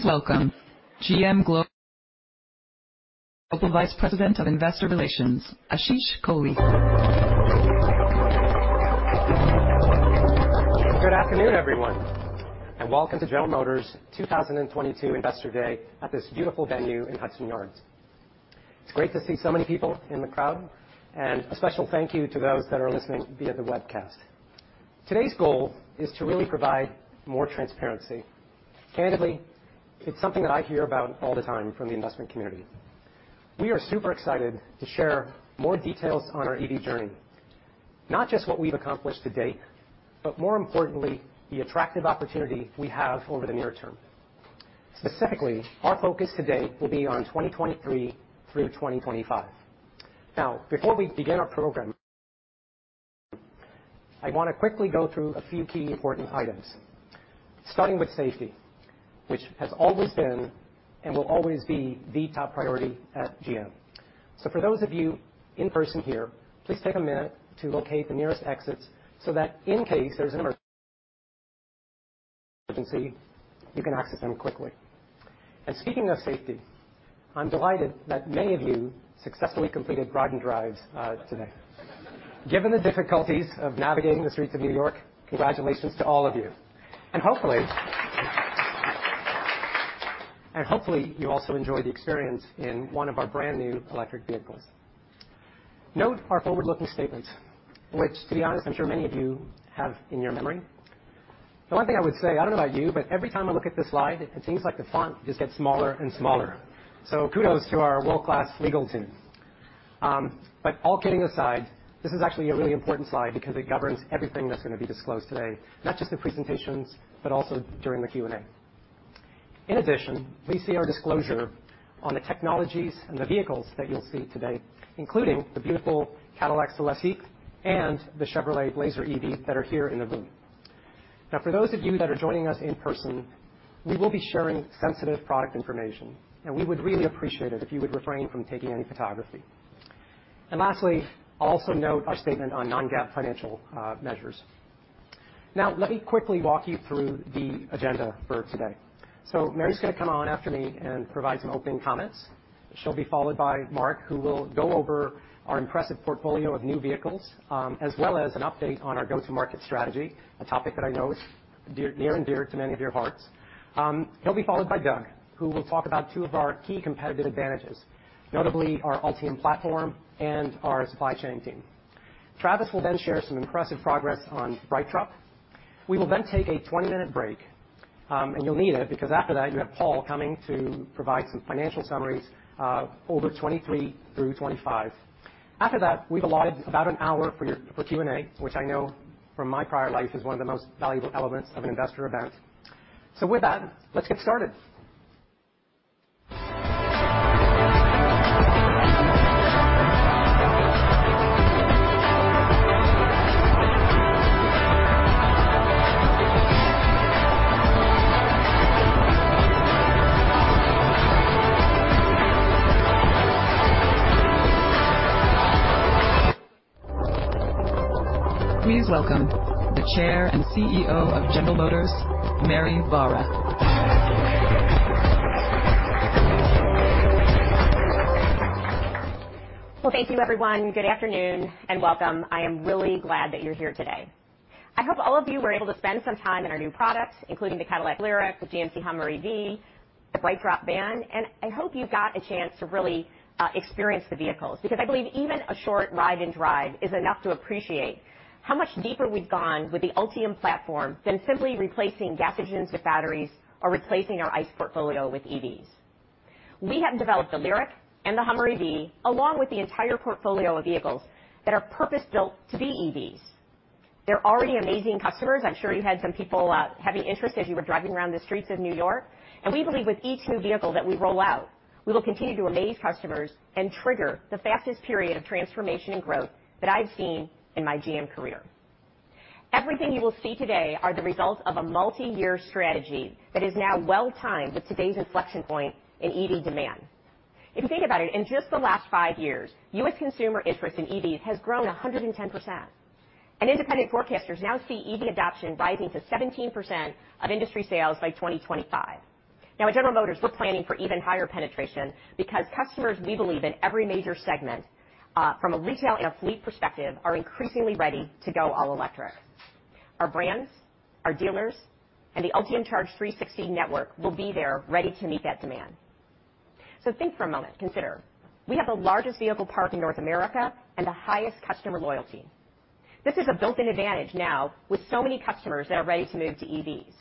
Please welcome GM Global Vice President of Investor Relations, Ashish Kohli. Good afternoon, everyone, and welcome to General Motors 2022 Investor Day at this beautiful venue in Hudson Yards. It's great to see so many people in the crowd. A special thank you to those that are listening via the webcast. Today's goal is to really provide more transparency. Candidly, it's something that I hear about all the time from the investment community. We are super excited to share more details on our EV journey. Not just what we've accomplished to date, but more importantly, the attractive opportunity we have over the near term. Specifically, our focus today will be on 2023 through 2025. Now, before we begin our program, I wanna quickly go through a few key important items, starting with safety, which has always been and will always be the top priority at GM. For those of you in person here, please take a minute to locate the nearest exits so that in case there's an emergency, you can access them quickly. Speaking of safety, I'm delighted that many of you successfully completed ride and drives today. Given the difficulties of navigating the streets of New York, congratulations to all of you. Hopefully, you also enjoyed the experience in one of our brand-new electric vehicles. Note our forward-looking statements, which, to be honest, I'm sure many of you have in your memory. The one thing I would say, I don't know about you, but every time I look at this slide, it seems like the font just gets smaller and smaller. Kudos to our world-class legal team. All kidding aside, this is actually a really important slide because it governs everything that's gonna be disclosed today, not just the presentations, but also during the Q&A. In addition, please see our disclosure on the technologies and the vehicles that you'll see today, including the beautiful Cadillac Celestiq and the Chevrolet Blazer EV that are here in the room. Now, for those of you that are joining us in person, we will be sharing sensitive product information, and we would really appreciate it if you would refrain from taking any photography. Lastly, also note our statement on non-GAAP financial measures. Now let me quickly walk you through the agenda for today. Mary's gonna come on after me and provide some opening comments. She'll be followed by Mark, who will go over our impressive portfolio of new vehicles, as well as an update on our go-to-market strategy, a topic that I know is dear, near and dear to many of your hearts. He'll be followed by Doug, who will talk about two of our key competitive advantages, notably our Ultium platform and our supply chain team. Travis will then share some impressive progress on BrightDrop. We will then take a 20-minute break, and you'll need it because after that, you have Paul coming to provide some financial summaries over 2023 through 2025. After that, we've allotted about an hour for Q&A, which I know from my prior life is one of the most valuable elements of an investor event. With that, let's get started. Please welcome the Chair and CEO of General Motors, Mary Barra. Well, thank you, everyone. Good afternoon and welcome. I am really glad that you're here today. I hope all of you were able to spend some time in our new products, including the Cadillac LYRIQ, the GMC HUMMER EV, the BrightDrop van, and I hope you got a chance to really experience the vehicles, because I believe even a short ride and drive is enough to appreciate how much deeper we've gone with the Ultium platform than simply replacing gas engines with batteries or replacing our ICE portfolio with EVs. We have developed the LYRIQ and the HUMMER EV, along with the entire portfolio of vehicles that are purpose-built to be EVs. They're already amazing customers. I'm sure you had some people having interest as you were driving around the streets of New York. We believe with each new vehicle that we roll out, we will continue to amaze customers and trigger the fastest period of transformation and growth that I've seen in my GM career. Everything you will see today are the results of a multi-year strategy that is now well timed with today's inflection point in EV demand. If you think about it, in just the last 5 years, U.S. consumer interest in EVs has grown 110%. Independent forecasters now see EV adoption rising to 17% of industry sales by 2025. Now, at General Motors, we're planning for even higher penetration because customers, we believe, in every major segment, from a retail and a fleet perspective, are increasingly ready to go all electric. Our brands, our dealers, and the Ultium Charge 360 network will be there ready to meet that demand. Think for a moment. Consider. We have the largest vehicle park in North America and the highest customer loyalty. This is a built-in advantage now with so many customers that are ready to move to EVs.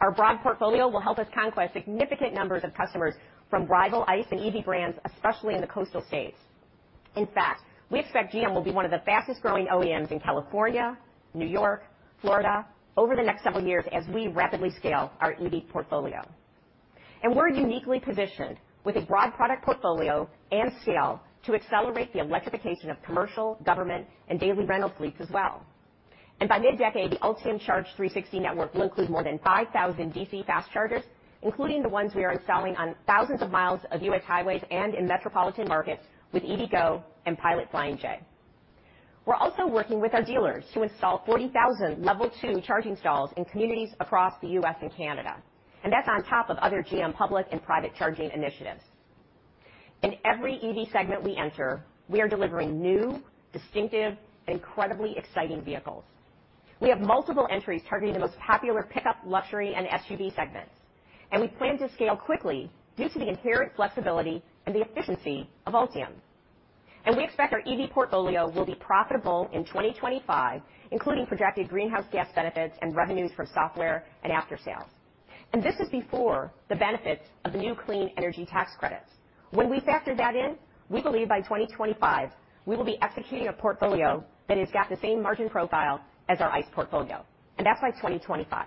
Our broad portfolio will help us conquer significant numbers of customers from rival ICE and EV brands, especially in the coastal states. In fact, we expect GM will be one of the fastest-growing OEMs in California, New York, Florida over the next several years as we rapidly scale our EV portfolio. We're uniquely positioned with a broad product portfolio and scale to accelerate the electrification of commercial, government, and daily rental fleets as well. By mid-decade, the Ultium Charge 360 network will include more than 5,000 DC fast chargers, including the ones we are installing on thousands of miles of U.S. highways and in metropolitan markets with EVgo and Pilot Flying J. We're also working with our dealers to install 40,000 Level 2 charging stalls in communities across the U.S. and Canada, and that's on top of other GM public and private charging initiatives. In every EV segment we enter, we are delivering new, distinctive, incredibly exciting vehicles. We have multiple entries targeting the most popular pickup, luxury, and SUV segments, and we plan to scale quickly due to the inherent flexibility and the efficiency of Ultium. We expect our EV portfolio will be profitable in 2025, including projected greenhouse gas benefits and revenues from software and after-sales. This is before the benefits of the new Clean Energy Tax Credits. When we factor that in, we believe by 2025, we will be executing a portfolio that has got the same margin profile as our ICE portfolio, and that's by 2025.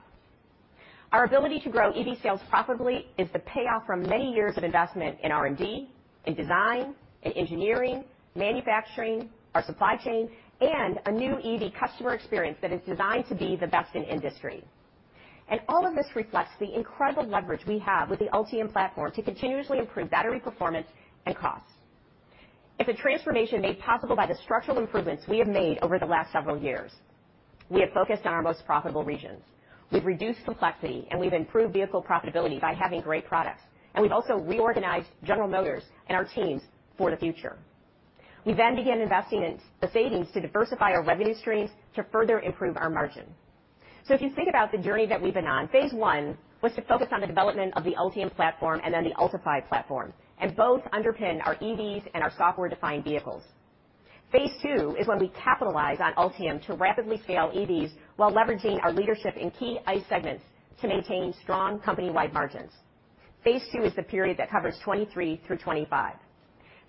Our ability to grow EV sales profitably is the payoff from many years of investment in R&D, in design, in engineering, manufacturing, our supply chain, and a new EV customer experience that is designed to be the best in the industry. All of this reflects the incredible leverage we have with the Ultium platform to continuously improve battery performance and costs. It's a transformation made possible by the structural improvements we have made over the last several years. We have focused on our most profitable regions. We've reduced complexity, and we've improved vehicle profitability by having great products. We've also reorganized General Motors and our teams for the future. We began investing in the savings to diversify our revenue streams to further improve our margin. If you think about the journey that we've been on, phase I was to focus on the development of the Ultium platform and then the Ultifi platform, and both underpin our EVs and our software-defined vehicles. Phase II is when we capitalize on Ultium to rapidly scale EVs while leveraging our leadership in key ICE segments to maintain strong company-wide margins. Phase II is the period that covers 2023 through 2025.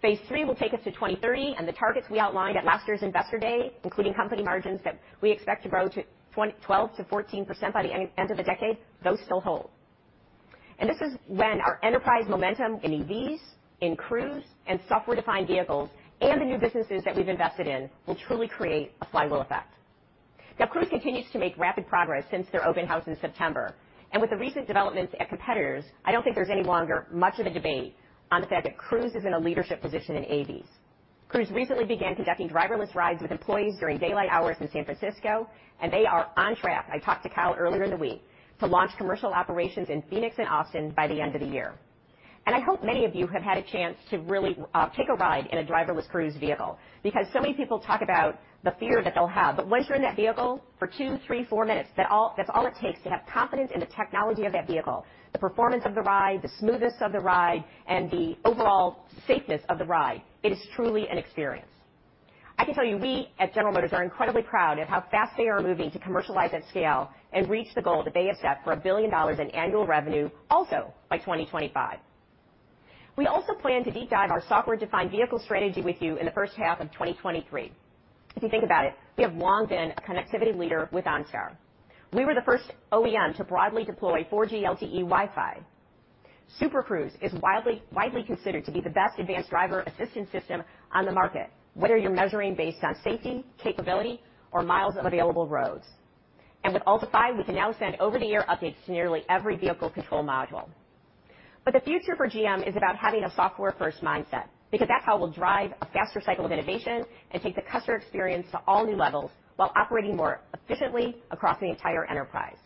Phase III will take us to 2030, and the targets we outlined at last year's Investor Day, including company margins that we expect to grow to 12%-14% by the end of the decade, those still hold. This is when our enterprise momentum in EVs, in Cruise, and software-defined vehicles and the new businesses that we've invested in will truly create a flywheel effect. Now, Cruise continues to make rapid progress since their open house in September, and with the recent developments at competitors, I don't think there's any longer much of a debate on the fact that Cruise is in a leadership position in AVs. Cruise recently began conducting driverless rides with employees during daylight hours in San Francisco, and they are on track, I talked to Kyle earlier in the week, to launch commercial operations in Phoenix and Austin by the end of the year. I hope many of you have had a chance to really take a ride in a driverless Cruise vehicle because so many people talk about the fear that they'll have. Once you're in that vehicle for two, three, four minutes, that's all it takes to have confidence in the technology of that vehicle, the performance of the ride, the smoothness of the ride, and the overall safeness of the ride. It is truly an experience. I can tell you, we at General Motors are incredibly proud of how fast they are moving to commercialize at scale and reach the goal that they have set for $1 billion in annual revenue, also by 2025. We also plan to deep dive our software-defined vehicle strategy with you in the first half of 2023. If you think about it, we have long been a connectivity leader with OnStar. We were the first OEM to broadly deploy 4G LTE Wi-Fi. Super Cruise is widely considered to be the best advanced driver assistance system on the market, whether you're measuring based on safety, capability, or miles of available roads. With Ultifi, we can now send over-the-air updates to nearly every vehicle control module. The future for GM is about having a software-first mindset, because that's how we'll drive a faster cycle of innovation and take the customer experience to all new levels while operating more efficiently across the entire enterprise.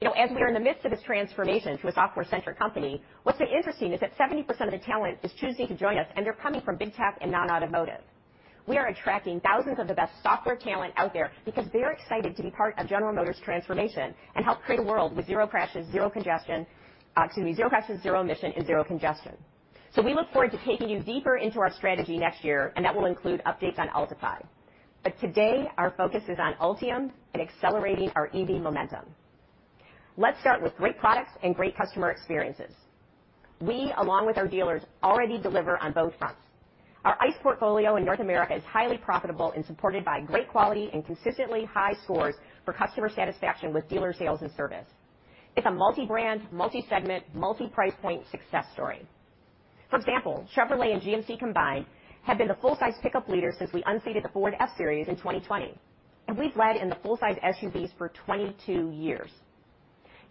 You know, as we are in the midst of this transformation to a software-centric company, what's interesting is that 70% of the talent is choosing to join us, and they're coming from Big Tech and non-automotive. We are attracting thousands of the best software talent out there because they're excited to be part of General Motors' transformation and help create a world with zero crashes, zero congestion. Excuse me, zero crashes, zero emissions, and zero congestion. We look forward to taking you deeper into our strategy next year, and that will include updates on Ultifi. Today, our focus is on Ultium and accelerating our EV momentum. Let's start with great products and great customer experiences. We, along with our dealers, already deliver on both fronts. Our ICE portfolio in North America is highly profitable and supported by great quality and consistently high scores for customer satisfaction with dealer sales and service. It's a multi-brand, multi-segment, multi-price point success story. For example, Chevrolet and GMC combined have been the full-size pickup leader since we unseated the Ford F-Series in 2020, and we've led in the full-size SUVs for 22 years.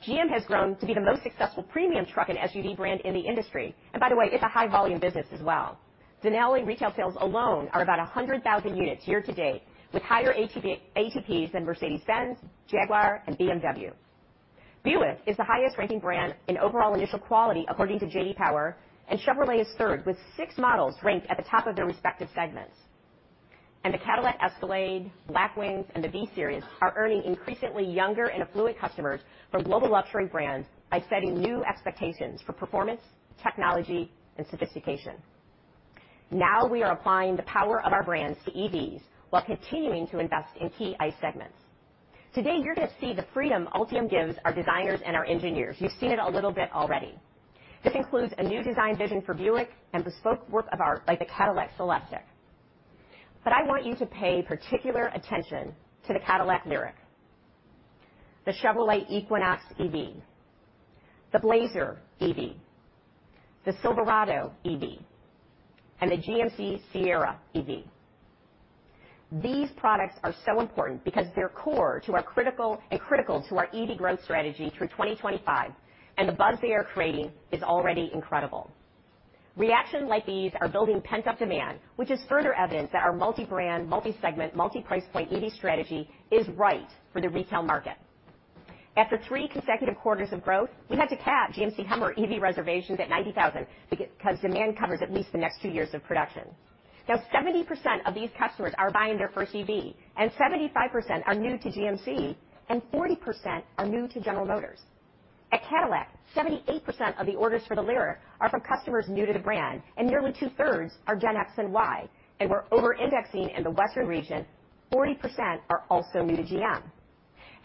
GM has grown to be the most successful premium truck and SUV brand in the industry, and by the way, it's a high volume business as well. Denali retail sales alone are about 100,000 units year-to-date, with higher ATPs than Mercedes-Benz, Jaguar, and BMW. Buick is the highest-ranking brand in overall initial quality, according to J.D. Power, and Chevrolet is third, with six models ranked at the top of their respective segments. The Cadillac Escalade, Blackwings, and the V-Series are earning increasingly younger and affluent customers from global luxury brands by setting new expectations for performance, technology, and sophistication. Now we are applying the power of our brands to EVs while continuing to invest in key ICE segments. Today you're going to see the freedom Ultium gives our designers and our engineers. You've seen it a little bit already. This includes a new design vision for Buick and bespoke work of art like the Cadillac Celestiq. I want you to pay particular attention to the Cadillac LYRIQ, the Chevrolet Equinox EV, the Blazer EV, the Silverado EV, and the GMC Sierra EV. These products are so important because they're core to our critical and critical to our EV growth strategy through 2025, and the buzz they are creating is already incredible. Reactions like these are building pent-up demand, which is further evidence that our multi-brand, multi-segment, multi-price point EV strategy is right for the retail market. After three consecutive quarters of growth, we had to cap GMC Hummer EV reservations at 90,000 because demand covers at least the two years of production. Now, 70% of these customers are buying their first EV, and 75% are new to GMC, and 40% are new to General Motors. At Cadillac, 78% of the orders for the LYRIQ are from customers new to the brand, and nearly 2/3 are Gen X and Y. We're over-indexing in the Western region, 40% are also new to GM.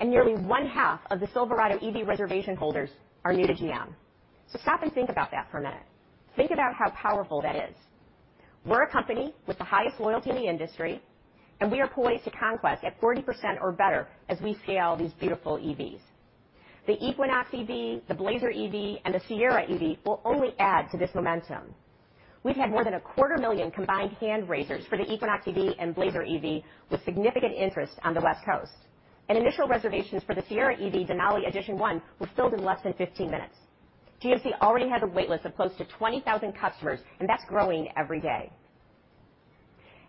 Nearly 1/2 of the Silverado EV reservation holders are new to GM. Stop and think about that for a minute. Think about how powerful that is. We're a company with the highest loyalty in the industry, and we are poised to conquest at 40% or better as we scale these beautiful EVs. The Equinox EV, the Blazer EV, and the Sierra EV will only add to this momentum. We've had more than 250,000 combined hand-raisers for the Equinox EV and Blazer EV, with significant interest on the West Coast. Initial reservations for the Sierra EV Denali Edition One were filled in less than 15 minutes. GMC already has a wait list of close to 20,000 customers, and that's growing every day.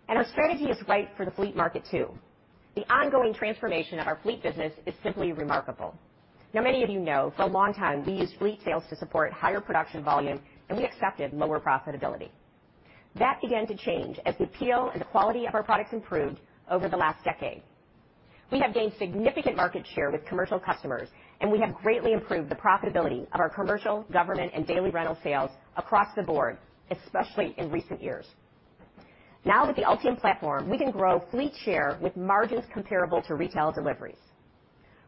Our strategy is right for the fleet market too. The ongoing transformation of our fleet business is simply remarkable. Now, many of you know, for a long time, we used fleet sales to support higher production volume, and we accepted lower profitability. That began to change as the appeal and the quality of our products improved over the last decade. We have gained significant market share with commercial customers, and we have greatly improved the profitability of our commercial, government, and daily rental sales across the board, especially in recent years. Now, with the Ultium platform, we can grow fleet share with margins comparable to retail deliveries.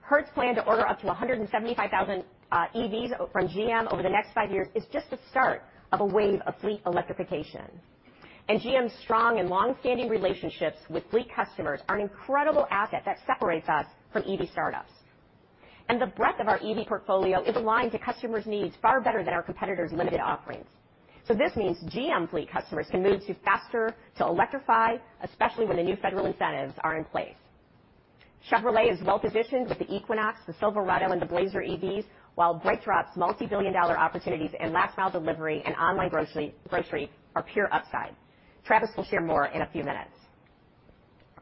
Hertz plans to order up to 175,000 EVs from GM over the next five years is just the start of a wave of fleet electrification. GM's strong and long-standing relationships with fleet customers are an incredible asset that separates us from EV startups. The breadth of our EV portfolio is aligned to customers' needs far better than our competitors' limited offerings. This means GM fleet customers can move faster to electrify, especially when the new federal incentives are in place. Chevrolet is well-positioned with the Equinox, the Silverado, and the Blazer EVs, while BrightDrop's multi-billion-dollar opportunities in last mile delivery and online grocery are pure upside. Travis will share more in a few minutes.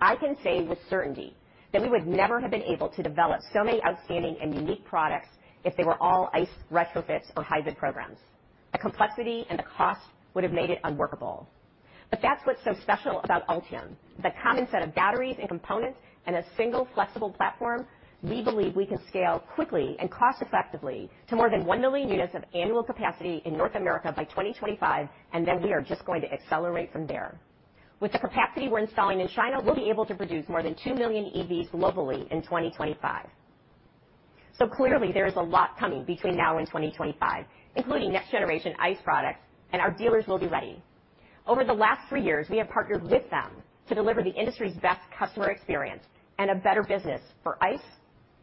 I can say with certainty that we would never have been able to develop so many outstanding and unique products if they were all ICE retrofits or hybrid programs. The complexity and the cost would have made it unworkable. That's what's so special about Ultium. The common set of batteries and components and a single flexible platform, we believe we can scale quickly and cost-effectively to more than 1 million units of annual capacity in North America by 2025, and then we are just going to accelerate from there. With the capacity we're installing in China, we'll be able to produce more than 2 million EVs globally in 2025. Clearly, there is a lot coming between now and 2025, including next generation ICE products, and our dealers will be ready. Over the last three years, we have partnered with them to deliver the industry's best customer experience and a better business for ICE,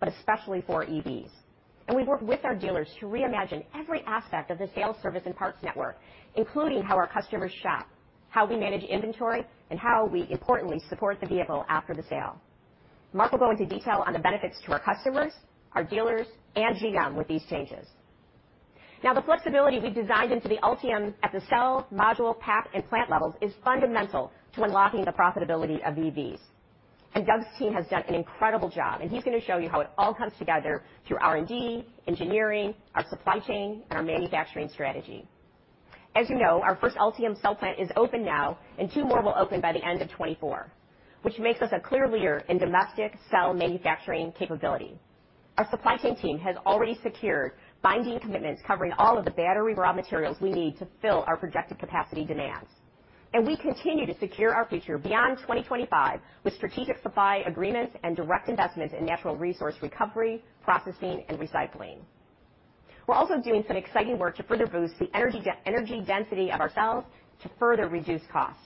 but especially for EVs. We've worked with our dealers to reimagine every aspect of the sales service and parts network, including how our customers shop, how we manage inventory, and how we importantly support the vehicle after the sale. Mark will go into detail on the benefits to our customers, our dealers, and GM with these changes. Now, the flexibility we've designed into the Ultium at the cell module pack and plant levels is fundamental to unlocking the profitability of EVs. Doug's team has done an incredible job, and he's going to show you how it all comes together through R&D, engineering, our supply chain, and our manufacturing strategy. As you know, our first Ultium cell plant is open now, and two more will open by the end of 2024, which makes us a clear leader in domestic cell manufacturing capability. Our supply chain team has already secured binding commitments covering all of the battery raw materials we need to fill our projected capacity demands. We continue to secure our future beyond 2025 with strategic supply agreements and direct investments in natural resource recovery, processing, and recycling. We're also doing some exciting work to further boost the energy density of our cells to further reduce costs.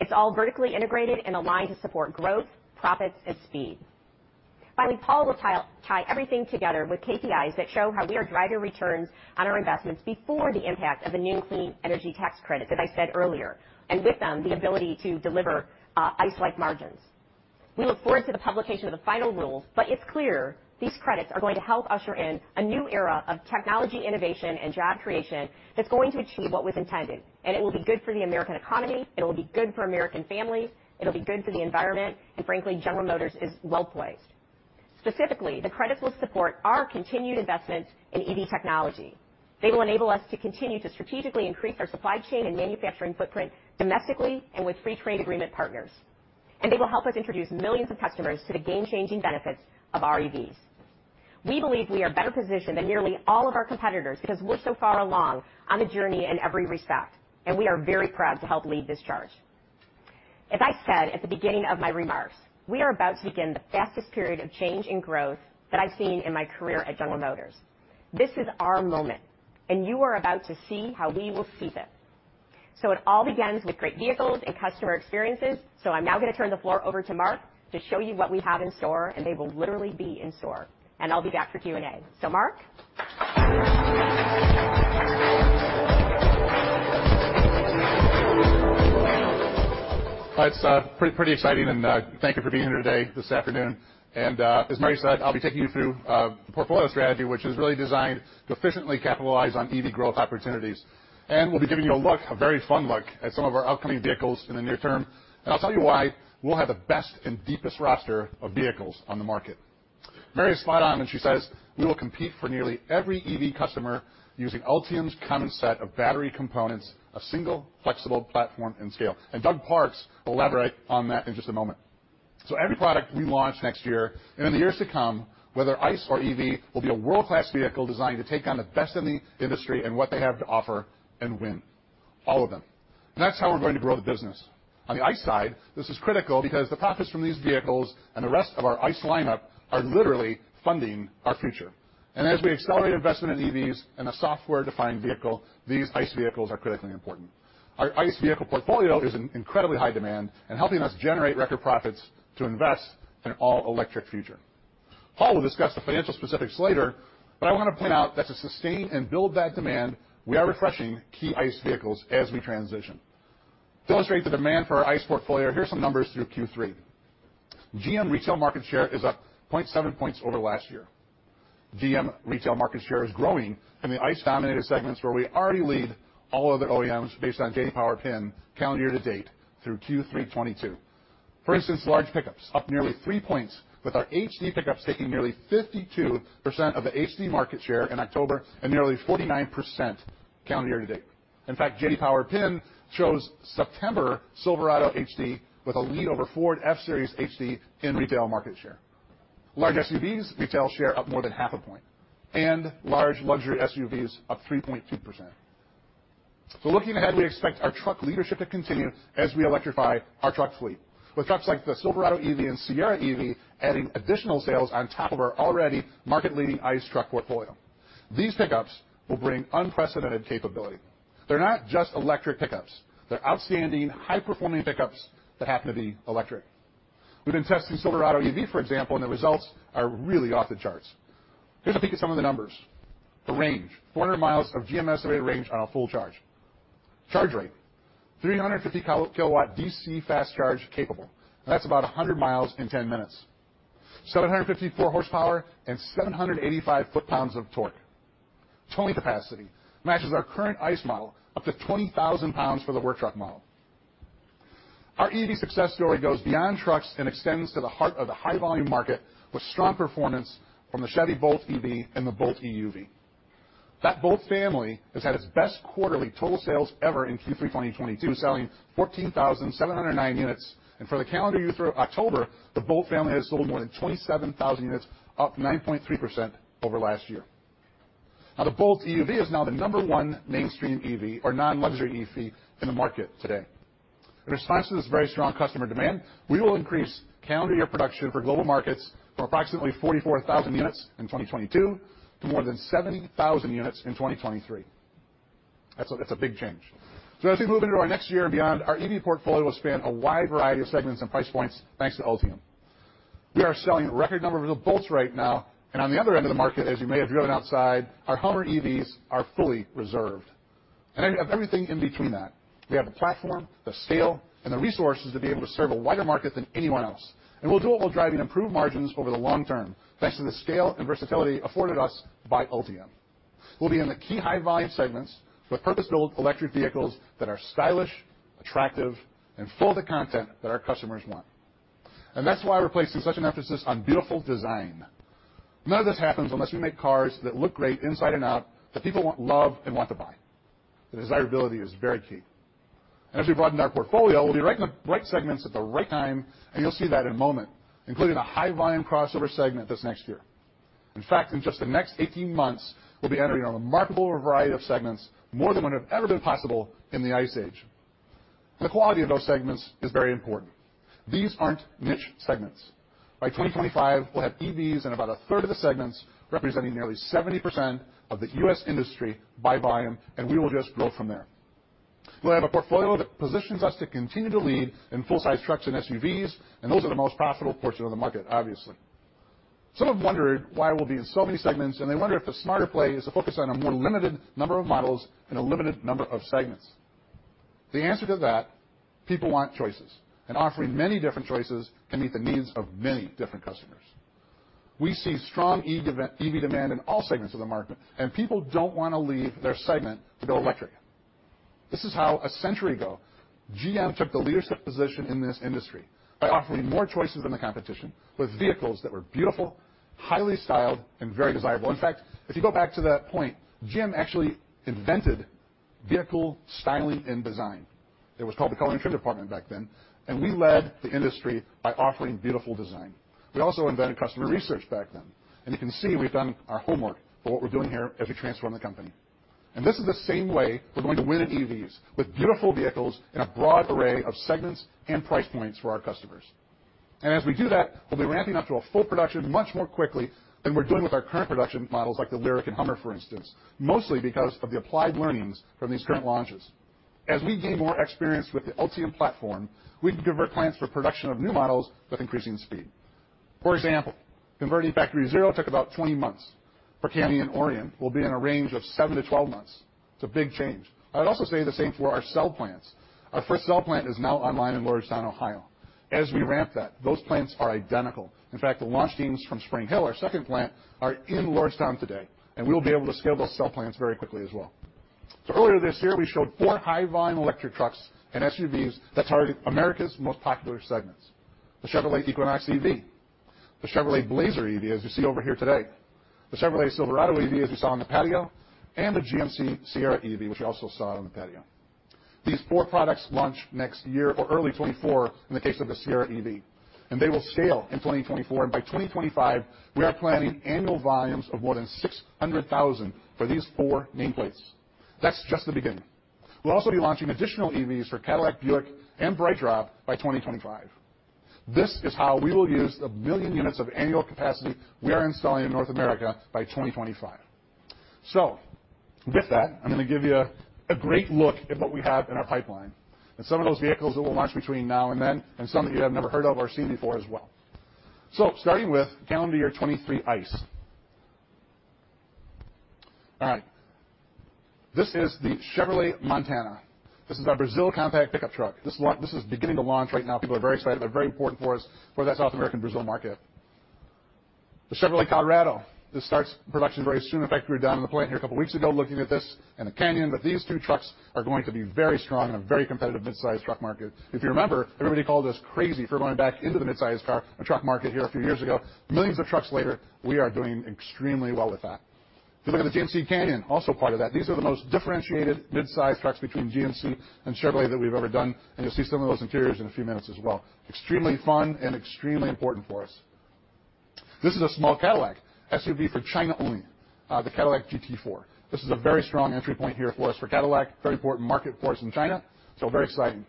It's all vertically integrated and aligned to support growth, profits, and speed. Finally, Paul will tie everything together with KPIs that show how we are driving returns on our investments before the impact of the new Clean Energy Tax Credit, as I said earlier, and with them, the ability to deliver ICE-like margins. We look forward to the publication of the final rules, but it's clear these credits are going to help usher in a new era of technology, innovation, and job creation that's going to achieve what was intended. It will be good for the American economy, it'll be good for American families, it'll be good for the environment, and frankly, General Motors is well-placed. Specifically, the credits will support our continued investments in EV technology. They will enable us to continue to strategically increase our supply chain and manufacturing footprint domestically and with free trade agreement partners. They will help us introduce millions of customers to the game-changing benefits of our EVs. We believe we are better positioned than nearly all of our competitors because we're so far along on the journey in every respect, and we are very proud to help lead this charge. As I said at the beginning of my remarks, we are about to begin the fastest period of change in growth that I've seen in my career at General Motors. This is our moment, and you are about to see how we will seize it. It all begins with great vehicles and customer experiences, so I'm now going to turn the floor over to Mark to show you what we have in store, and they will literally be in store. I'll be back for Q&A. Mark? It's pretty exciting, and thank you for being here today, this afternoon. As Mary said, I'll be taking you through the portfolio strategy, which is really designed to efficiently capitalize on EV growth opportunities. We'll be giving you a look, a very fun look, at some of our upcoming vehicles in the near term, and I'll tell you why we'll have the best and deepest roster of vehicles on the market. Mary is spot on when she says we will compete for nearly every EV customer using Ultium's common set of battery components, a single flexible platform, and scale. Doug Parks will elaborate on that in just a moment. Every product we launch next year and in the years to come, whether ICE or EV, will be a world-class vehicle designed to take on the best in the industry and what they have to offer and win, all of them. That's how we're going to grow the business. On the ICE side, this is critical because the profits from these vehicles and the rest of our ICE lineup are literally funding our future. As we accelerate investment in EVs and a software-defined vehicle, these ICE vehicles are critically important. Our ICE vehicle portfolio is in incredibly high demand and helping us generate record profits to invest in an all-electric future. Paul will discuss the financial specifics later, but I wanna point out that to sustain and build that demand, we are refreshing key ICE vehicles as we transition. To illustrate the demand for our ICE portfolio, here are some numbers through Q3. GM retail market share is up 0.7 points over last year. GM retail market share is growing in the ICE-dominated segments where we already lead all other OEMs based on J.D. Power PIN calendar to date through Q3 2022. For instance, large pickups up nearly 3 points, with our HD pickups taking nearly 52% of the HD market share in October and nearly 49% calendar to date. In fact, J.D. Power PIN shows September Silverado HD with a lead over Ford F-Series HD in retail market share. Large SUVs retail share up more than 0.5 point, and large luxury SUVs up 3.2%. Looking ahead, we expect our truck leadership to continue as we electrify our truck fleet. With trucks like the Silverado EV and Sierra EV adding additional sales on top of our already market-leading ICE truck portfolio. These pickups will bring unprecedented capability. They're not just electric pickups, they're outstanding high-performing pickups that happen to be electric. We've been testing Silverado EV, for example, and the results are really off the charts. Here's a peek at some of the numbers. The range, 400 miles of GM estimated range on a full charge. Charge rate, 350 kW DC fast charge capable. That's about 100 miles in 10 minutes. 754 horsepower and 785 lbs-ft of torque. Towing capacity matches our current ICE model, up to 20,000 lbs for the work truck model. Our EV success story goes beyond trucks and extends to the heart of the high-volume market with strong performance from the Chevy Bolt EV and the Bolt EUV. That Bolt family has had its best quarterly total sales ever in Q3 2022, selling 14,709 units. For the calendar year through October, the Bolt family has sold more than 27,000 units, up 9.3% over last year. Now, the Bolt EUV is now the number one mainstream EV or non-luxury EV in the market today. In response to this very strong customer demand, we will increase calendar year production for global markets from approximately 44,000 units in 2022 to more than 70,000 units in 2023. That's a big change. As we move into our next year and beyond, our EV portfolio will span a wide variety of segments and price points, thanks to Ultium. We are selling a record number of the Bolts right now, and on the other end of the market, as you may have driven outside, our Hummer EVs are fully reserved. We have everything in between that. We have the platform, the scale, and the resources to be able to serve a wider market than anyone else. We'll do it while driving improved margins over the long term, thanks to the scale and versatility afforded us by Ultium. We'll be in the key high-volume segments with purpose-built electric vehicles that are stylish, attractive, and full of the content that our customers want. That's why we're placing such an emphasis on beautiful design. None of this happens unless we make cars that look great inside and out that people want, love, and want to buy. The desirability is very key. As we broaden our portfolio, we'll be right in the right segments at the right time, and you'll see that in a moment, including a high-volume crossover segment this next year. In fact, in just the next 18 months, we'll be entering a remarkable variety of segments, more than would have ever been possible in the ICE age. The quality of those segments is very important. These aren't niche segments. By 2025, we'll have EVs in about a third of the segments, representing nearly 70% of the U.S. industry by volume, and we will just grow from there. We'll have a portfolio that positions us to continue to lead in full-size trucks and SUVs, and those are the most profitable portions of the market, obviously. Some have wondered why we'll be in so many segments, and they wonder if the smarter play is to focus on a more limited number of models in a limited number of segments. The answer to that, people want choices, and offering many different choices can meet the needs of many different customers. We see strong EV demand in all segments of the market, and people don't wanna leave their segment to go electric. This is how a century ago, GM took the leadership position in this industry by offering more choices than the competition, with vehicles that were beautiful, highly styled, and very desirable. In fact, if you go back to that point, GM actually invented vehicle styling and design. It was called the Color and Trim Department back then, and we led the industry by offering beautiful design. We also invented customer research back then, and you can see we've done our homework for what we're doing here as we transform the company. This is the same way we're going to win at EVs, with beautiful vehicles in a broad array of segments and price points for our customers. As we do that, we'll be ramping up to a full production much more quickly than we're doing with our current production models like the LYRIQ and HUMMER, for instance, mostly because of the applied learnings from these current launches. As we gain more experience with the Ultium platform, we can convert plans for production of new models with increasing speed. For example, converting Factory ZERO took about 20 months. For Canyon Orion, we'll be in a range of 7-12 months. It's a big change. I would also say the same for our cell plants. Our first cell plant is now online in Lordstown, Ohio. As we ramp that, those plants are identical. In fact, the launch teams from Spring Hill, our second plant, are in Lordstown today, and we will be able to scale those cell plants very quickly as well. Earlier this year, we showed four high-volume electric trucks and SUVs that target America's most popular segments. The Chevrolet Equinox EV, the Chevrolet Blazer EV, as you see over here today, the Chevrolet Silverado EV, as you saw on the patio, and the GMC Sierra EV, which you also saw on the patio. These four products launch next year or early 2024 in the case of the Sierra EV, and they will scale in 2024, and by 2025, we are planning annual volumes of more than 600,000 for these four nameplates. That's just the beginning. We'll also be launching additional EVs for Cadillac, Buick, and BrightDrop by 2025. This is how we will use 1 million units of annual capacity we are installing in North America by 2025. With that, I'm gonna give you a great look at what we have in our pipeline and some of those vehicles that we'll launch between now and then, and some that you have never heard of or seen before as well. Starting with calendar year 2023 ICE. All right. This is the Chevrolet Montana. This is our Brazil compact pickup truck. This is beginning to launch right now. People are very excited. They're very important for us for that South American Brazil market. The Chevrolet Colorado, this starts production very soon. In fact, we were down in the plant here a couple weeks ago, looking at this and the Canyon, but these two trucks are going to be very strong in a very competitive mid-sized truck market. If you remember, everybody called us crazy for going back into the mid-sized car, truck market here a few years ago. Millions of trucks later, we are doing extremely well with that. If you look at the GMC Canyon, also part of that, these are the most differentiated mid-sized trucks between GMC and Chevrolet that we've ever done, and you'll see some of those interiors in a few minutes as well. Extremely fun and extremely important for us. This is a small Cadillac SUV for China only, the Cadillac GT4. This is a very strong entry point here for us for Cadillac, very important market for us in China, so very exciting.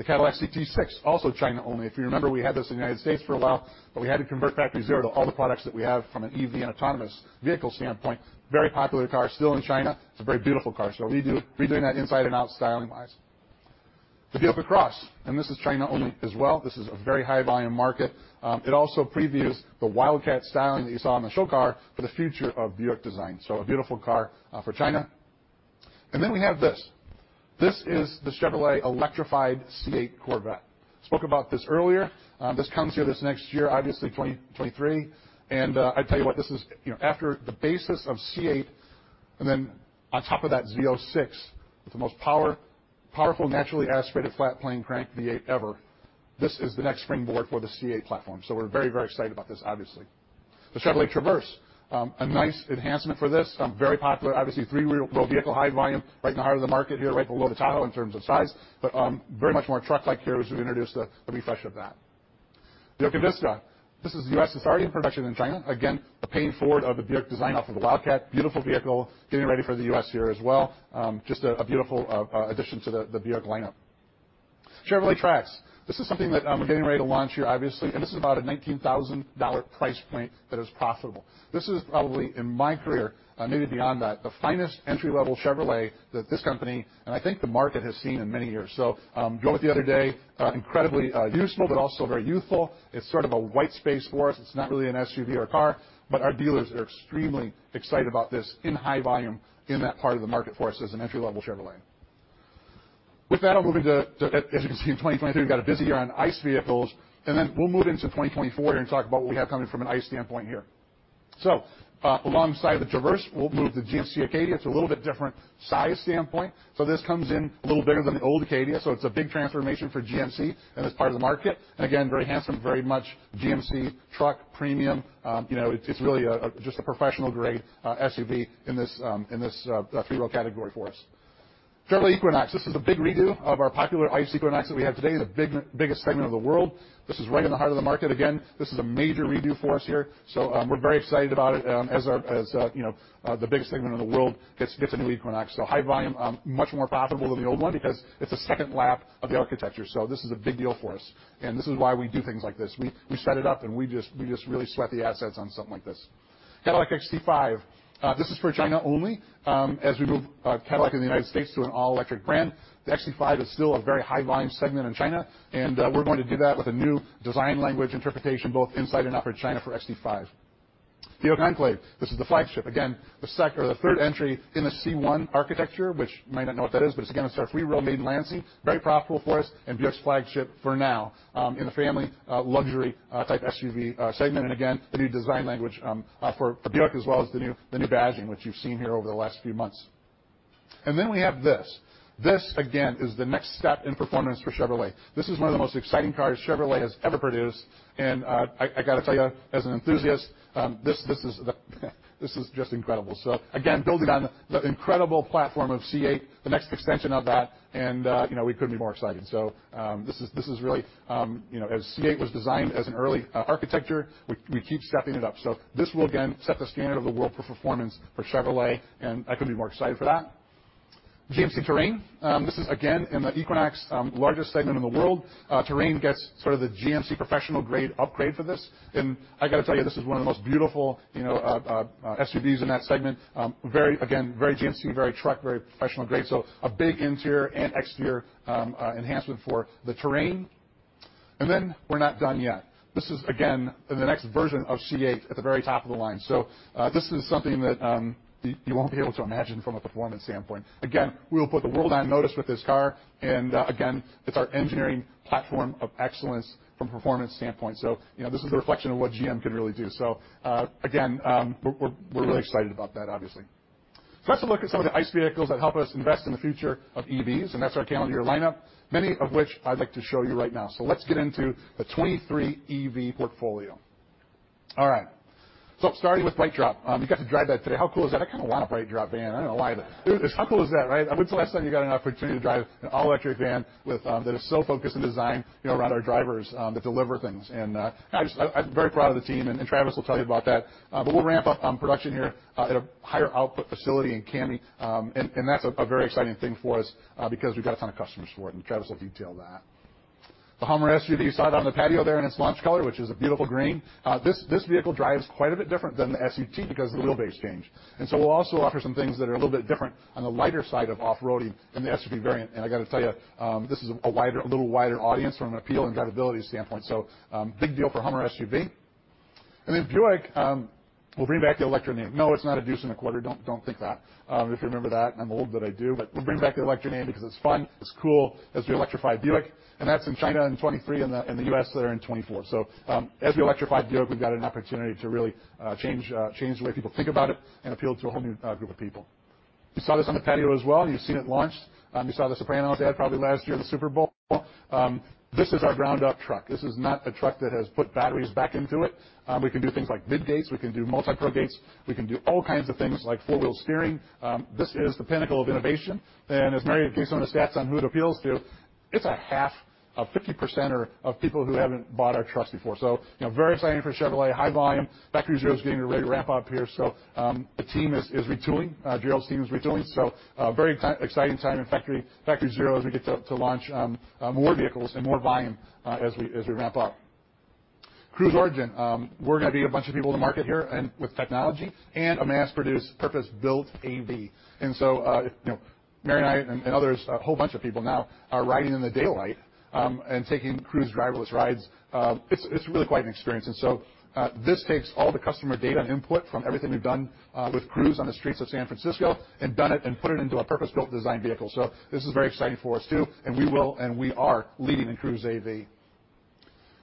The Cadillac CT6, also China only. If you remember, we had this in the United States for a while, but we had to convert Factory ZERO to all the products that we have from an EV and autonomous vehicle standpoint. Very popular car still in China. It's a very beautiful car, so redoing that inside and out styling-wise. The Buick LaCrosse, and this is China only as well. This is a very high-volume market. It also previews the Wildcat styling that you saw on the show car for the future of Buick design, so a beautiful car, for China. We have this. This is the Chevrolet electrified C8 Corvette. Spoke about this earlier. This comes here this next year, obviously 2023, and I tell you what, this is, you know, after the basis of C8, and then on top of that Z06, it's the most powerful naturally aspirated flat-plane crank V8 ever. This is the next springboard for the C8 platform, so we're very, very excited about this, obviously. The Chevrolet Traverse, a nice enhancement for this, very popular, obviously three-row, low vehicle, high volume, right in the heart of the market here, right below the Tahoe in terms of size, but very much more truck-like here as we introduce the refresh of that. Buick Envista, this is the U.S. It's already in production in China. Again, the paying forward of the Buick design off of the Wildcat, beautiful vehicle, getting ready for the U.S. here as well, just a beautiful addition to the Buick lineup. Chevrolet Trax, this is something that, we're getting ready to launch here, obviously, and this is about a $19,000 price point that is profitable. This is probably in my career, maybe beyond that, the finest entry-level Chevrolet that this company, and I think the market, has seen in many years. Drove it the other day, incredibly useful but also very youthful. It's sort of a white space for us. It's not really an SUV or a car, but our dealers are extremely excited about this in high volume in that part of the market for us as an entry-level Chevrolet. With that, I'll move into as you can see, in 2023, we've got a busy year on ICE vehicles, and then we'll move into 2024 here and talk about what we have coming from an ICE standpoint here. Alongside the Traverse, we'll move the GMC Acadia. It's a little bit different size standpoint. This comes in a little bigger than the old Acadia, so it's a big transformation for GMC and this part of the market, and again, very handsome, very much GMC truck premium. You know, it's really a just a professional-grade SUV in this three-row category for us. Chevrolet Equinox, this is a big redo of our popular ICE Equinox that we have today, the biggest segment of the world. This is right in the heart of the market. This is a major redo for us here, so we're very excited about it, as our you know the biggest segment in the world gets a new Equinox. High volume, much more profitable than the old one because it's a second lap of the architecture, so this is a big deal for us, and this is why we do things like this. We set it up, and we just really sweat the assets on something like this. Cadillac XT5, this is for China only. As we move Cadillac in the United States to an all-electric brand, the XT5 is still a very high-volume segment in China, and we're going to do that with a new design language interpretation, both inside and out for China for XT5. Buick Enclave, this is the flagship. The second or the third entry in the C1 architecture, which you might not know what that is, but it's again our three-row made in Lansing, very profitable for us, and Buick's flagship for now, in the family luxury type SUV segment. The new design language for Buick as well as the new badging, which you've seen here over the last few months. We have this. This again is the next step in performance for Chevrolet. This is one of the most exciting cars Chevrolet has ever produced, and I gotta tell you, as an enthusiast, this is just incredible. Again, building on the incredible platform of C8, the next extension of that, and you know, we couldn't be more excited. This is really, you know, as C8 was designed as an early architecture, we keep stepping it up. This will, again, set the standard of the world for performance for Chevrolet, and I couldn't be more excited for that. GMC Terrain, this is again in the Equinox, largest segment in the world. Terrain gets sort of the GMC professional-grade upgrade for this, and I gotta tell you, this is one of the most beautiful, you know, SUVs in that segment. Very, again, very GMC, very truck, very professional-grade, so a big interior and exterior enhancement for the Terrain. Then we're not done yet. This is, again, the next version of C8 at the very top of the line. This is something that you won't be able to imagine from a performance standpoint. Again, we will put the world on notice with this car, and again, it's our engineering platform of excellence from a performance standpoint. You know, this is the reflection of what GM can really do. Again, we're really excited about that, obviously. Let's look at some of the ICE vehicles that help us invest in the future of EVs, and that's our calendar year lineup, many of which I'd like to show you right now. Let's get into the 2023 EV portfolio. All right. Starting with BrightDrop, you got to drive that today. How cool is that? I kinda want a BrightDrop van. I'm not gonna lie. How cool is that, right? When's the last time you got an opportunity to drive an all-electric van with that is so focused and designed, you know, around our drivers that deliver things. I'm very proud of the team, and Travis will tell you about that. We'll ramp up production here at a higher output facility in CAMI. That's a very exciting thing for us because we've got a ton of customers for it, and Travis will detail that. The Hummer SUV, you saw it on the patio there in its launch color, which is a beautiful green. This vehicle drives quite a bit different than the SUT because the wheelbase changed. We'll also offer some things that are a little bit different on the lighter side of off-roading in the SUV variant. I gotta tell you, this is a little wider audience from an appeal and drivability standpoint, so big deal for Hummer SUV. Then Buick, we'll bring back the Electra name. No, it's not a deuce and a quarter. Don't think that. If you remember that, and I'm old, but I do. We'll bring back the Electra name because it's fun, it's cool as we electrify Buick. That's in China in 2023 and the US there in 2024. As we electrify Buick, we've got an opportunity to really change the way people think about it and appeal to a whole new group of people. You saw this on the Envista as well, and you've seen it launched. You saw the Sopranos ad probably last year at the Super Bowl. This is our ground-up truck. This is not a truck that has put batteries back into it. We can do things like Midgates, we can do MultiPro Tailgates, we can do all kinds of things like four-wheel steering. This is the pinnacle of innovation. As Mary gave some of the stats on who it appeals to, it's a half, a 50% of people who haven't bought our trucks before. You know, very exciting for Chevrolet. High volume. Factory ZERO's getting ready to ramp up here, the team is retooling. Gerald's team is retooling. Very exciting time in Factory ZERO as we get to launch more vehicles and more volume as we ramp up. Cruise Origin, we're gonna beat a bunch of people to market here and with technology and a mass-produced, purpose-built AV. You know, Mary and I and others, a whole bunch of people now are riding in the daylight and taking Cruise driverless rides. It's really quite an experience. This takes all the customer data and input from everything we've done with Cruise on the streets of San Francisco and done it and put it into a purpose-built design vehicle. This is very exciting for us too, and we are leading in Cruise AV.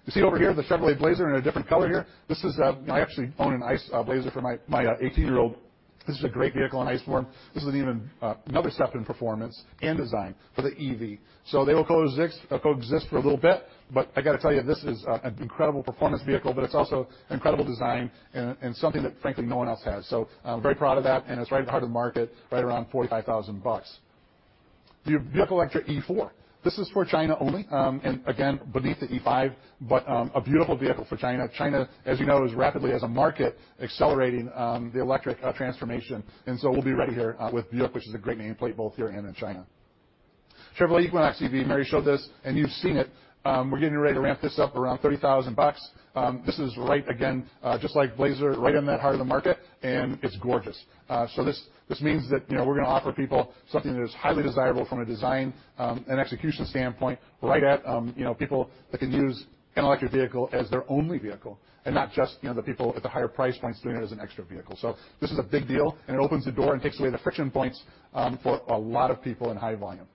You see over here, the Chevrolet Blazer in a different color here. This is, I actually own an ICE Blazer for my 18-year-old. This is a great vehicle in ICE form. This is an even another step in performance and design for the EV. They will coexist for a little bit, but I gotta tell you, this is an incredible performance vehicle, but it's also incredible design and something that frankly no one else has. I'm very proud of that, and it's right at the heart of the market, right around $45,000. The Buick Electra E4. This is for China only, and again, beneath the E5, but a beautiful vehicle for China. China, as you know, is rapidly as a market accelerating the electric transformation. We'll be ready here with Buick, which is a great nameplate both here and in China. Chevrolet Equinox EV, Mary showed this, and you've seen it. We're getting ready to ramp this up around $30,000. This is right, again, just like Blazer, right in that heart of the market, and it's gorgeous. This means that, you know, we're gonna offer people something that is highly desirable from a design, and execution standpoint right at, you know, people that can use an electric vehicle as their only vehicle and not just, you know, the people at the higher price points doing it as an extra vehicle. This is a big deal, and it opens the door and takes away the friction points, for a lot of people in high volume.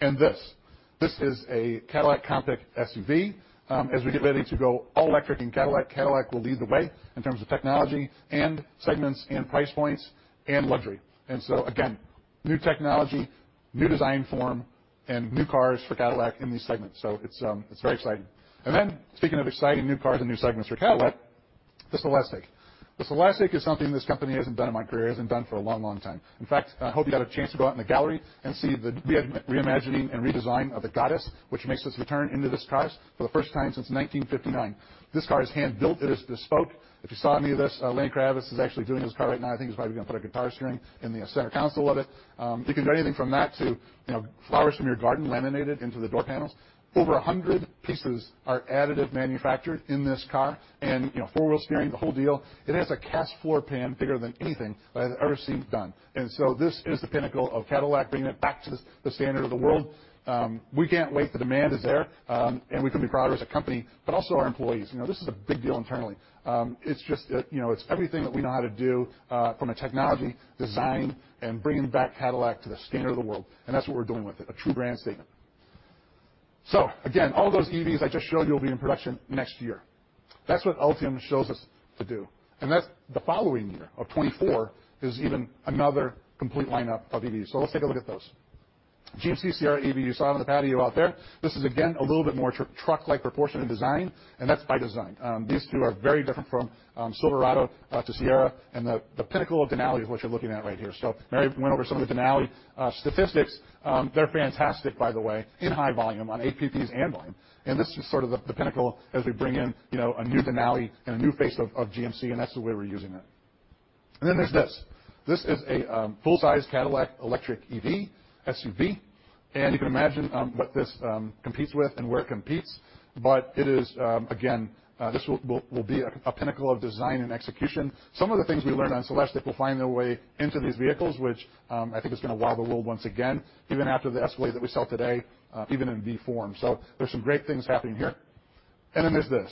This is a Cadillac compact SUV. As we get ready to go all electric in Cadillac will lead the way in terms of technology and segments and price points and luxury. Again, new technology, new design form, and new cars for Cadillac in these segments. It's very exciting. Speaking of exciting new cars and new segments for Cadillac, the Celestiq. The Celestiq is something this company hasn't done in my career, hasn't done for a long, long time. In fact, I hope you got a chance to go out in the gallery and see the reimagining and redesign of the Goddess, which makes its return into this car for the first time since 1959. This car is hand-built. It is bespoke. If you saw any of this, Lenny Kravitz is actually doing this car right now. I think he's probably gonna put a guitar string in the center console of it. You can do anything from that to, you know, flowers from your garden laminated into the door panels. Over 100 pieces are additive manufactured in this car and, you know, four-wheel steering, the whole deal. It has a cast floor pan bigger than anything that I've ever seen done. This is the pinnacle of Cadillac bringing it back to the standard of the world. We can't wait. The demand is there. We couldn't be prouder as a company, but also our employees. You know, this is a big deal internally. It's just, you know, it's everything that we know how to do from a technology, design, and bringing back Cadillac to the standard of the world, and that's what we're doing with it, a true brand statement. Again, all those EVs I just showed you will be in production next year. That's what Ultium shows us to do. That's the following year of 2024, is even another complete lineup of EVs. Let's take a look at those. GMC Sierra EV, you saw it on the patio out there. This is, again, a little bit more truck-like proportion and design, and that's by design. These two are very different from Silverado to Sierra, and the pinnacle of Denali is what you're looking at right here. Mary went over some of the Denali statistics. They're fantastic, by the way, in high volume on ATPs and volume. This is sort of the pinnacle as we bring in, you know, a new Denali and a new face of GMC, and that's the way we're using it. Then there's this. This is a full-size Cadillac electric EV SUV. You can imagine what this competes with and where it competes, but it is, again, this will be a pinnacle of design and execution. Some of the things we learned on Celestiq will find their way into these vehicles, which, I think is gonna wow the world once again, even after the Escalade that we saw today, even in V-Series form. There's some great things happening here. Then there's this.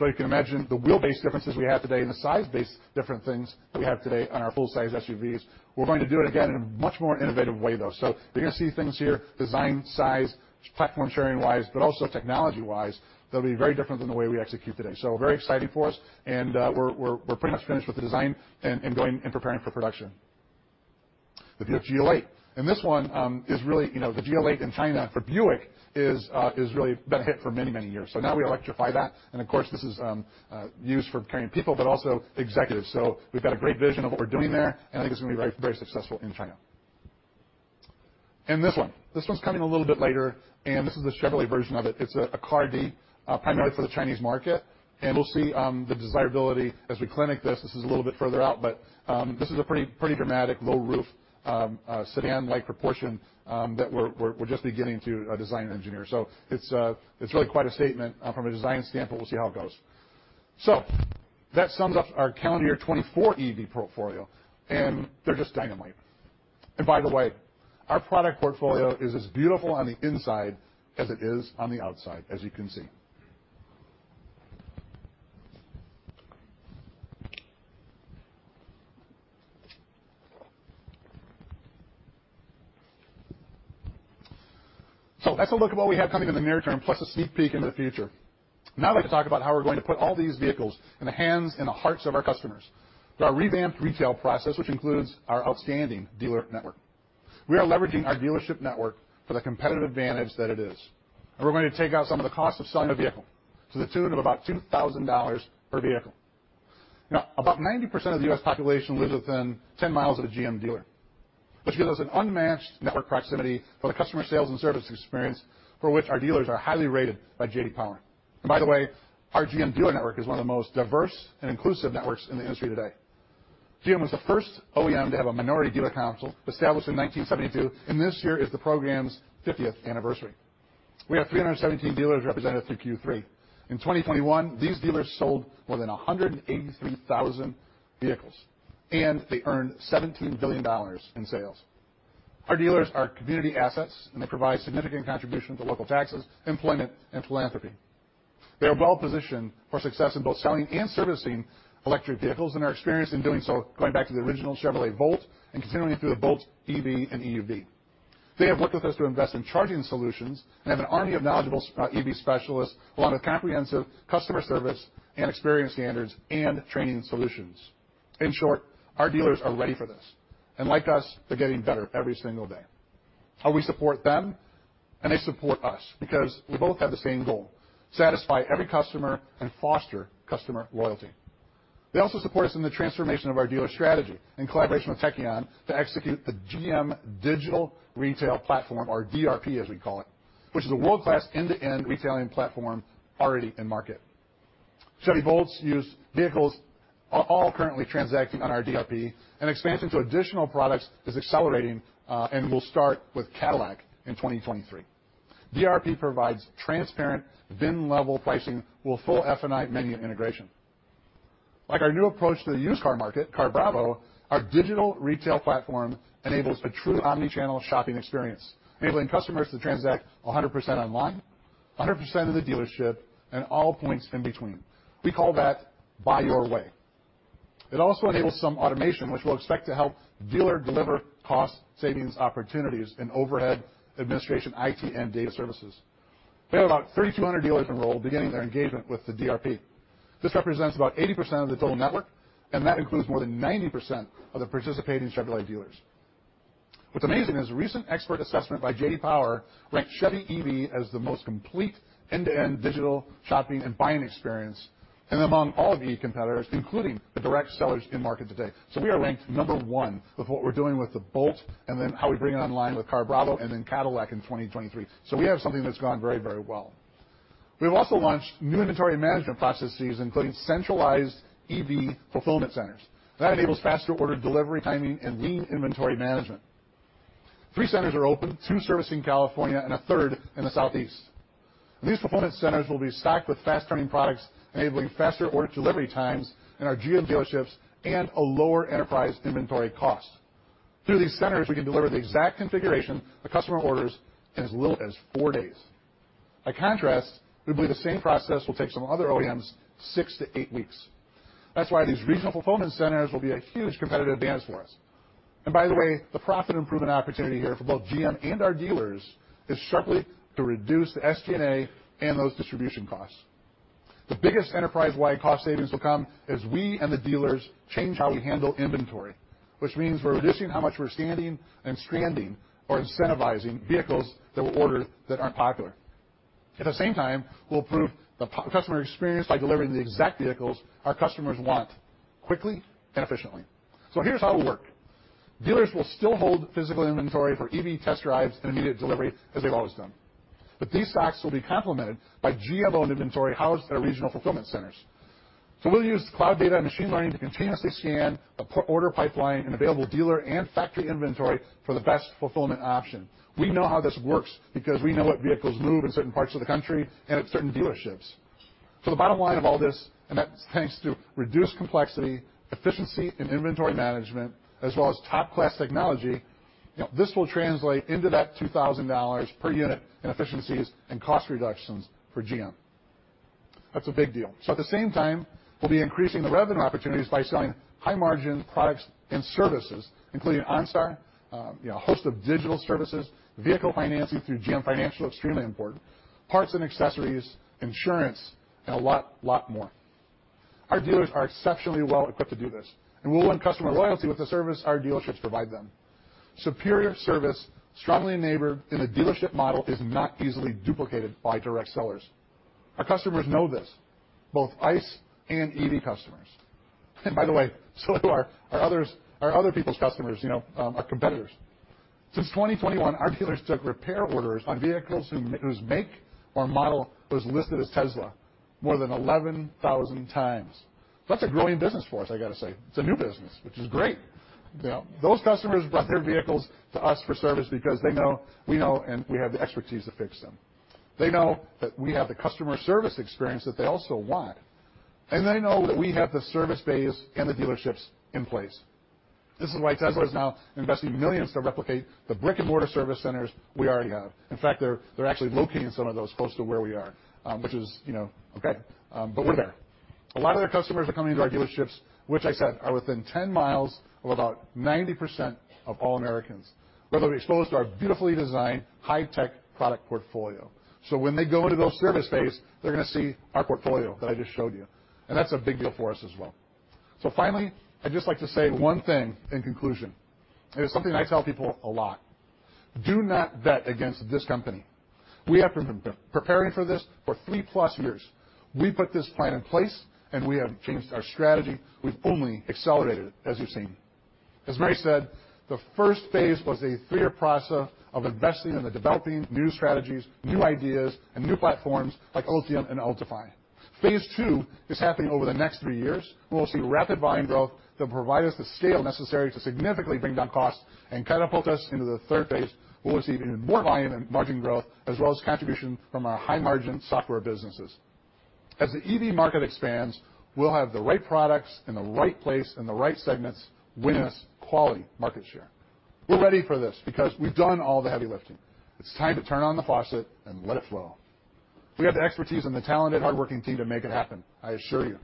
You can imagine the wheelbase differences we have today and the size-based different things we have today on our full-size SUVs. We're going to do it again in a much more innovative way, though. You're gonna see things here, design size, platform sharing-wise, but also technology-wise, that'll be very different than the way we execute today. Very exciting for us, and we're pretty much finished with the design and going and preparing for production. The Buick GL8. This one is really, you know, the GL8 in China for Buick is really been a hit for many years. Now we electrify that, and of course, this is used for carrying people, but also executives. We've got a great vision of what we're doing there, and I think it's gonna be very successful in China. This one's coming a little bit later, and this is the Chevrolet version of it. It's a C1, primarily for the Chinese market, and we'll see the desirability as we launch this. This is a little bit further out, but this is a pretty dramatic low roof sedan-like proportion that we're just beginning to design and engineer. It's really quite a statement from a design standpoint. We'll see how it goes. That sums up our calendar year 2024 EV portfolio, and they're just dynamite. By the way, our product portfolio is as beautiful on the inside as it is on the outside, as you can see. That's a look at what we have coming in the near term, plus a sneak peek into the future. Now I'd like to talk about how we're going to put all these vehicles in the hands and the hearts of our customers through our revamped retail process, which includes our outstanding dealer network. We are leveraging our dealership network for the competitive advantage that it is, and we're going to take out some of the cost of selling a vehicle to the tune of about $2,000 per vehicle. Now, about 90% of the U.S. population lives within 10 miles of a GM dealer, which gives us an unmatched network proximity for the customer sales and service experience for which our dealers are highly rated by J.D. Power. By the way, our GM dealer network is one of the most diverse and inclusive networks in the industry today. GM was the first OEM to have a minority dealer council established in 1972, and this year is the program's fiftieth anniversary. We have 317 dealers represented through Q3. In 2021, these dealers sold more than 183,000 vehicles, and they earned $17 billion in sales. Our dealers are community assets, and they provide significant contribution to local taxes, employment and philanthropy. They are well-positioned for success in both selling and servicing electric vehicles and are experienced in doing so, going back to the original Chevrolet Volt and continuing through the Bolt EV and EUV. They have worked with us to invest in charging solutions and have an army of knowledgeable, EV specialists along with comprehensive customer service and experience standards and training solutions. In short, our dealers are ready for this, and like us, they're getting better every single day. How we support them, and they support us because we both have the same goal: satisfy every customer and foster customer loyalty. They also support us in the transformation of our dealer strategy in collaboration with Tekion to execute the GM Digital Retail Platform, or DRP as we call it, which is a world-class end-to-end retailing platform already in market. Chevy Volt used vehicles are all currently transacting on our DRP, and expansion to additional products is accelerating, and will start with Cadillac in 2023. DRP provides transparent VIN-level pricing with full F&I menu integration. Like our new approach to the used car market, CarBravo, our digital retail platform enables a true omnichannel shopping experience, enabling customers to transact 100% online, 100% of the dealership, and all points in between. We call that Buy Your Way. It also enables some automation which we'll expect to help dealer deliver cost savings opportunities in overhead administration, IT, and data services. We have about 3,200 dealers enrolled beginning their engagement with the DRP. This represents about 80% of the total network, and that includes more than 90% of the participating Chevrolet dealers. What's amazing is a recent expert assessment by J.D. Power ranked Chevy EV as the most complete end-to-end digital shopping and buying experience, and among all EV competitors, including the direct sellers in market today. We are ranked number one with what we're doing with the Bolt and then how we bring it online with CarBravo and then Cadillac in 2023. We have something that's gone very, very well. We've also launched new inventory management processes, including centralized EV fulfillment centers. That enables faster order delivery timing and lean inventory management. Three centers are open, two servicing California and 1/3 in the Southeast. These fulfillment centers will be stocked with fast-turning products, enabling faster order delivery times in our GM dealerships and a lower enterprise inventory cost. Through these centers, we can deliver the exact configuration the customer orders in as little as four days. By contrast, we believe the same process will take some other OEMs six to eight weeks. That's why these regional fulfillment centers will be a huge competitive advantage for us. By the way, the profit improvement opportunity here for both GM and our dealers is sharply to reduce the SG&A and those distribution costs. The biggest enterprise-wide cost savings will come as we and the dealers change how we handle inventory, which means we're reducing how much we're standing and stranding or incentivizing vehicles that were ordered that aren't popular. At the same time, we'll improve the customer experience by delivering the exact vehicles our customers want quickly and efficiently. Here's how it will work. Dealers will still hold physical inventory for EV test drives and immediate delivery as they've always done. These stocks will be complemented by GM-owned inventory housed at our regional fulfillment centers. We'll use cloud data and machine learning to continuously scan an order pipeline and available dealer and factory inventory for the best fulfillment option. We know how this works because we know what vehicles move in certain parts of the country and at certain dealerships. The bottom line of all this, and that's thanks to reduced complexity, efficiency, and inventory management, as well as top-class technology, you know, this will translate into $2,000 per unit in efficiencies and cost reductions for GM. That's a big deal. At the same time, we'll be increasing the revenue opportunities by selling high-margin products and services, including OnStar, you know, a host of digital services, vehicle financing through GM Financial, extremely important, parts and accessories, insurance, and a lot more. Our dealers are exceptionally well-equipped to do this, and we'll win customer loyalty with the service our dealerships provide them. Superior service strongly enabled in a dealership model is not easily duplicated by direct sellers. Our customers know this, both ICE and EV customers. By the way, so do our other people's customers, you know, our competitors. Since 2021, our dealers took repair orders on vehicles whose make or model was listed as Tesla more than 11,000x. That's a growing business for us, I gotta say. It's a new business, which is great. You know, those customers brought their vehicles to us for service because they know we know and we have the expertise to fix them. They know that we have the customer service experience that they also want, and they know that we have the service base and the dealerships in place. This is why Tesla is now investing millions to replicate the brick-and-mortar service centers we already have. In fact, they're actually locating some of those close to where we are, which is, you know, okay, but we're there. A lot of their customers are coming to our dealerships, which I said are within 10 miles of about 90% of all Americans, where they'll be exposed to our beautifully designed, high-tech product portfolio. When they go into those service bays, they're gonna see our portfolio that I just showed you, and that's a big deal for us as well. Finally, I'd just like to say one thing in conclusion, and it's something I tell people a lot. Do not bet against this company. We have been preparing for this for 3+ years. We put this plan in place, and we have changed our strategy. We've only accelerated it, as you've seen. As Mary said, the first phase was a three-year process of investing in the developing new strategies, new ideas, and new platforms like Ultium and Ultifi. Phase II is happening over the next three years. We'll see rapid volume growth that'll provide us the scale necessary to significantly bring down costs and catapult us into the third phase, where we'll see even more volume and margin growth as well as contribution from our high-margin software businesses. As the EV market expands, we'll have the right products in the right place, in the right segments, winning us quality market share. We're ready for this because we've done all the heavy lifting. It's time to turn on the faucet and let it flow. We have the expertise and the talented, hardworking team to make it happen, I assure you.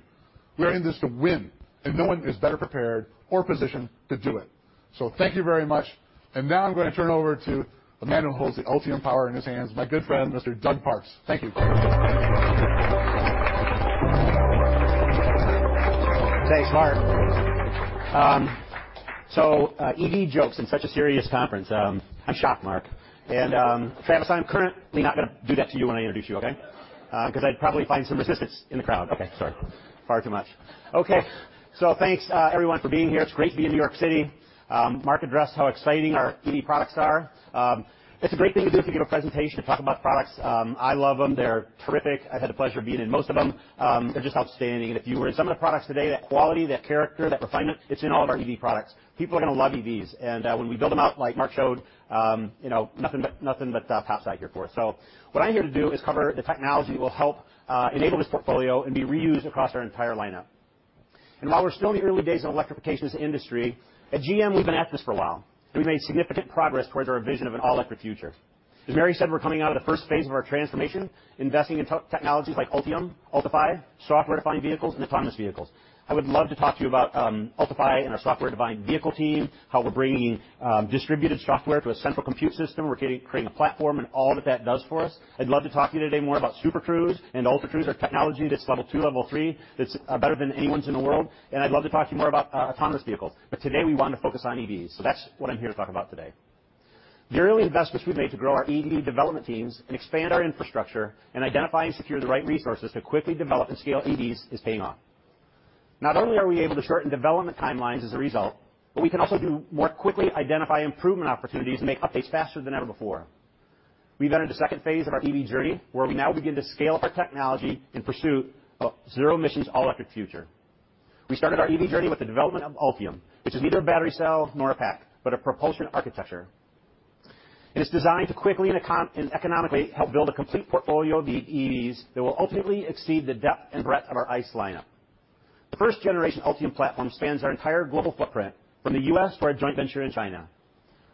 We are in this to win, and no one is better prepared or positioned to do it. Thank you very much. Now I'm gonna turn it over to the man who holds the Ultium power in his hands, my good friend, Mr. Doug Parks. Thank you. Thanks, Mark. EV jokes in such a serious conference, I'm shocked, Mark. Travis, I'm currently not gonna do that to you when I introduce you, okay? 'Cause I'd probably find some resistance in the crowd. Okay, sorry. Far too much. Okay, thanks, everyone for being here. It's great to be in New York City. Mark addressed how exciting our EV products are. It's a great thing to do to give a presentation, to talk about products. I love them. They're terrific. I've had the pleasure of being in most of them. They're just outstanding. If you were in some of the products today, that quality, that character, that refinement, it's in all of our EV products. People are gonna love EVs. When we build them out, like Mark showed, you know, nothing but upside here for us. What I'm here to do is cover the technology that will help enable this portfolio and be reused across our entire lineup. While we're still in the early days of the electrification industry, at GM, we've been at this for a while, and we've made significant progress towards our vision of an all-electric future. As Mary said, we're coming out of the first phase of our transformation, investing in technologies like Ultium, Ultifi, software-defined vehicles, and autonomous vehicles. I would love to talk to you about Ultifi and our software-defined vehicle team, how we're bringing distributed software to a central compute system. We're creating a platform and all that that does for us. I'd love to talk to you today more about Super Cruise and Ultra Cruise, our technology that's level two, level three, that's better than anyone's in the world, and I'd love to talk to you more about autonomous vehicles. Today we wanna focus on EVs, so that's what I'm here to talk about today. The early investments we've made to grow our EV development teams and expand our infrastructure and identify and secure the right resources to quickly develop and scale EVs is paying off. Not only are we able to shorten development timelines as a result, but we can also more quickly identify improvement opportunities and make updates faster than ever before. We've entered the second phase of our EV journey, where we now begin to scale up our technology in pursuit of zero emissions all-electric future. We started our EV journey with the development of Ultium, which is neither a battery cell nor a pack, but a propulsion architecture. It is designed to quickly and economically help build a complete portfolio of the EVs that will ultimately exceed the depth and breadth of our ICE lineup. The first generation Ultium platform spans our entire global footprint, from the U.S. to our joint venture in China.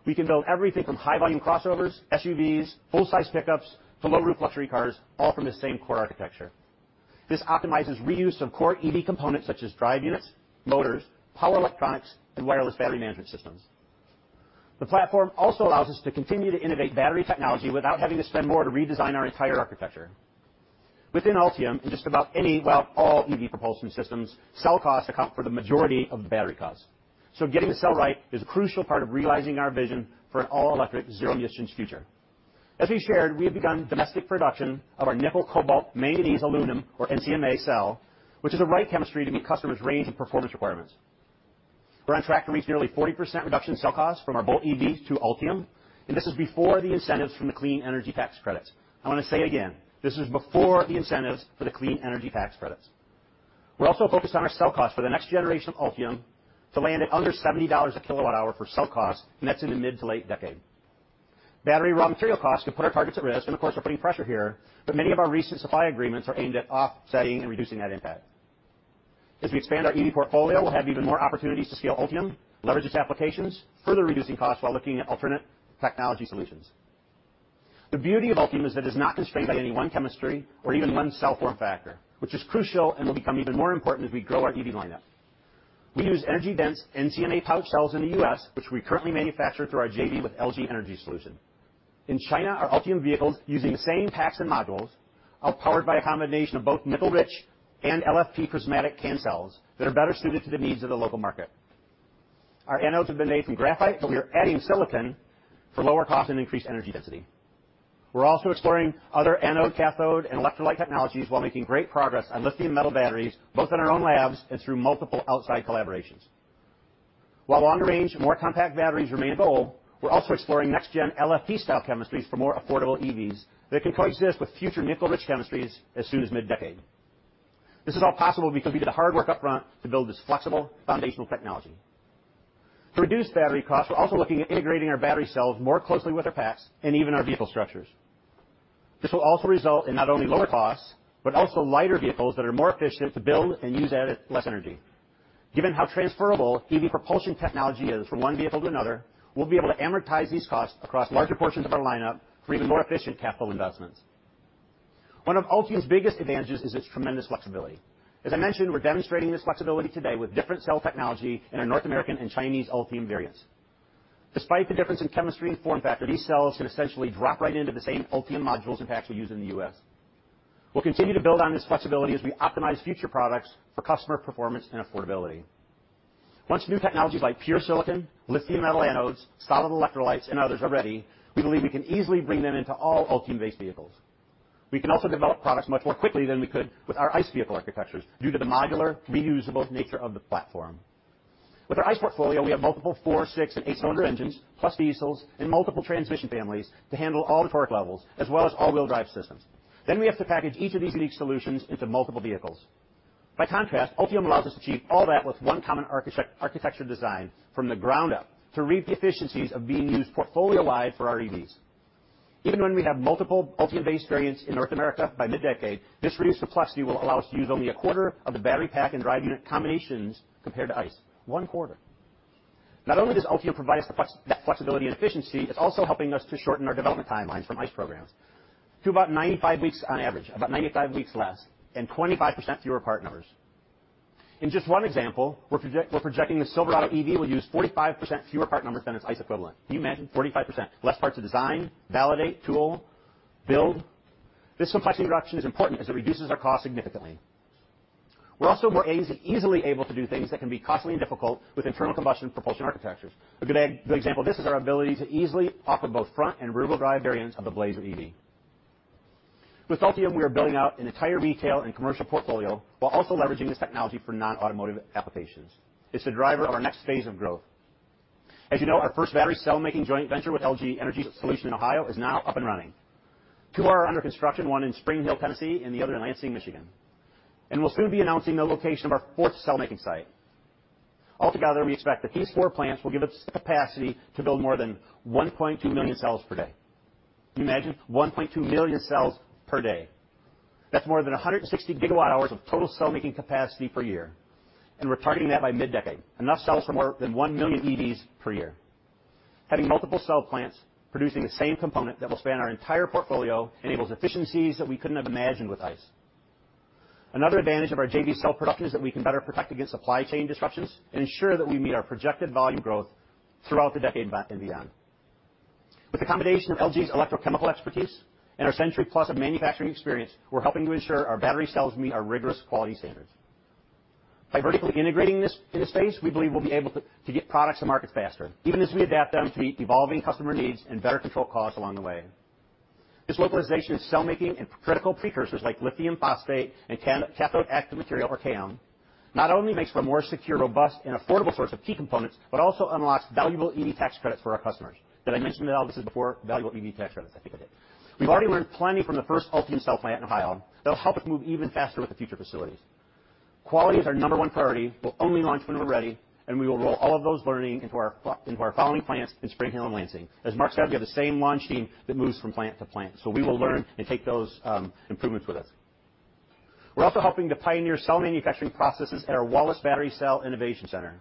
We can build everything from high-volume crossovers, SUVs, full-size pickups, to low-roof luxury cars, all from the same core architecture. This optimizes reuse of core EV components such as drive units, motors, power electronics, and wireless battery management systems. The platform also allows us to continue to innovate battery technology without having to spend more to redesign our entire architecture. Within Ultium, in just about any, well, all EV propulsion systems, cell costs account for the majority of the battery costs. Getting the cell right is a crucial part of realizing our vision for an all-electric zero-emissions future. As we shared, we have begun domestic production of our nickel, cobalt, manganese, aluminum, or NCMA cell, which is the right chemistry to meet customers' range and performance requirements. We're on track to reach nearly 40% reduction in cell costs from our Volt EVs to Ultium, and this is before the incentives from the Clean Energy Tax Credits. I wanna say it again. This is before the incentives for the Clean Energy Tax Credits. We're also focused on our cell costs for the next generation of Ultium to land at under $70 a kWh for cell costs, and that's in the mid to late decade. Battery raw material costs could put our targets at risk, and of course, are putting pressure here, but many of our recent supply agreements are aimed at offsetting and reducing that impact. As we expand our EV portfolio, we'll have even more opportunities to scale Ultium, leverage its applications, further reducing costs while looking at alternate technology solutions. The beauty of Ultium is that it is not constrained by any one chemistry or even one cell form factor, which is crucial and will become even more important as we grow our EV lineup. We use energy-dense NCMA pouch cells in the U.S., which we currently manufacture through our JV with LG Energy Solution. In China, our Ultium vehicles using the same packs and modules are powered by a combination of both nickel-rich and LFP prismatic can cells that are better suited to the needs of the local market. Our anodes have been made from graphite, but we are adding silicon for lower cost and increased energy density. We're also exploring other anode, cathode, and electrolyte technologies while making great progress on lithium metal batteries, both in our own labs and through multiple outside collaborations. While longer-range and more compact batteries remain a goal, we're also exploring next-gen LFP-style chemistries for more affordable EVs that can coexist with future nickel-rich chemistries as soon as mid-decade. This is all possible because we did the hard work up front to build this flexible foundational technology. To reduce battery costs, we're also looking at integrating our battery cells more closely with our packs and even our vehicle structures. This will also result in not only lower costs, but also lighter vehicles that are more efficient to build and use at less energy. Given how transferable EV propulsion technology is from one vehicle to another, we'll be able to amortize these costs across larger portions of our lineup for even more efficient capital investments. One of Ultium's biggest advantages is its tremendous flexibility. As I mentioned, we're demonstrating this flexibility today with different cell technology in our North American and Chinese Ultium variants. Despite the difference in chemistry and form factor, these cells can essentially drop right into the same Ultium modules and packs we use in the U.S. We'll continue to build on this flexibility as we optimize future products for customer performance and affordability. Once new technologies like pure silicon, lithium metal anodes, solid electrolytes and others are ready, we believe we can easily bring them into all Ultium-based vehicles. We can also develop products much more quickly than we could with our ICE vehicle architectures due to the modular reusable nature of the platform. With our ICE portfolio, we have multiple four, six, and eight-cylinder engines, plus diesels and multiple transmission families to handle all the torque levels as well as all-wheel drive systems. We have to package each of these unique solutions into multiple vehicles. By contrast, Ultium allows us to achieve all that with one common architecture design from the ground up to reap the efficiencies of being used portfolio-wide for our EVs. Even when we have multiple Ultium-based variants in North America by mid-decade, this reduced complexity will allow us to use only a quarter of the battery pack and drive unit combinations compared to ICE. One quarter. Not only does Ultium provide us the flexibility and efficiency, it's also helping us to shorten our development timelines from ICE programs to about 95 weeks on average, about 95 weeks less and 25% fewer part numbers. In just one example, we're projecting the Silverado EV will use 45% fewer part numbers than its ICE equivalent. Can you imagine 45%? Less parts to design, validate, tool, build. This complexity reduction is important as it reduces our cost significantly. We're also more easily able to do things that can be costly and difficult with internal combustion propulsion architectures. A good example of this is our ability to easily offer both front and rear-wheel drive variants of the Blazer EV. With Ultium, we are building out an entire retail and commercial portfolio while also leveraging this technology for non-automotive applications. It's the driver of our next phase of growth. As you know, our first battery cell making joint venture with LG Energy Solution in Ohio is now up and running. Two are under construction, one in Spring Hill, Tennessee, and the other in Lansing, Michigan. We'll soon be announcing the location of our fourth cell making site. Altogether, we expect that these four plants will give us capacity to build more than 1.2 million cells per day. Can you imagine? 1.2 million cells per day. That's more than 160 GW hours of total cell-making capacity per year. We're targeting that by mid-decade. Enough cells for more than 1 million EVs per year. Having multiple cell plants producing the same component that will span our entire portfolio enables efficiencies that we couldn't have imagined with ICE. Another advantage of our JV cell production is that we can better protect against supply chain disruptions and ensure that we meet our projected volume growth throughout the decade and beyond. With the combination of LG's electrochemical expertise and our century-plus of manufacturing experience, we're helping to ensure our battery cells meet our rigorous quality standards. By vertically integrating this phase, we believe we'll be able to get products to market faster, even as we adapt them to meet evolving customer needs and better control costs along the way. This localization of cell making and critical precursors like lithium phosphate and cathode active material or CAM not only makes for a more secure, robust and affordable source of key components, but also unlocks valuable EV tax credits for our customers. Did I mention that all this is before valuable EV tax credits? I think I did. We've already learned plenty from the first Ultium cell plant in Ohio that'll help us move even faster with the future facilities. Quality is our number one priority. We'll only launch when we're ready, and we will roll all of those learnings into our following plants in Spring Hill and Lansing. As Mark said, we have the same launch team that moves from plant to plant, so we will learn and take those improvements with us. We're also helping to pioneer cell manufacturing processes at our Wallace Battery Cell Innovation Center.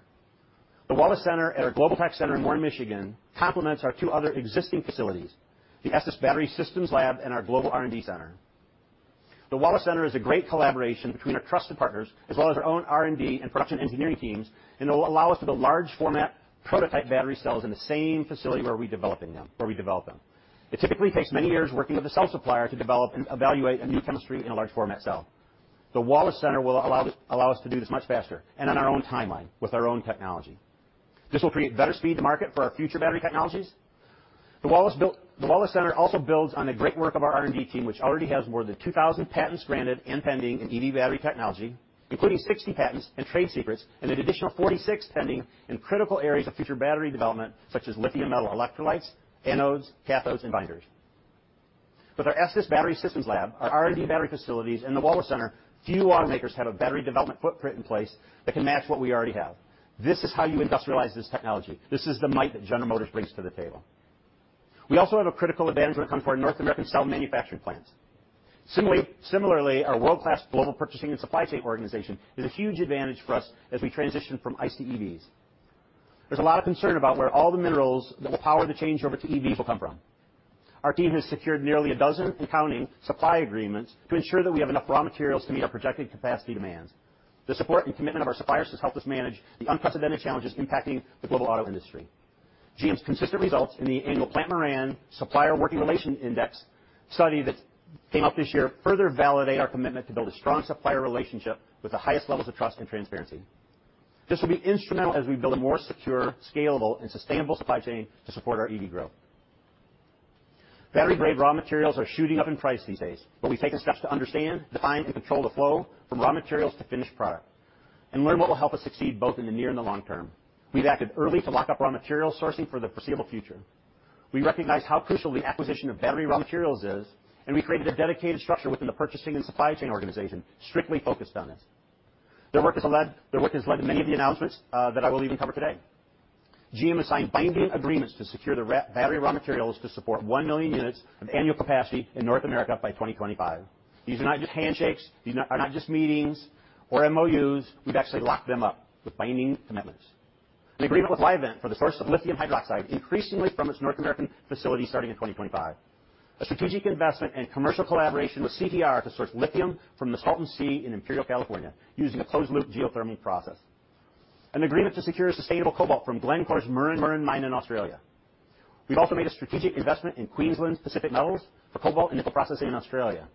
The Wallace Center at our Global Technical Center in Warren, Michigan, complements our two other existing facilities, the Estes Battery Systems Lab and our Global R&D Center. The Wallace Center is a great collaboration between our trusted partners as well as our own R&D and production engineering teams, and it will allow us to build large format prototype battery cells in the same facility where we develop them. It typically takes many years working with a cell supplier to develop and evaluate a new chemistry in a large format cell. The Wallace Center will allow us to do this much faster and on our own timeline with our own technology. This will create better speed to market for our future battery technologies. The Wallace Center also builds on the great work of our R&D team, which already has more than 2,000 patents granted and pending in EV battery technology, including 60 patents and trade secrets, and an additional 46 pending in critical areas of future battery development, such as lithium metal electrolytes, anodes, cathodes, and binders. With our Estes Battery Systems Lab, our R&D battery facilities, and the Wallace Center, few automakers have a battery development footprint in place that can match what we already have. This is how you industrialize this technology. This is the might that General Motors brings to the table. We also have a critical advantage when it comes to our North American cell manufacturing plants. Similarly, our world-class global purchasing and supply chain organization is a huge advantage for us as we transition from ICE to EVs. There's a lot of concern about where all the minerals that will power the change over to EVs will come from. Our team has secured nearly a dozen and counting supply agreements to ensure that we have enough raw materials to meet our projected capacity demands. The support and commitment of our suppliers has helped us manage the unprecedented challenges impacting the global auto industry. GM's consistent results in the annual Plante Moran Supplier Working Relation Index study that came out this year further validate our commitment to build a strong supplier relationship with the highest levels of trust and transparency. This will be instrumental as we build a more secure, scalable, and sustainable supply chain to support our EV growth. Battery-grade raw materials are shooting up in price these days, but we've taken steps to understand, define, and control the flow from raw materials to finished product and learn what will help us succeed both in the near and the long term. We've acted early to lock up raw material sourcing for the foreseeable future. We recognize how crucial the acquisition of battery raw materials is, and we created a dedicated structure within the purchasing and supply chain organization strictly focused on this. Their work has led to many of the announcements that I will even cover today. GM has signed binding agreements to secure the battery raw materials to support 1 million units of annual capacity in North America by 2025. These are not just handshakes. These are not just meetings or MOUs. We've actually locked them up with binding commitments. An agreement with Livent for the source of lithium hydroxide, increasingly from its North American facility starting in 2025. A strategic investment and commercial collaboration with CTR to source lithium from the Salton Sea in Imperial, California, using a closed-loop geothermal process. An agreement to secure sustainable cobalt from Glencore's Murrin Murrin mine in Australia. We've also made a strategic investment in Queensland Pacific Metals for cobalt and nickel processing in Australia.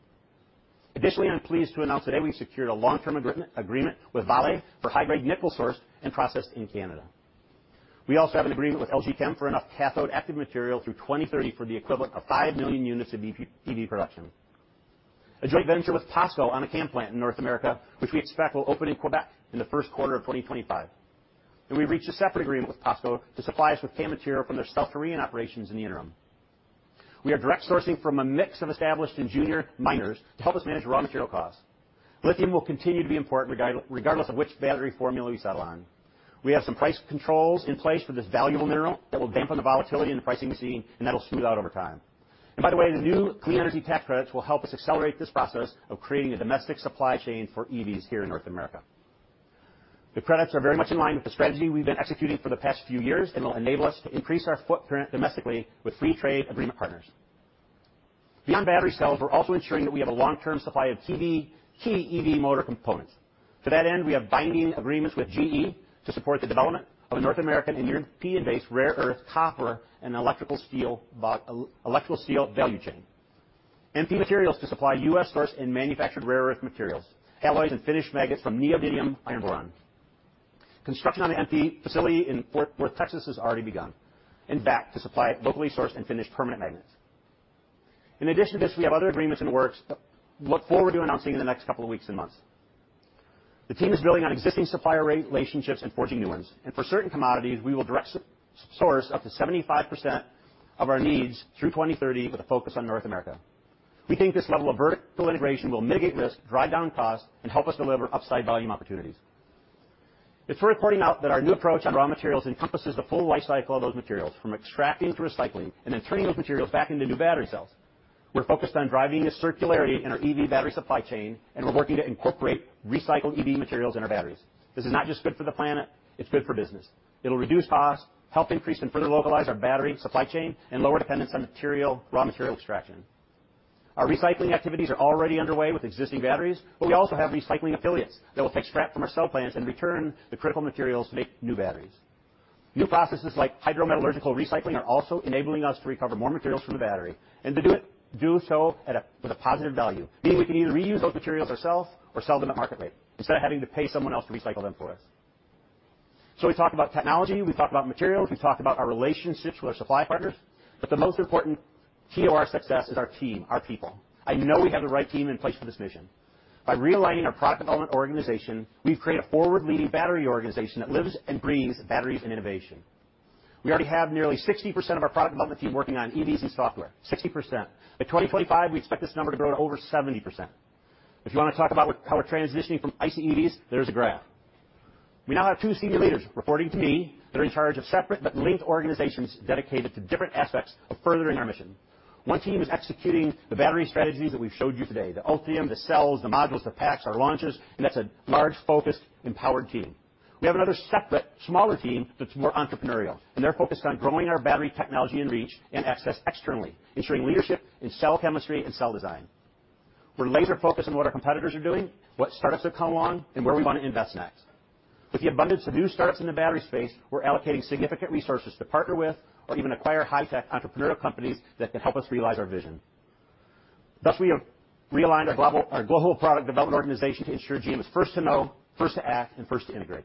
Additionally, I'm pleased to announce today we've secured a long-term agreement with Vale for high-grade nickel sourced and processed in Canada. We also have an agreement with LG Chem for enough cathode active material through 2030 for the equivalent of 5 million units of EV production. A joint venture with POSCO on a CAM plant in North America, which we expect will open in Quebec in the first quarter of 2025. We've reached a separate agreement with POSCO to supply us with CAM material from their South Korean operations in the interim. We are direct sourcing from a mix of established and junior miners to help us manage raw material costs. Lithium will continue to be important regardless of which battery formula we settle on. We have some price controls in place for this valuable mineral that will dampen the volatility in the pricing we're seeing, and that'll smooth out over time. By the way, the new Clean Energy Tax Credits will help us accelerate this process of creating a domestic supply chain for EVs here in North America. The credits are very much in line with the strategy we've been executing for the past few years, and will enable us to increase our footprint domestically with free trade agreement partners. Beyond battery cells, we're also ensuring that we have a long-term supply of key EV motor components. To that end, we have binding agreements with GE to support the development of a North American and European-based rare earth, copper, and electrical steel value chain. MP Materials to supply U.S.-sourced and manufactured rare earth materials, alloys, and finished magnets from neodymium iron boron. Construction on an MP facility in Fort Worth, Texas, has already begun. VAC to supply locally sourced and finished permanent magnets. In addition to this, we have other agreements in the works. We look forward to announcing in the next couple of weeks and months. The team is building on existing supplier relationships and forging new ones, and for certain commodities, we will directly source up to 75% of our needs through 2030 with a focus on North America. We think this level of vertical integration will mitigate risk, drive down costs, and help us deliver upside volume opportunities. It's worth pointing out that our new approach on raw materials encompasses the full life cycle of those materials, from extracting to recycling, and then turning those materials back into new battery cells. We're focused on driving this circularity in our EV battery supply chain, and we're working to incorporate recycled EV materials in our batteries. This is not just good for the planet, it's good for business. It'll reduce costs, help increase and further localize our battery supply chain, and lower dependence on raw material extraction. Our recycling activities are already underway with existing batteries, but we also have recycling affiliates that will take scrap from our cell plants and return the critical materials to make new batteries. New processes like hydrometallurgical recycling are also enabling us to recover more materials from the battery and to do so with a positive value, meaning we can either reuse those materials ourselves or sell them at market rate instead of having to pay someone else to recycle them for us. We've talked about technology, we've talked about materials, we've talked about our relationships with our supply partners, but the most important key to our success is our team, our people. I know we have the right team in place for this mission. By realigning our product development organization, we've created a forward-leading battery organization that lives and breathes batteries and innovation. We already have nearly 60% of our product development team working on EVs and software. 60%. By 2025, we expect this number to grow to over 70%. If you wanna talk about how we're transitioning from ICE EVs, there's a graph. We now have two senior leaders reporting to me that are in charge of separate but linked organizations dedicated to different aspects of furthering our mission. One team is executing the battery strategies that we've showed you today, the Ultium, the cells, the modules, the packs, our launches, and that's a large, focused, empowered team. We have another separate, smaller team that's more entrepreneurial, and they're focused on growing our battery technology and reach and access externally, ensuring leadership in cell chemistry and cell design. We're laser focused on what our competitors are doing, what startups to come along, and where we wanna invest next. With the abundance of new startups in the battery space, we're allocating significant resources to partner with or even acquire high-tech entrepreneurial companies that can help us realize our vision. Thus, we have realigned our global product development organization to ensure GM is first to know, first to act, and first to integrate.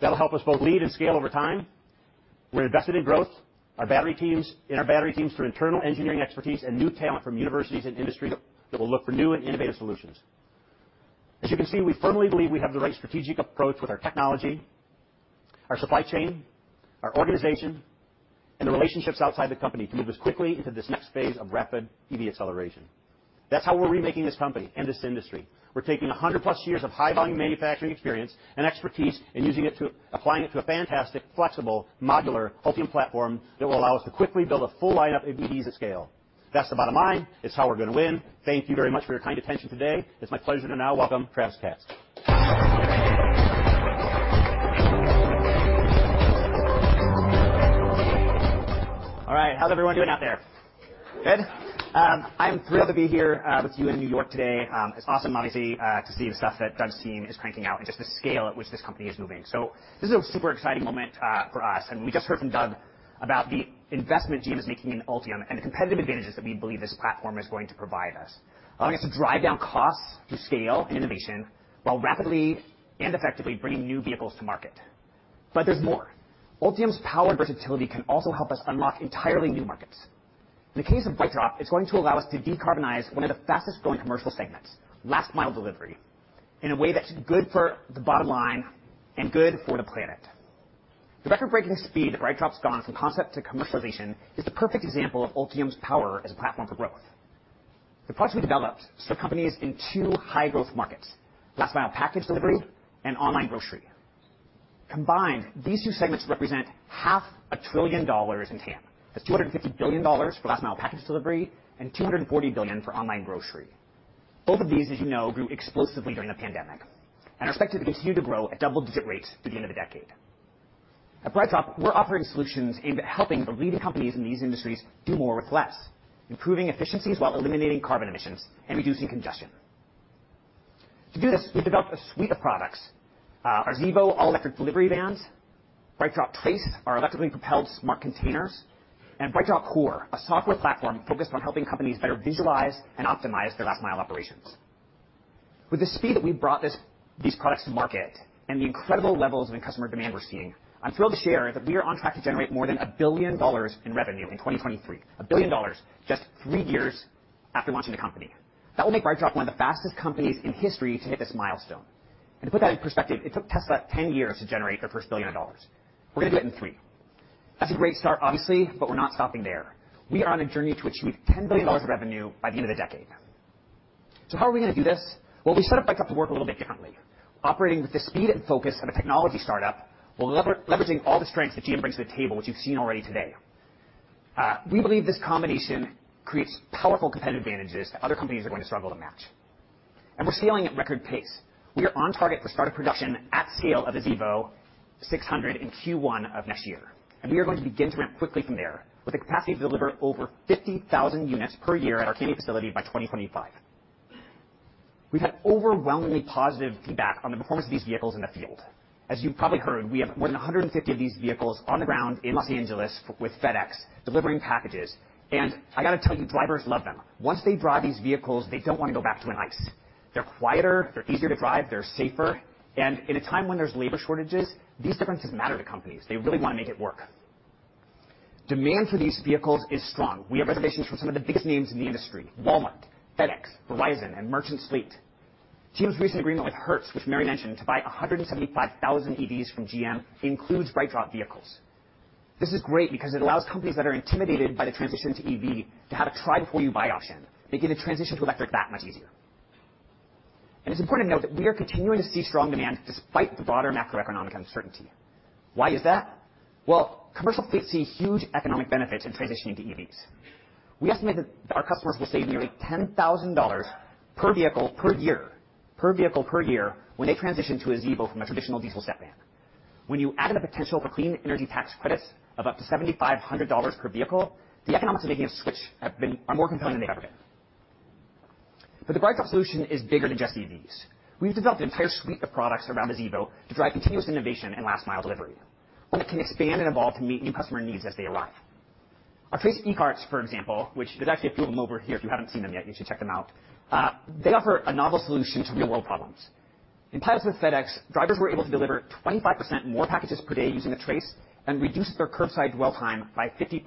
That'll help us both lead and scale over time. We're invested in growth. Our battery teams through internal engineering expertise and new talent from universities and industry that will look for new and innovative solutions. As you can see, we firmly believe we have the right strategic approach with our technology, our supply chain, our organization, and the relationships outside the company to move as quickly into this next phase of rapid EV acceleration. That's how we're remaking this company and this industry. We're taking 100+ years of high-volume manufacturing experience and expertise and applying it to a fantastic, flexible modular Ultium platform that will allow us to quickly build a full lineup of EVs at scale. That's the bottom line. It's how we're gonna win. Thank you very much for your kind attention today. It's my pleasure to now welcome Travis Katz. All right, how's everyone doing out there? Good. I'm thrilled to be here with you in New York today. It's awesome obviously to see the stuff that Doug's team is cranking out and just the scale at which this company is moving. This is a super exciting moment for us, and we just heard from Doug about the investment GM is making in Ultium and the competitive advantages that we believe this platform is going to provide us, allowing us to drive down costs through scale and innovation while rapidly and effectively bringing new vehicles to market. There's more. Ultium's power versatility can also help us unlock entirely new markets. In the case of BrightDrop, it's going to allow us to decarbonize one of the fastest-growing commercial segments, last mile delivery, in a way that's good for the bottom line and good for the planet. The record-breaking speed that BrightDrop's gone from concept to commercialization is the perfect example of Ultium's power as a platform for growth. The products we developed serve companies in two high-growth markets, last mile package delivery and online grocery. Combined, these two segments represent half a trillion dollars in TAM. That's $250 billion for last mile package delivery and $240 billion for online grocery. Both of these, as you know, grew explosively during the pandemic and are expected to continue to grow at double-digit rates through the end of the decade. At BrightDrop, we're offering solutions aimed at helping the leading companies in these industries do more with less, improving efficiencies while eliminating carbon emissions and reducing congestion. To do this, we've developed a suite of products. Our Zevo all-electric delivery vans, BrightDrop Trace, our electrically propelled smart containers, and BrightDrop Core, a software platform focused on helping companies better visualize and optimize their last-mile operations. With the speed that we've brought these products to market and the incredible levels of customer demand we're seeing, I'm thrilled to share that we are on track to generate more than $1 billion in revenue in 2023. $1 billion just three years after launching the company. That will make BrightDrop one of the fastest companies in history to hit this milestone. To put that in perspective, it took Tesla 10 years to generate their first $1 billion. We're gonna do it in three. That's a great start, obviously, but we're not stopping there. We are on a journey to achieve $10 billion of revenue by the end of the decade. How are we gonna do this? Well, we set up BrightDrop to work a little bit differently. Operating with the speed and focus of a technology startup, while leveraging all the strengths that GM brings to the table, which you've seen already today. We believe this combination creates powerful competitive advantages that other companies are going to struggle to match, and we're scaling at record pace. We are on target for start of production at scale of the Zevo 600 in Q1 of next year. We are going to begin to ramp quickly from there with the capacity to deliver over 50,000 units per year at our Katy facility by 2025. We've had overwhelmingly positive feedback on the performance of these vehicles in the field. As you've probably heard, we have more than 150 of these vehicles on the ground in Los Angeles with FedEx delivering packages. I gotta tell you, drivers love them. Once they drive these vehicles, they don't wanna go back to an ICE. They're quieter, they're easier to drive, they're safer. In a time when there's labor shortages, these differences matter to companies. They really wanna make it work. Demand for these vehicles is strong. We have reservations from some of the biggest names in the industry, Walmart, FedEx, Verizon, and Merchants Fleet. GM's recent agreement with Hertz, which Mary mentioned, to buy 175,000 EVs from GM, includes BrightDrop vehicles. This is great because it allows companies that are intimidated by the transition to EV to have a try before you buy option. Making the transition to electric that much easier. It's important to note that we are continuing to see strong demand despite the broader macroeconomic uncertainty. Why is that? Well, commercial fleets see huge economic benefits in transitioning to EVs. We estimate that our customers will save nearly $10,000 per vehicle per year when they transition to a Zevo from a traditional diesel step van. When you add in the potential for Clean Energy Tax Credits of up to $7,500 per vehicle, the economics of making a switch are more compelling than they've ever been. The BrightDrop solution is bigger than just EVs. We've developed an entire suite of products around Zevo to drive continuous innovation in last mile delivery. One that can expand and evolve to meet new customer needs as they arrive. Our Trace eCarts, for example, which there's actually a few of them over here if you haven't seen them yet, you should check them out. They offer a novel solution to real-world problems. In pilots with FedEx, drivers were able to deliver 25% more packages per day using a Trace and reduce their curbside dwell time by 50%.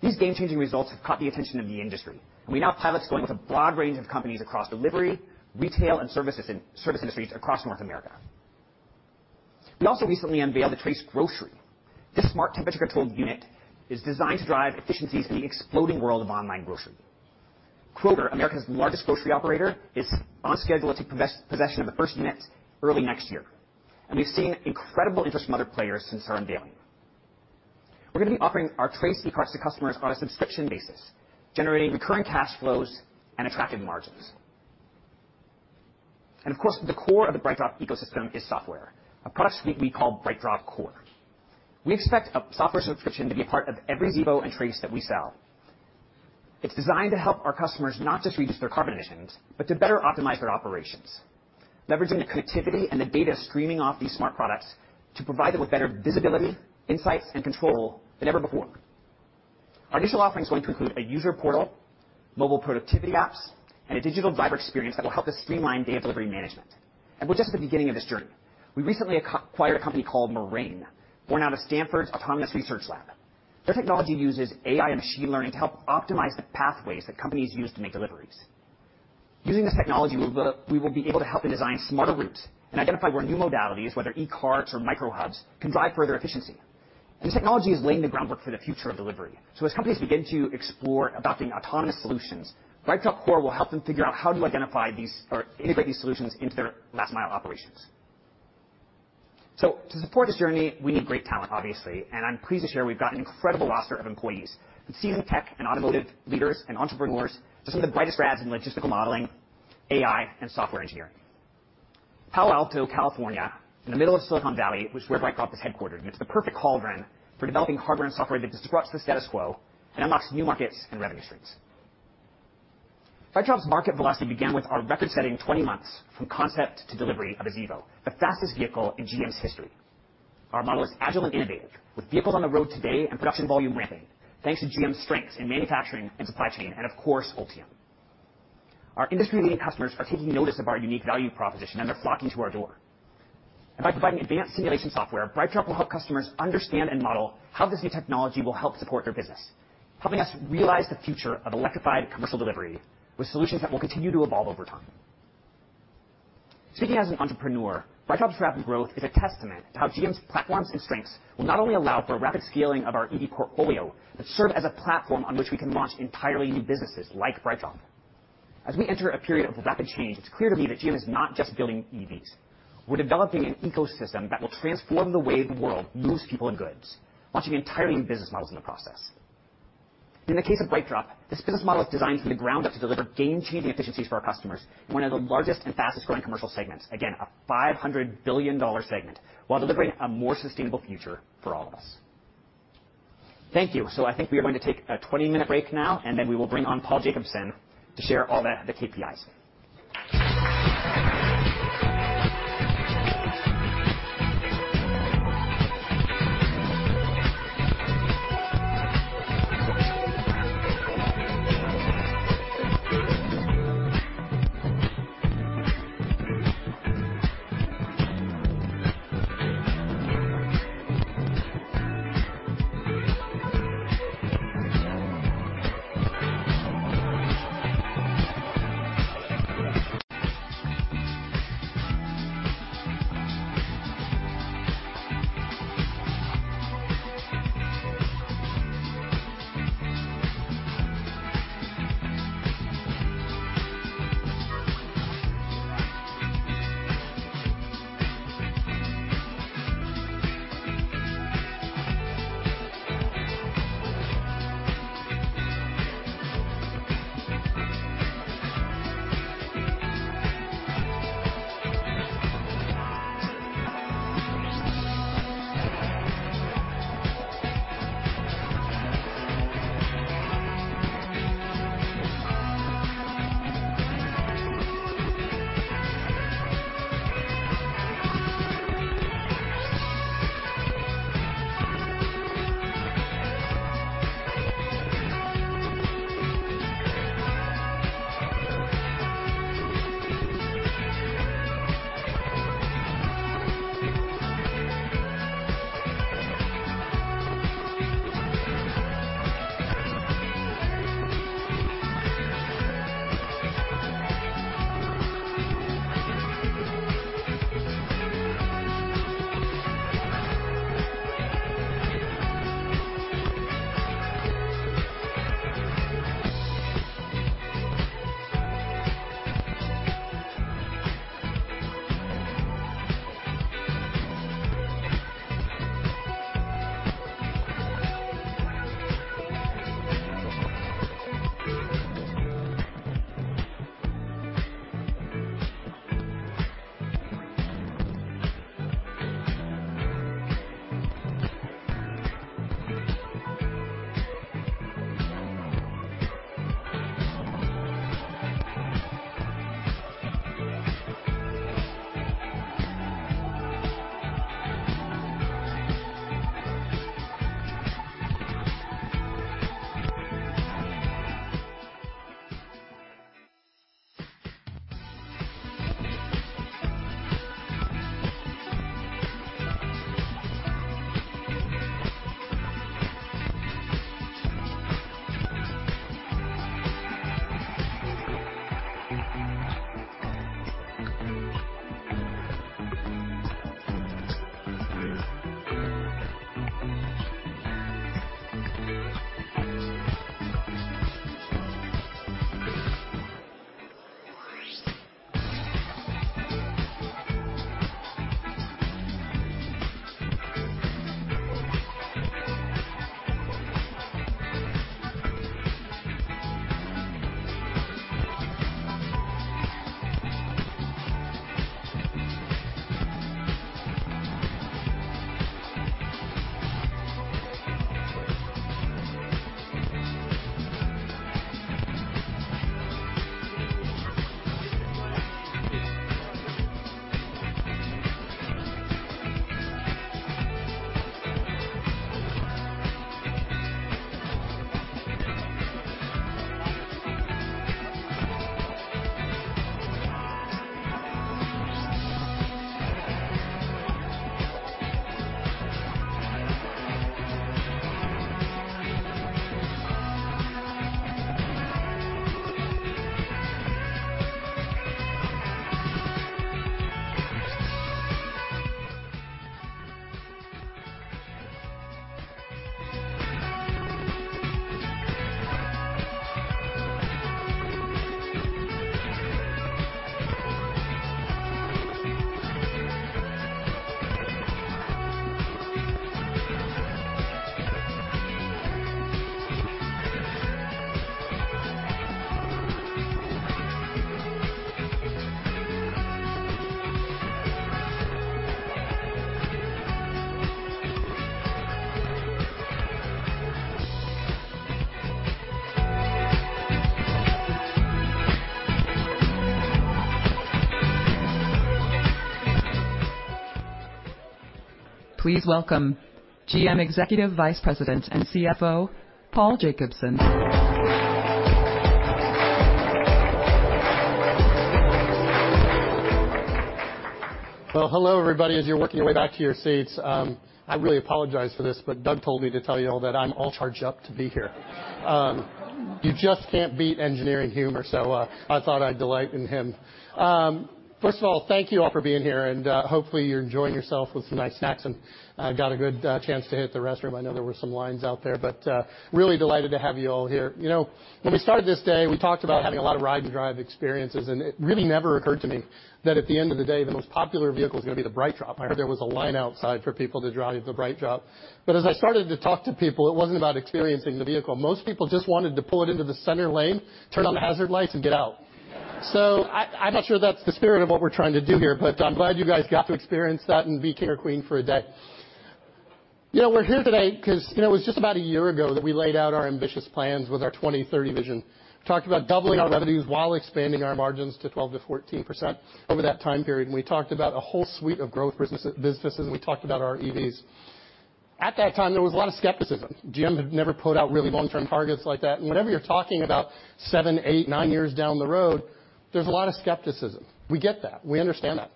These game-changing results have caught the attention of the industry, and we now have pilots going with a broad range of companies across delivery, retail, and service industries across North America. We also recently unveiled the Trace Grocery. This smart temperature-controlled unit is designed to drive efficiencies in the exploding world of online grocery. Kroger, America's largest grocery operator, is on schedule to take possession of the first unit early next year, and we've seen incredible interest from other players since our unveiling. We're gonna be offering our Trace eCarts to customers on a subscription basis, generating recurring cash flows and attractive margins. Of course, the core of the BrightDrop ecosystem is software, a product suite we call BrightDrop Core. We expect a software subscription to be a part of every Zevo and Trace that we sell. It's designed to help our customers not just reduce their carbon emissions, but to better optimize their operations. Leveraging the connectivity and the data streaming off these smart products to provide them with better visibility, insights, and control than ever before. Our initial offering is going to include a user portal, mobile productivity apps, and a digital driver experience that will help us streamline day delivery management. We're just at the beginning of this journey. We recently acquired a company called Marain, born out of Stanford's autonomous research lab. Their technology uses AI and machine learning to help optimize the pathways that companies use to make deliveries. Using this technology, we will be able to help them design smarter routes and identify where new modalities, whether e-carts or micro hubs, can drive further efficiency. This technology is laying the groundwork for the future of delivery. As companies begin to explore adopting autonomous solutions, BrightDrop Core will help them figure out how to identify these or integrate these solutions into their last mile operations. To support this journey, we need great talent, obviously, and I'm pleased to share we've got an incredible roster of employees. From seasoned tech and automotive leaders and entrepreneurs to some of the brightest grads in logistical modeling, AI, and software engineering. Palo Alto, California, in the middle of Silicon Valley, which is where BrightDrop is headquartered, and it's the perfect cauldron for developing hardware and software that disrupts the status quo and unlocks new markets and revenue streams. BrightDrop's market velocity began with our record-setting 20 months from concept to delivery of Zevo, the fastest vehicle in GM's history. Our model is agile and innovative, with vehicles on the road today and production volume ramping, thanks to GM's strengths in manufacturing and supply chain, and of course, Ultium. Our industry-leading customers are taking notice of our unique value proposition, and they're flocking to our door. By providing advanced simulation software, BrightDrop will help customers understand and model how this new technology will help support their business, helping us realize the future of electrified commercial delivery with solutions that will continue to evolve over time. Speaking as an entrepreneur, BrightDrop's rapid growth is a testament to how GM's platforms and strengths will not only allow for rapid scaling of our EV portfolio, but serve as a platform on which we can launch entirely new businesses like BrightDrop. As we enter a period of rapid change, it's clear to me that GM is not just building EVs. We're developing an ecosystem that will transform the way the world moves people and goods, launching entirely new business models in the process. In the case of BrightDrop, this business model is designed from the ground up to deliver game-changing efficiencies for our customers in one of the largest and fastest-growing commercial segments. Again, a $500 billion segment, while delivering a more sustainable future for all of us. Thank you. I think we are going to take a 20-minute break now, and then we will bring on Paul Jacobson to share all the KPIs. Please welcome GM Executive Vice President and CFO, Paul Jacobson. Well, hello, everybody. As you're working your way back to your seats, I really apologize for this, but Doug told me to tell you all that I'm all charged up to be here. You just can't beat engineering humor, so I thought I'd delight in him. First of all, thank you all for being here, and hopefully, you're enjoying yourself with some nice snacks, and got a good chance to hit the restroom. I know there were some lines out there, but really delighted to have you all here. You know, when we started this day, we talked about having a lot of ride-and-drive experiences, and it really never occurred to me that at the end of the day, the most popular vehicle is gonna be the BrightDrop. I heard there was a line outside for people to drive the BrightDrop. As I started to talk to people, it wasn't about experiencing the vehicle. Most people just wanted to pull it into the center lane, turn on the hazard lights and get out. I'm not sure that's the spirit of what we're trying to do here, but I'm glad you guys got to experience that and be king or queen for a day. You know, we're here today 'cause, you know, it was just about a year ago that we laid out our ambitious plans with our 2030 vision. We talked about doubling our revenues while expanding our margins to 12%-14% over that time period. We talked about a whole suite of growth businesses, and we talked about our EVs. At that time, there was a lot of skepticism. GM had never put out really long-term targets like that. Whenever you're talking about seven, eight, nine years down the road, there's a lot of skepticism. We get that. We understand that.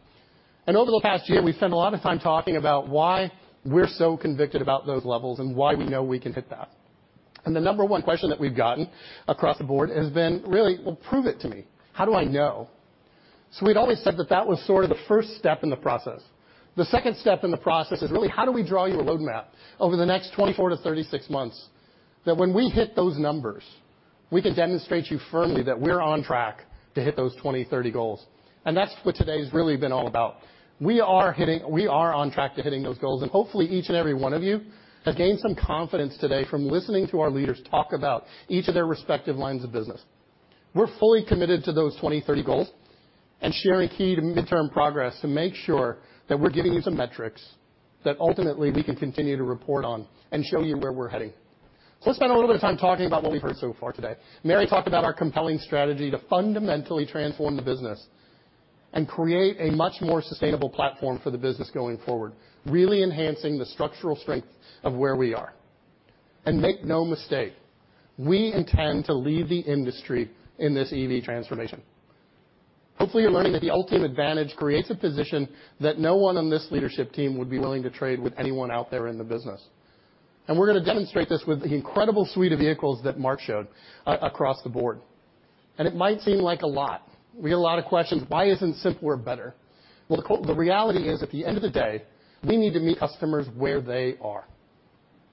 Over the past year, we've spent a lot of time talking about why we're so convicted about those levels and why we know we can hit that. The number one question that we've gotten across the board has been really, "Well, prove it to me. How do I know?" We'd always said that that was sort of the first step in the process. The second step in the process is really how do we draw you a roadmap over the next 24 or 36 months that when we hit those numbers, we can demonstrate to you firmly that we're on track to hit those 2030 goals. That's what today's really been all about. We are on track to hitting those goals. Hopefully, each and every one of you have gained some confidence today from listening to our leaders talk about each of their respective lines of business. We're fully committed to those 2030 goals and sharing key to midterm progress to make sure that we're giving you some metrics that ultimately we can continue to report on and show you where we're heading. Let's spend a little bit of time talking about what we've heard so far today. Mary talked about our compelling strategy to fundamentally transform the business and create a much more sustainable platform for the business going forward, really enhancing the structural strength of where we are. Make no mistake, we intend to lead the industry in this EV transformation. Hopefully, you're learning that the Ultium advantage creates a position that no one on this leadership team would be willing to trade with anyone out there in the business. We're gonna demonstrate this with the incredible suite of vehicles that Mark showed across the board. It might seem like a lot. We get a lot of questions, "Why isn't simpler better?" Well, the reality is, at the end of the day, we need to meet customers where they are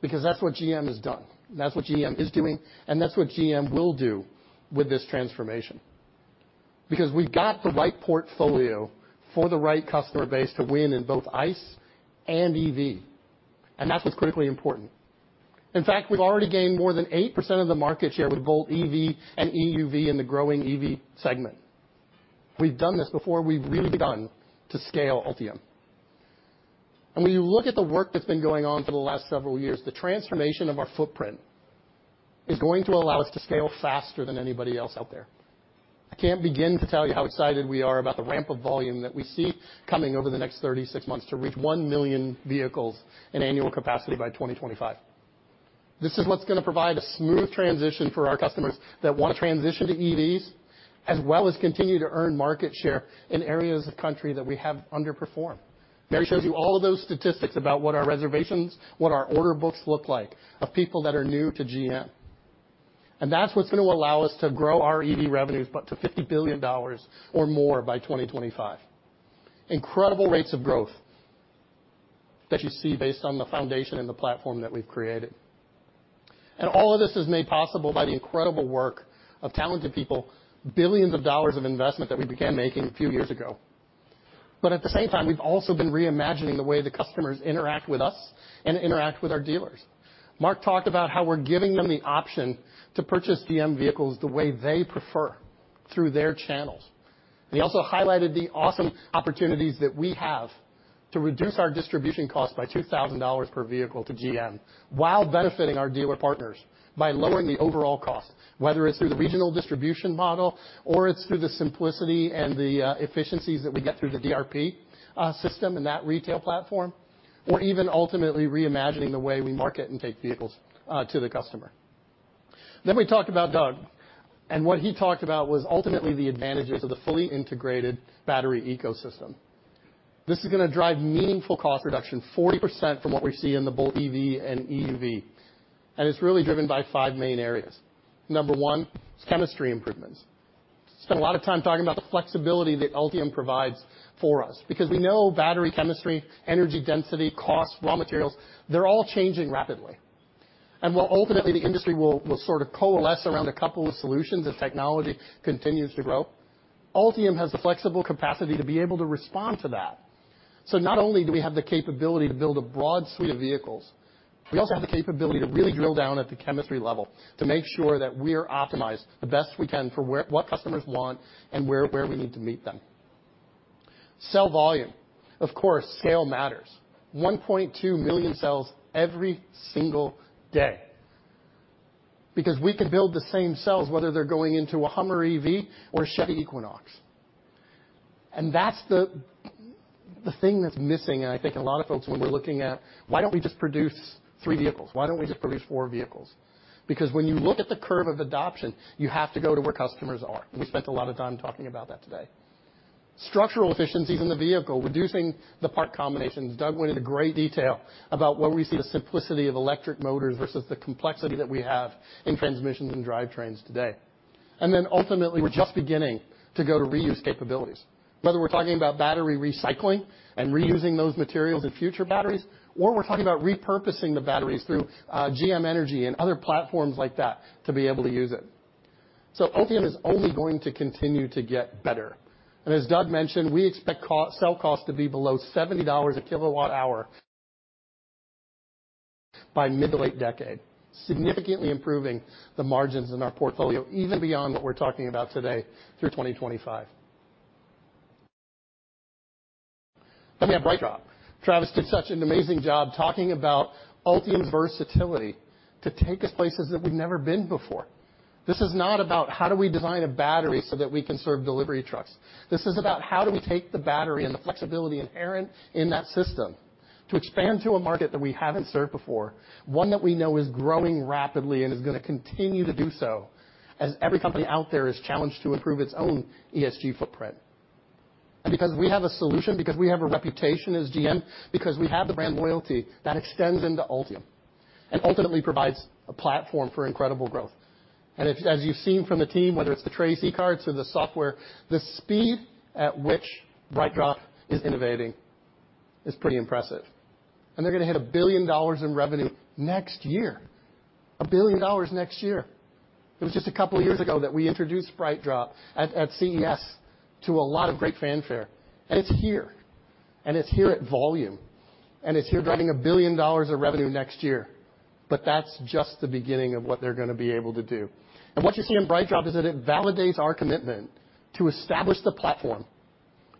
because that's what GM has done. That's what GM is doing, and that's what GM will do with this transformation. Because we've got the right portfolio for the right customer base to win in both ICE and EV, and that's what's critically important. In fact, we've already gained more than 8% of the market share with both EV and EUV in the growing EV segment. We've done this before. We've really begun to scale Ultium. When you look at the work that's been going on for the last several years, the transformation of our footprint is going to allow us to scale faster than anybody else out there. I can't begin to tell you how excited we are about the ramp of volume that we see coming over the next 36 months to reach 1 million vehicles in annual capacity by 2025. This is what's gonna provide a smooth transition for our customers that wanna transition to EVs, as well as continue to earn market share in areas of the country that we have underperformed. Mary showed you all of those statistics about what our reservations, what our order books look like of people that are new to GM. That's what's gonna allow us to grow our EV revenues up to $50 billion or more by 2025. Incredible rates of growth that you see based on the foundation and the platform that we've created. All of this is made possible by the incredible work of talented people, billions of dollars of investment that we began making a few years ago. At the same time, we've also been reimagining the way the customers interact with us and interact with our dealers. Mark talked about how we're giving them the option to purchase GM vehicles the way they prefer, through their channels. He also highlighted the awesome opportunities that we have to reduce our distribution costs by $2,000 per vehicle to GM while benefiting our dealer partners by lowering the overall cost, whether it's through the regional distribution model or it's through the simplicity and the efficiencies that we get through the DRP system and that retail platform, or even ultimately reimagining the way we market and take vehicles to the customer. We talked about Doug, and what he talked about was ultimately the advantages of the fully integrated battery ecosystem. This is gonna drive meaningful cost reduction, 40% from what we see in the Bolt EV and EUV, and it's really driven by five main areas. Number one is chemistry improvements. Spent a lot of time talking about the flexibility that Ultium provides for us because we know battery chemistry, energy density, cost, raw materials, they're all changing rapidly. While ultimately the industry will sort of coalesce around a couple of solutions as technology continues to grow, Ultium has the flexible capacity to be able to respond to that. Not only do we have the capability to build a broad suite of vehicles, we also have the capability to really drill down at the chemistry level to make sure that we're optimized the best we can for what customers want and where we need to meet them. Cell volume. Of course, scale matters. 1.2 million cells every single day because we can build the same cells whether they're going into a Hummer EV or a Chevy Equinox. That's the thing that's missing, and I think a lot of folks, when we're looking at why don't we just produce three vehicles, why don't we just produce four vehicles? Because when you look at the curve of adoption, you have to go to where customers are. We spent a lot of time talking about that today. Structural efficiencies in the vehicle, reducing the part combinations. Doug went into great detail about where we see the simplicity of electric motors versus the complexity that we have in transmissions and drivetrains today. Ultimately, we're just beginning to go to reuse capabilities, whether we're talking about battery recycling and reusing those materials in future batteries, or we're talking about repurposing the batteries through GM Energy and other platforms like that to be able to use it. Ultium is only going to continue to get better. As Doug mentioned, we expect cell costs to be below $70/kWh by mid-to-late decade, significantly improving the margins in our portfolio, even beyond what we're talking about today through 2025. We have BrightDrop. Travis did such an amazing job talking about Ultium's versatility to take us places that we've never been before. This is not about how do we design a battery so that we can serve delivery trucks. This is about how do we take the battery and the flexibility inherent in that system to expand to a market that we haven't served before, one that we know is growing rapidly and is gonna continue to do so as every company out there is challenged to improve its own ESG footprint. Because we have a solution, because we have a reputation as GM, because we have the brand loyalty, that extends into Ultium and ultimately provides a platform for incredible growth. As you've seen from the team, whether it's the Trace eCarts or the software, the speed at which BrightDrop is innovating is pretty impressive. They're gonna hit $1 billion in revenue next year. $1 billion next year. It was just a couple of years ago that we introduced BrightDrop at CES to a lot of great fanfare, and it's here at volume, and it's driving $1 billion of revenue next year. That's just the beginning of what they're gonna be able to do. What you see in BrightDrop is that it validates our commitment to establish the platform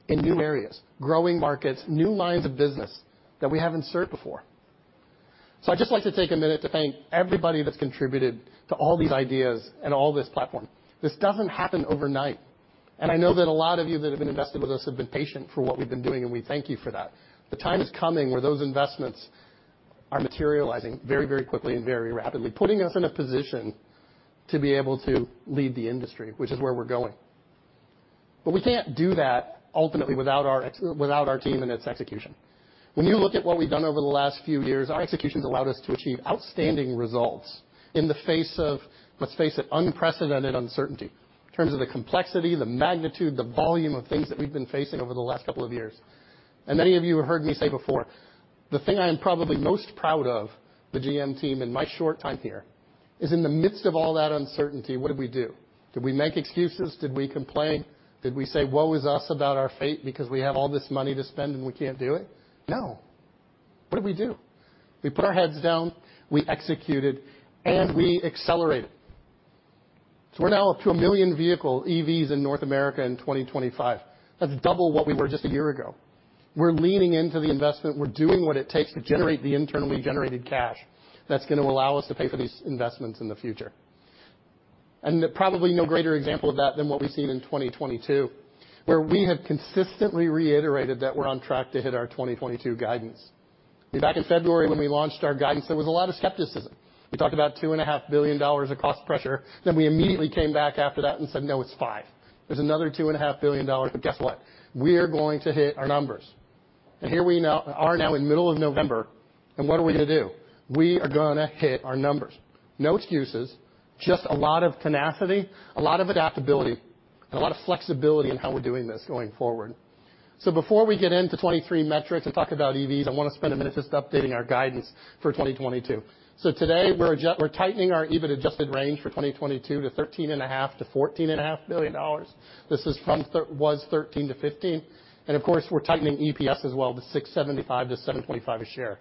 in new areas, growing markets, new lines of business that we haven't served before. I'd just like to take a minute to thank everybody that's contributed to all these ideas and all this platform. This doesn't happen overnight, and I know that a lot of you that have been invested with us have been patient for what we've been doing, and we thank you for that. The time is coming where those investments are materializing very, very quickly and very rapidly, putting us in a position to be able to lead the industry, which is where we're going. We can't do that ultimately without our team and its execution. When you look at what we've done over the last few years, our execution's allowed us to achieve outstanding results in the face of, let's face it, unprecedented uncertainty in terms of the complexity, the magnitude, the volume of things that we've been facing over the last couple of years. Many of you have heard me say before, the thing I am probably most proud of the GM team in my short time here is in the midst of all that uncertainty, what did we do? Did we make excuses? Did we complain? Did we say, "Woe is us," about our fate because we have all this money to spend and we can't do it? No. What did we do? We put our heads down, we executed, and we accelerated. We're now up to 1 million vehicle EVs in North America in 2025. That's double what we were just a year ago. We're leaning into the investment. We're doing what it takes to generate the internally generated cash that's gonna allow us to pay for these investments in the future. Probably no greater example of that than what we've seen in 2022, where we have consistently reiterated that we're on track to hit our 2022 guidance. Back in February, when we launched our guidance, there was a lot of skepticism. We talked about $2.5 billion of cost pressure, then we immediately came back after that and said, "No, it's $5 billion." There's another $2.5 billion, but guess what? We're going to hit our numbers. We are now in the middle of November, and what are we gonna do? We are gonna hit our numbers. No excuses, just a lot of tenacity, a lot of adaptability, and a lot of flexibility in how we're doing this going forward. Before we get into 2023 metrics and talk about EVs, I wanna spend a minute just updating our guidance for 2022. Today, we're tightening our EBIT-adjusted range for 2022 to $13.5 billion-$14.5 billion. This was $13 billion-$15 billion. Of course, we're tightening EPS as well to $6.75-$7.50 a share.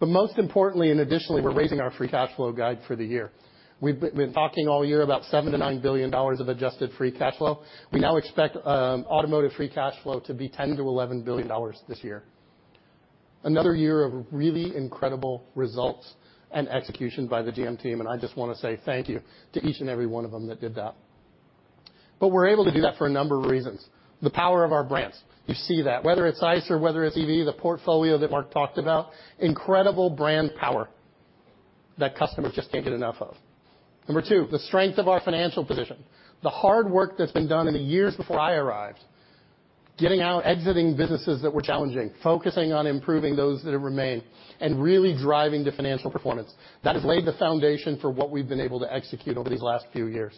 Most importantly and additionally, we're raising our free cash flow guide for the year. We've been talking all year about $7 billion-$9 billion of adjusted free cash flow. We now expect automotive free cash flow to be $10 billion-$11 billion this year. Another year of really incredible results and execution by the GM team, and I just wanna say thank you to each and every one of them that did that. We're able to do that for a number of reasons. The power of our brands, you see that. Whether it's ICE or whether it's EV, the portfolio that Mark talked about, incredible brand power that customers just can't get enough of. Number two, the strength of our financial position, the hard work that's been done in the years before I arrived, getting out, exiting businesses that were challenging, focusing on improving those that remain, and really driving the financial performance. That has laid the foundation for what we've been able to execute over these last few years.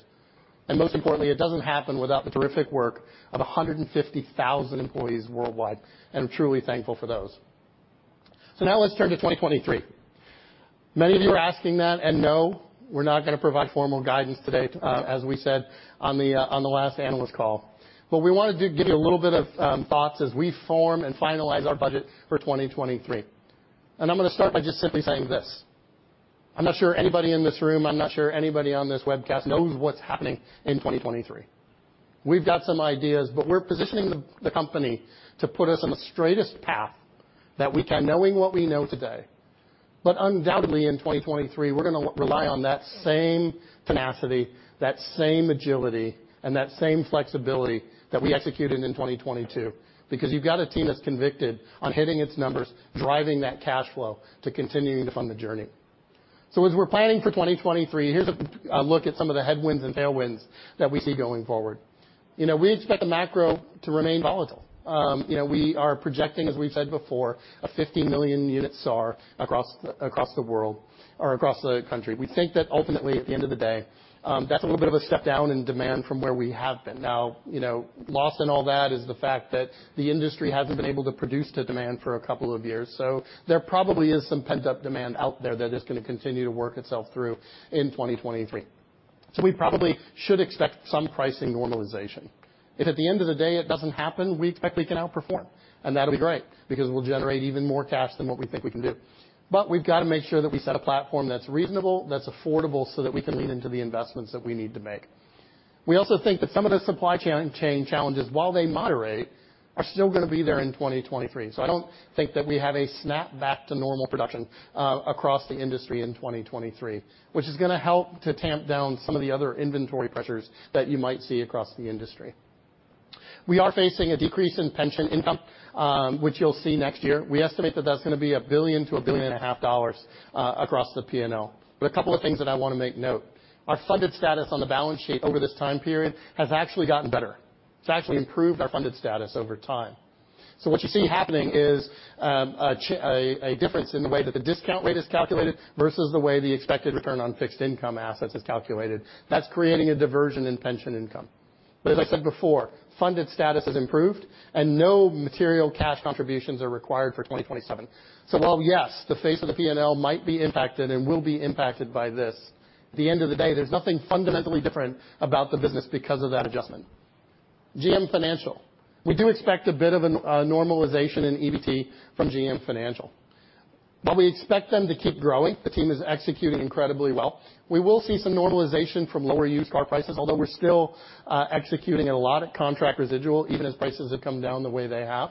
Most importantly, it doesn't happen without the terrific work of 150,000 employees worldwide, and I'm truly thankful for those. Now let's turn to 2023. Many of you are asking that, and no, we're not gonna provide formal guidance today, as we said on the last analyst call. We wanted to give you a little bit of thoughts as we form and finalize our budget for 2023. I'm gonna start by just simply saying this. I'm not sure anybody in this room, I'm not sure anybody on this webcast knows what's happening in 2023. We've got some ideas, but we're positioning the company to put us on the straightest path that we can, knowing what we know today. Undoubtedly, in 2023, we're gonna rely on that same tenacity, that same agility, and that same flexibility that we executed in 2022 because you've got a team that's convicted on hitting its numbers, driving that cash flow to continuing to fund the journey. As we're planning for 2023, here's a look at some of the headwinds and tailwinds that we see going forward. You know, we expect the macro to remain volatile. You know, we are projecting, as we've said before, a 50 million unit SAAR across the world or across the country. We think that ultimately, at the end of the day, that's a little bit of a step down in demand from where we have been. Now, you know, lost in all that is the fact that the industry hasn't been able to produce to demand for a couple of years. There probably is some pent-up demand out there that is gonna continue to work itself through in 2023. We probably should expect some pricing normalization. If at the end of the day it doesn't happen, we expect we can outperform, and that'll be great because we'll generate even more cash than what we think we can do. We've got to make sure that we set a platform that's reasonable, that's affordable, so that we can lean into the investments that we need to make. We also think that some of the supply chain challenges, while they moderate, are still gonna be there in 2023. I don't think that we have a snapback to normal production across the industry in 2023, which is gonna help to tamp down some of the other inventory pressures that you might see across the industry. We are facing a decrease in pension income, which you'll see next year. We estimate that that's gonna be $1 billion-$1.5 billion across the P&L. A couple of things that I wanna make note. Our funded status on the balance sheet over this time period has actually gotten better. It's actually improved our funded status over time. What you see happening is a difference in the way that the discount rate is calculated versus the way the expected return on fixed income assets is calculated. That's creating a divergence in pension income. As I said before, funded status has improved and no material cash contributions are required for 2027. While, yes, the face of the P&L might be impacted and will be impacted by this, at the end of the day, there's nothing fundamentally different about the business because of that adjustment. GM Financial. We do expect a bit of a normalization in EBT from GM Financial. While we expect them to keep growing, the team is executing incredibly well. We will see some normalization from lower used car prices, although we're still executing a lot of contract residual, even as prices have come down the way they have.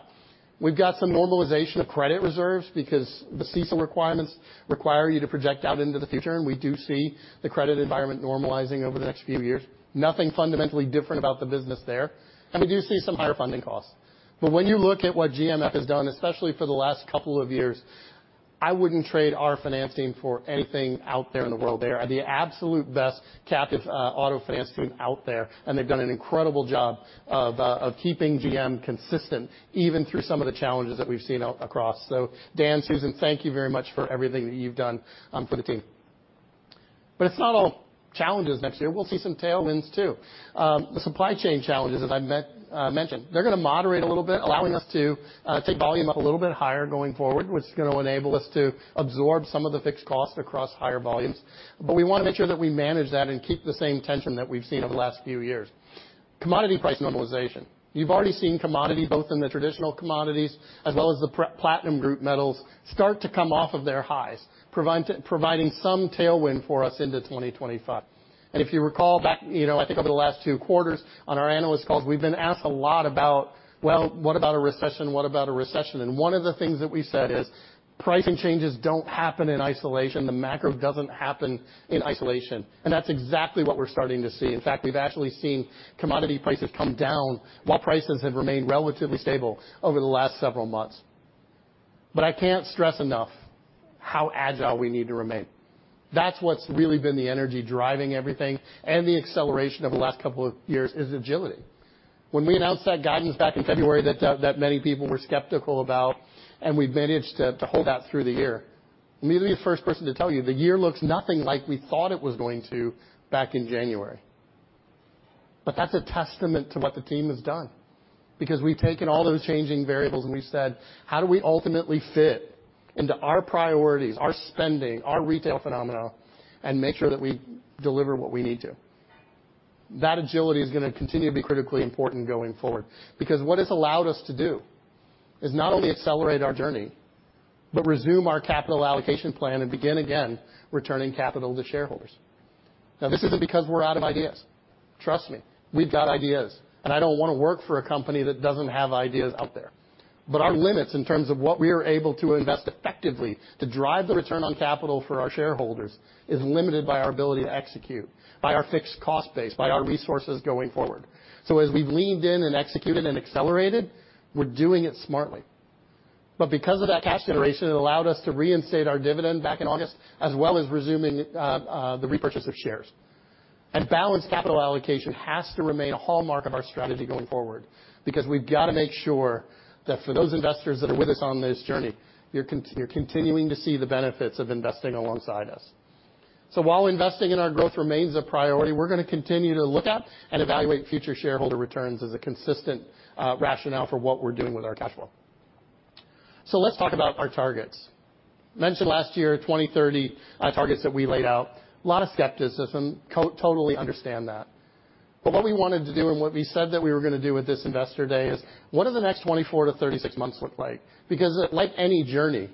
We've got some normalization of credit reserves because the CECL requirements require you to project out into the future, and we do see the credit environment normalizing over the next few years. Nothing fundamentally different about the business there. We do see some higher funding costs. When you look at what GMF has done, especially for the last couple of years, I wouldn't trade our financing for anything out there in the world. They are the absolute best captive auto financing out there, and they've done an incredible job of keeping GM consistent, even through some of the challenges that we've seen out across. Dan, Susan, thank you very much for everything that you've done for the team. It's not all challenges next year. We'll see some tailwinds too. The supply chain challenges that I mentioned, they're gonna moderate a little bit, allowing us to take volume up a little bit higher going forward, which is gonna enable us to absorb some of the fixed costs across higher volumes. We wanna make sure that we manage that and keep the same tension that we've seen over the last few years. Commodity price normalization. You've already seen commodities, both in the traditional commodities as well as the platinum group metals, start to come off of their highs, providing some tailwind for us into 2025. If you recall back, you know, I think over the last two quarters on our analyst calls, we've been asked a lot about, well, what about a recession? One of the things that we said is pricing changes don't happen in isolation. The macro doesn't happen in isolation. That's exactly what we're starting to see. In fact, we've actually seen commodity prices come down while prices have remained relatively stable over the last several months. I can't stress enough how agile we need to remain. That's what's really been the energy driving everything and the acceleration over the last couple of years is agility. When we announced that guidance back in February that many people were skeptical about, and we've managed to hold that through the year, let me be the first person to tell you the year looks nothing like we thought it was going to back in January. That's a testament to what the team has done because we've taken all those changing variables and we've said, "How do we ultimately fit into our priorities, our spending, our retail phenomena, and make sure that we deliver what we need to?" That agility is gonna continue to be critically important going forward because what it's allowed us to do is not only accelerate our journey, but resume our capital allocation plan and begin again returning capital to shareholders. This isn't because we're out of ideas. Trust me, we've got ideas, and I don't wanna work for a company that doesn't have ideas out there. Our limits in terms of what we are able to invest effectively to drive the return on capital for our shareholders is limited by our ability to execute, by our fixed cost base, by our resources going forward. As we've leaned in and executed and accelerated, we're doing it smartly. Because of that cash generation, it allowed us to reinstate our dividend back in August, as well as resuming the repurchase of shares. Balanced capital allocation has to remain a hallmark of our strategy going forward because we've got to make sure that for those investors that are with us on this journey, you're continuing to see the benefits of investing alongside us. While investing in our growth remains a priority, we're gonna continue to look at and evaluate future shareholder returns as a consistent rationale for what we're doing with our cash flow. Let's talk about our targets. Mentioned last year, 2030 targets that we laid out, a lot of skepticism. Totally understand that. What we wanted to do and what we said that we were gonna do with this Investor Day is, what do the next 24-36 months look like? Because like any journey,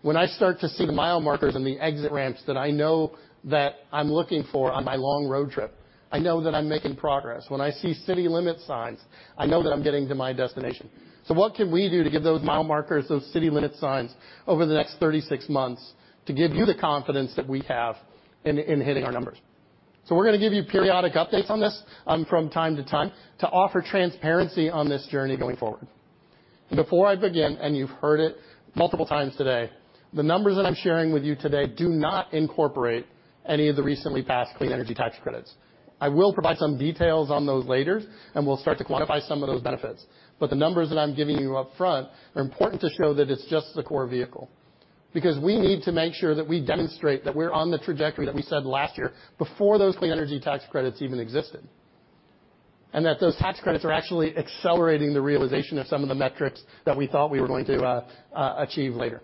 when I start to see the mile markers and the exit ramps that I know that I'm looking for on my long road trip, I know that I'm making progress. When I see city limit signs, I know that I'm getting to my destination. What can we do to give those mile markers, those city limit signs over the next 36 months to give you the confidence that we have in hitting our numbers? We're gonna give you periodic updates on this from time to time to offer transparency on this journey going forward. Before I begin, and you've heard it multiple times today, the numbers that I'm sharing with you today do not incorporate any of the recently passed Clean Energy Tax Credits. I will provide some details on those later, and we'll start to quantify some of those benefits. The numbers that I'm giving you up front are important to show that it's just the core vehicle. Because we need to make sure that we demonstrate that we're on the trajectory that we said last year before those clean energy tax credits even existed, and that those tax credits are actually accelerating the realization of some of the metrics that we thought we were going to achieve later.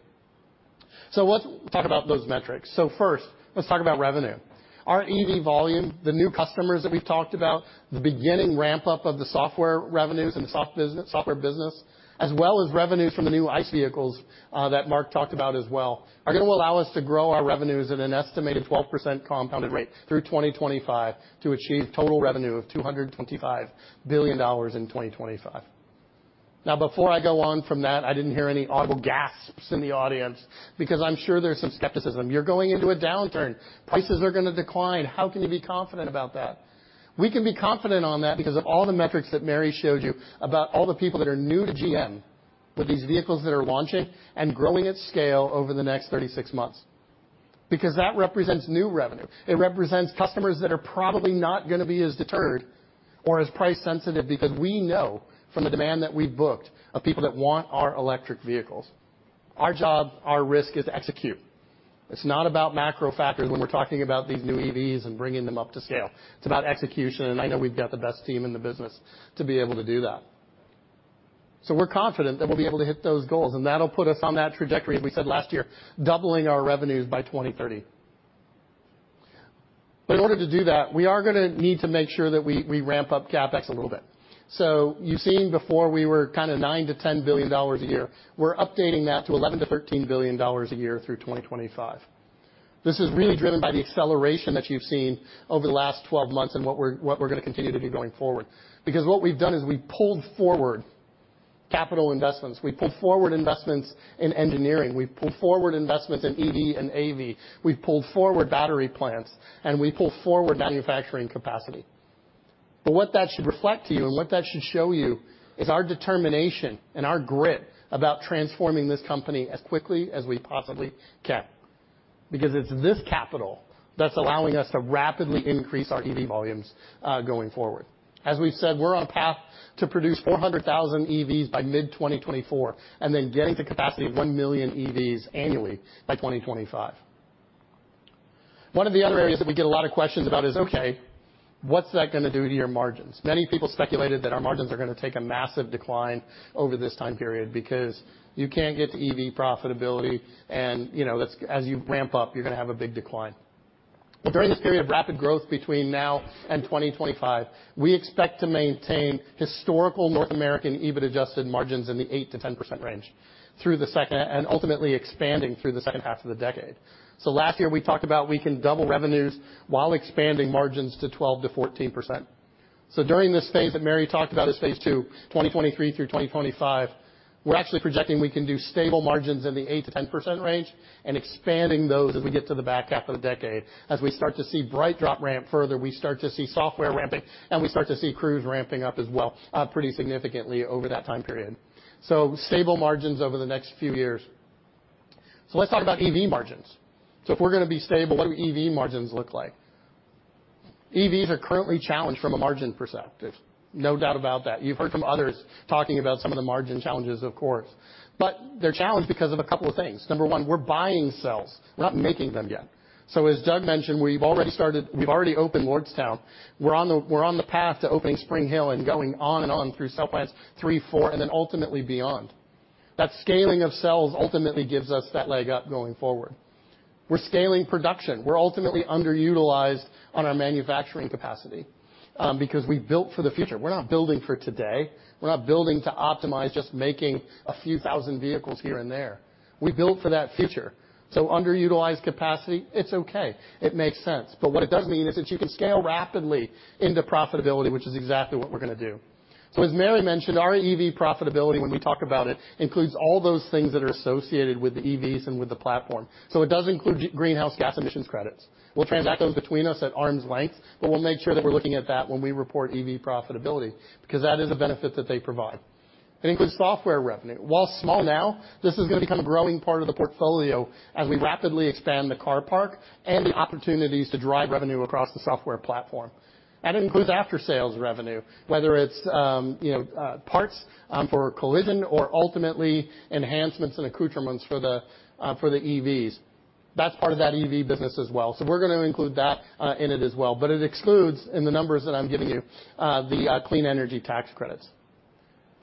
Let's talk about those metrics. First, let's talk about revenue. Our EV volume, the new customers that we've talked about, the beginning ramp-up of the software revenues and the software business, as well as revenues from the new ICE vehicles that Mark talked about as well, are gonna allow us to grow our revenues at an estimated 12% compounded rate through 2025 to achieve total revenue of $225 billion in 2025. Now, before I go on from that, I didn't hear any audible gasps in the audience because I'm sure there's some skepticism. You're going into a downturn. Prices are gonna decline. How can you be confident about that? We can be confident on that because of all the metrics that Mary showed you about all the people that are new to GM, with these vehicles that are launching and growing its scale over the next 36 months. Because that represents new revenue. It represents customers that are probably not gonna be as deterred or as price-sensitive because we know from the demand that we've booked of people that want our electric vehicles, our job, our risk is execute. It's not about macro factors when we're talking about these new EVs and bringing them up to scale. It's about execution, and I know we've got the best team in the business to be able to do that. We're confident that we'll be able to hit those goals, and that'll put us on that trajectory, as we said last year, doubling our revenues by 2030. In order to do that, we are gonna need to make sure that we ramp up CapEx a little bit. You've seen before, we were kind of $9 billion-$10 billion a year. We're updating that to $11 billion-$13 billion a year through 2025. This is really driven by the acceleration that you've seen over the last 12 months and what we're gonna continue to do going forward. What we've done is we pulled forward capital investments. We pulled forward investments in engineering. We pulled forward investments in EV and AV. We pulled forward battery plants, and we pulled forward manufacturing capacity. What that should reflect to you and what that should show you is our determination and our grit about transforming this company as quickly as we possibly can, because it's this capital that's allowing us to rapidly increase our EV volumes, going forward. As we've said, we're on path to produce 400,000 EVs by mid-2024 and then getting to capacity of 1 million EVs annually by 2025. One of the other areas that we get a lot of questions about is, okay, what's that gonna do to your margins? Many people speculated that our margins are gonna take a massive decline over this time period because you can't get to EV profitability, and, you know, that's as you ramp up, you're gonna have a big decline. During this period of rapid growth between now and 2025, we expect to maintain historical North American EBIT-adjusted margins in the 8%-10% range through the second and ultimately expanding through the second half of the decade. Last year, we talked about we can double revenues while expanding margins to 12%-14%. During this phase that Mary talked about as phase II, 2023 through 2025, we're actually projecting we can do stable margins in the 8%-10% range and expanding those as we get to the back half of the decade. As we start to see BrightDrop ramp further, we start to see software ramping, and we start to see Cruise ramping up as well, pretty significantly over that time period. Stable margins over the next few years. Let's talk about EV margins. If we're gonna be stable, what do EV margins look like? EVs are currently challenged from a margin perspective. No doubt about that. You've heard from others talking about some of the margin challenges, of course. They're challenged because of a couple of things. Number one, we're buying cells, we're not making them yet. As Doug mentioned, we've already opened Lordstown. We're on the path to opening Spring Hill and going on and on through cell plants three, four, and then ultimately beyond. That scaling of cells ultimately gives us that leg up going forward. We're scaling production. We're ultimately underutilized on our manufacturing capacity, because we built for the future. We're not building for today. We're not building to optimize just making a few thousand vehicles here and there. We built for that future. Underutilized capacity, it's okay, it makes sense. What it does mean is that you can scale rapidly into profitability, which is exactly what we're gonna do. As Mary mentioned, our EV profitability, when we talk about it, includes all those things that are associated with the EVs and with the platform. It does include greenhouse gas emissions credits. We'll transact those between us at arm's length, but we'll make sure that we're looking at that when we report EV profitability, because that is a benefit that they provide. It includes software revenue. While small now, this is gonna become a growing part of the portfolio as we rapidly expand the car park and the opportunities to drive revenue across the software platform. It includes after-sales revenue, whether it's, you know, parts for collision or ultimately enhancements and accoutrements for the EVs. That's part of that EV business as well. We're gonna include that in it as well. But it excludes, in the numbers that I'm giving you, the Clean Energy Tax Credits.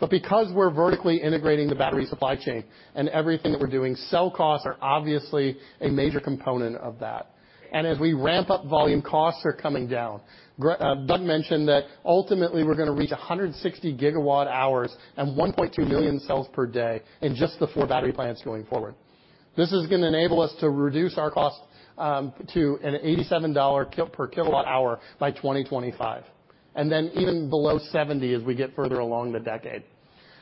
But because we're vertically integrating the battery supply chain in everything that we're doing, cell costs are obviously a major component of that. And as we ramp up volume, costs are coming down. Doug mentioned that ultimately, we're gonna reach 160 GWh and 1.2 million cells per day in just the four battery plants going forward. This is gonna enable us to reduce our costs to an $87 per kWh by 2025, and then even below $70 as we get further along the decade.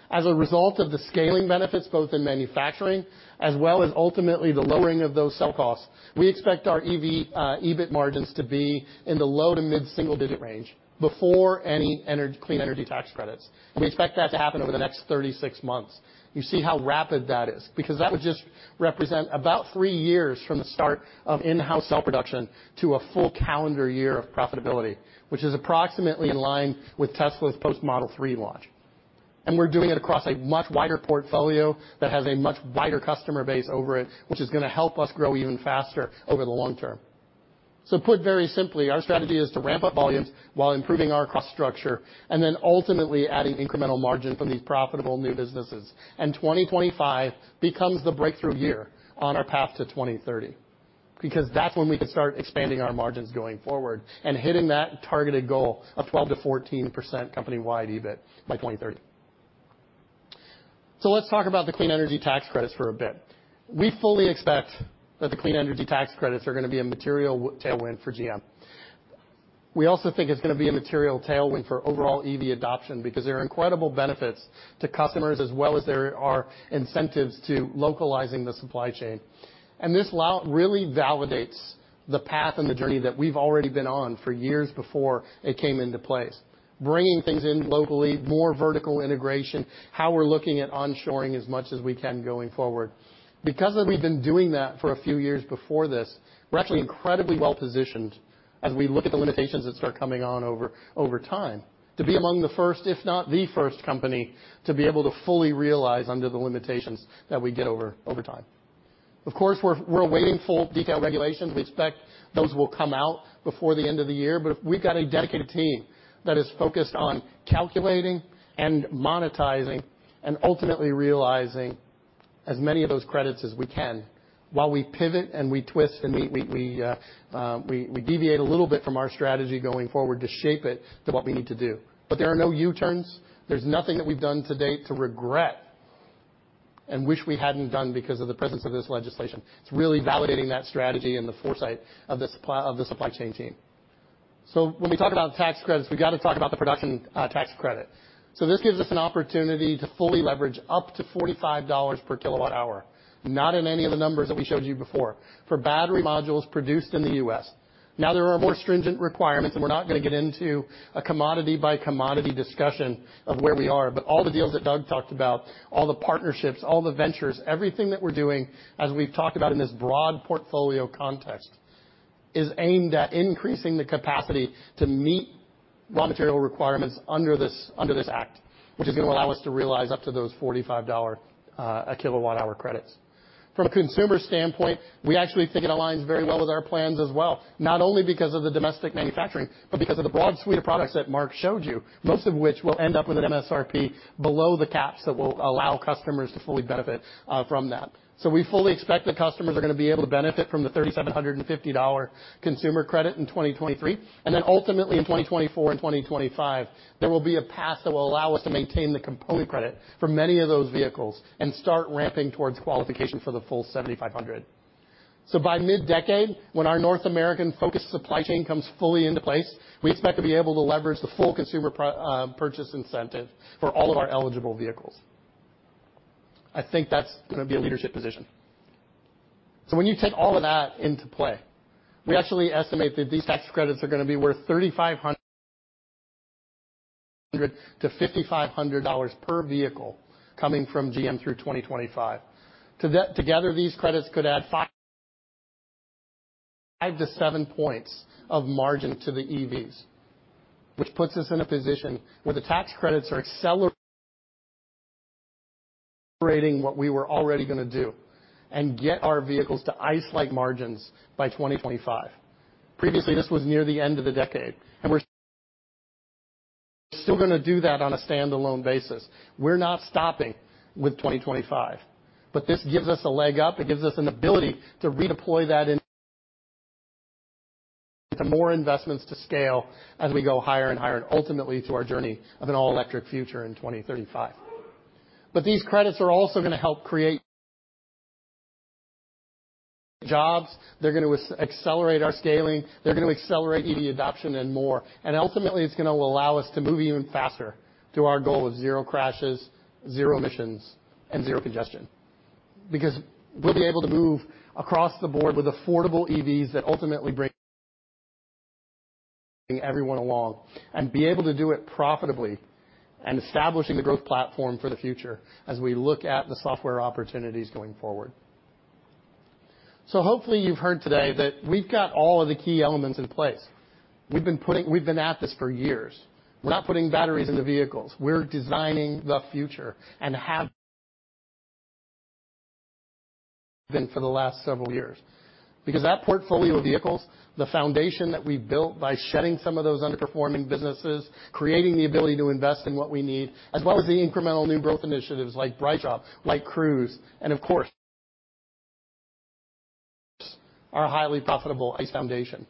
As a result of the scaling benefits, both in manufacturing as well as ultimately the lowering of those cell costs, we expect our EV EBIT margins to be in the low- to mid-single-digit range before any clean energy tax credits. We expect that to happen over the next 36 months. You see how rapid that is, because that would just represent about three years from the start of in-house cell production to a full calendar year of profitability, which is approximately in line with Tesla's post Model 3 launch. We're doing it across a much wider portfolio that has a much wider customer base over it, which is gonna help us grow even faster over the long term. Put very simply, our strategy is to ramp up volumes while improving our cost structure and then ultimately adding incremental margin from these profitable new businesses. 2025 becomes the breakthrough year on our path to 2030, because that's when we can start expanding our margins going forward and hitting that targeted goal of 12%-14% company-wide EBIT by 2030. Let's talk about the Clean Energy Tax Credits for a bit. We fully expect that the Clean Energy Tax Credits are gonna be a material tailwind for GM. We also think it's gonna be a material tailwind for overall EV adoption because there are incredible benefits to customers as well as there are incentives to localizing the supply chain. This really validates the path and the journey that we've already been on for years before it came into place, bringing things in locally, more vertical integration, how we're looking at onshoring as much as we can going forward. Because we've been doing that for a few years before this, we're actually incredibly well-positioned as we look at the limitations that start coming on over time to be among the first, if not the first company, to be able to fully realize under the limitations that we get over time. Of course, we're awaiting full detailed regulations. We expect those will come out before the end of the year. We've got a dedicated team that is focused on calculating and monetizing and ultimately realizing as many of those credits as we can while we pivot and we twist and we deviate a little bit from our strategy going forward to shape it to what we need to do. There are no U-turns. There's nothing that we've done to date to regret and wish we hadn't done because of the presence of this legislation. It's really validating that strategy and the foresight of the supply chain team. When we talk about tax credits, we've got to talk about the production tax credit. This gives us an opportunity to fully leverage up to $45 per kWh, not in any of the numbers that we showed you before, for battery modules produced in the U.S. Now, there are more stringent requirements, and we're not gonna get into a commodity-by-commodity discussion of where we are. All the deals that Doug talked about, all the partnerships, all the ventures, everything that we're doing, as we've talked about in this broad portfolio context, is aimed at increasing the capacity to meet raw material requirements under this act, which is gonna allow us to realize up to those $45/kWh credits. From a consumer standpoint, we actually think it aligns very well with our plans as well, not only because of the domestic manufacturing, but because of the broad suite of products that Mark showed you, most of which will end up with an MSRP below the caps that will allow customers to fully benefit from that. We fully expect that customers are gonna be able to benefit from the $3,750 consumer credit in 2023. Ultimately in 2024 and 2025, there will be a path that will allow us to maintain the component credit for many of those vehicles and start ramping towards qualification for the full $7,500. By mid-decade, when our North American-focused supply chain comes fully into place, we expect to be able to leverage the full consumer purchase incentive for all of our eligible vehicles. I think that's gonna be a leadership position. When you take all of that into play, we actually estimate that these tax credits are gonna be worth $3,500-$5,500 per vehicle coming from GM through 2025. Together, these credits could add five to seven points of margin to the EVs, which puts us in a position where the tax credits are accelerating what we were already gonna do and get our vehicles to ICE-like margins by 2025. Previously, this was near the end of the decade, and we're still gonna do that on a standalone basis. We're not stopping with 2025, but this gives us a leg up. It gives us an ability to redeploy that into more investments to scale as we go higher and higher, and ultimately to our journey of an all-electric future in 2035. These credits are also gonna help create jobs. They're gonna accelerate our scaling, they're gonna accelerate EV adoption and more, and ultimately, it's gonna allow us to move even faster to our goal of zero crashes, zero emissions, and zero congestion. Because we'll be able to move across the board with affordable EVs that ultimately bring everyone along and be able to do it profitably and establishing the growth platform for the future as we look at the software opportunities going forward. Hopefully you've heard today that we've got all of the key elements in place. We've been at this for years. We're not putting batteries into vehicles. We're designing the future and have been for the last several years. Because that portfolio of vehicles, the foundation that we've built by shedding some of those underperforming businesses, creating the ability to invest in what we need, as well as the incremental new growth initiatives like BrightDrop, like Cruise, and of course, our highly profitable ICE foundation.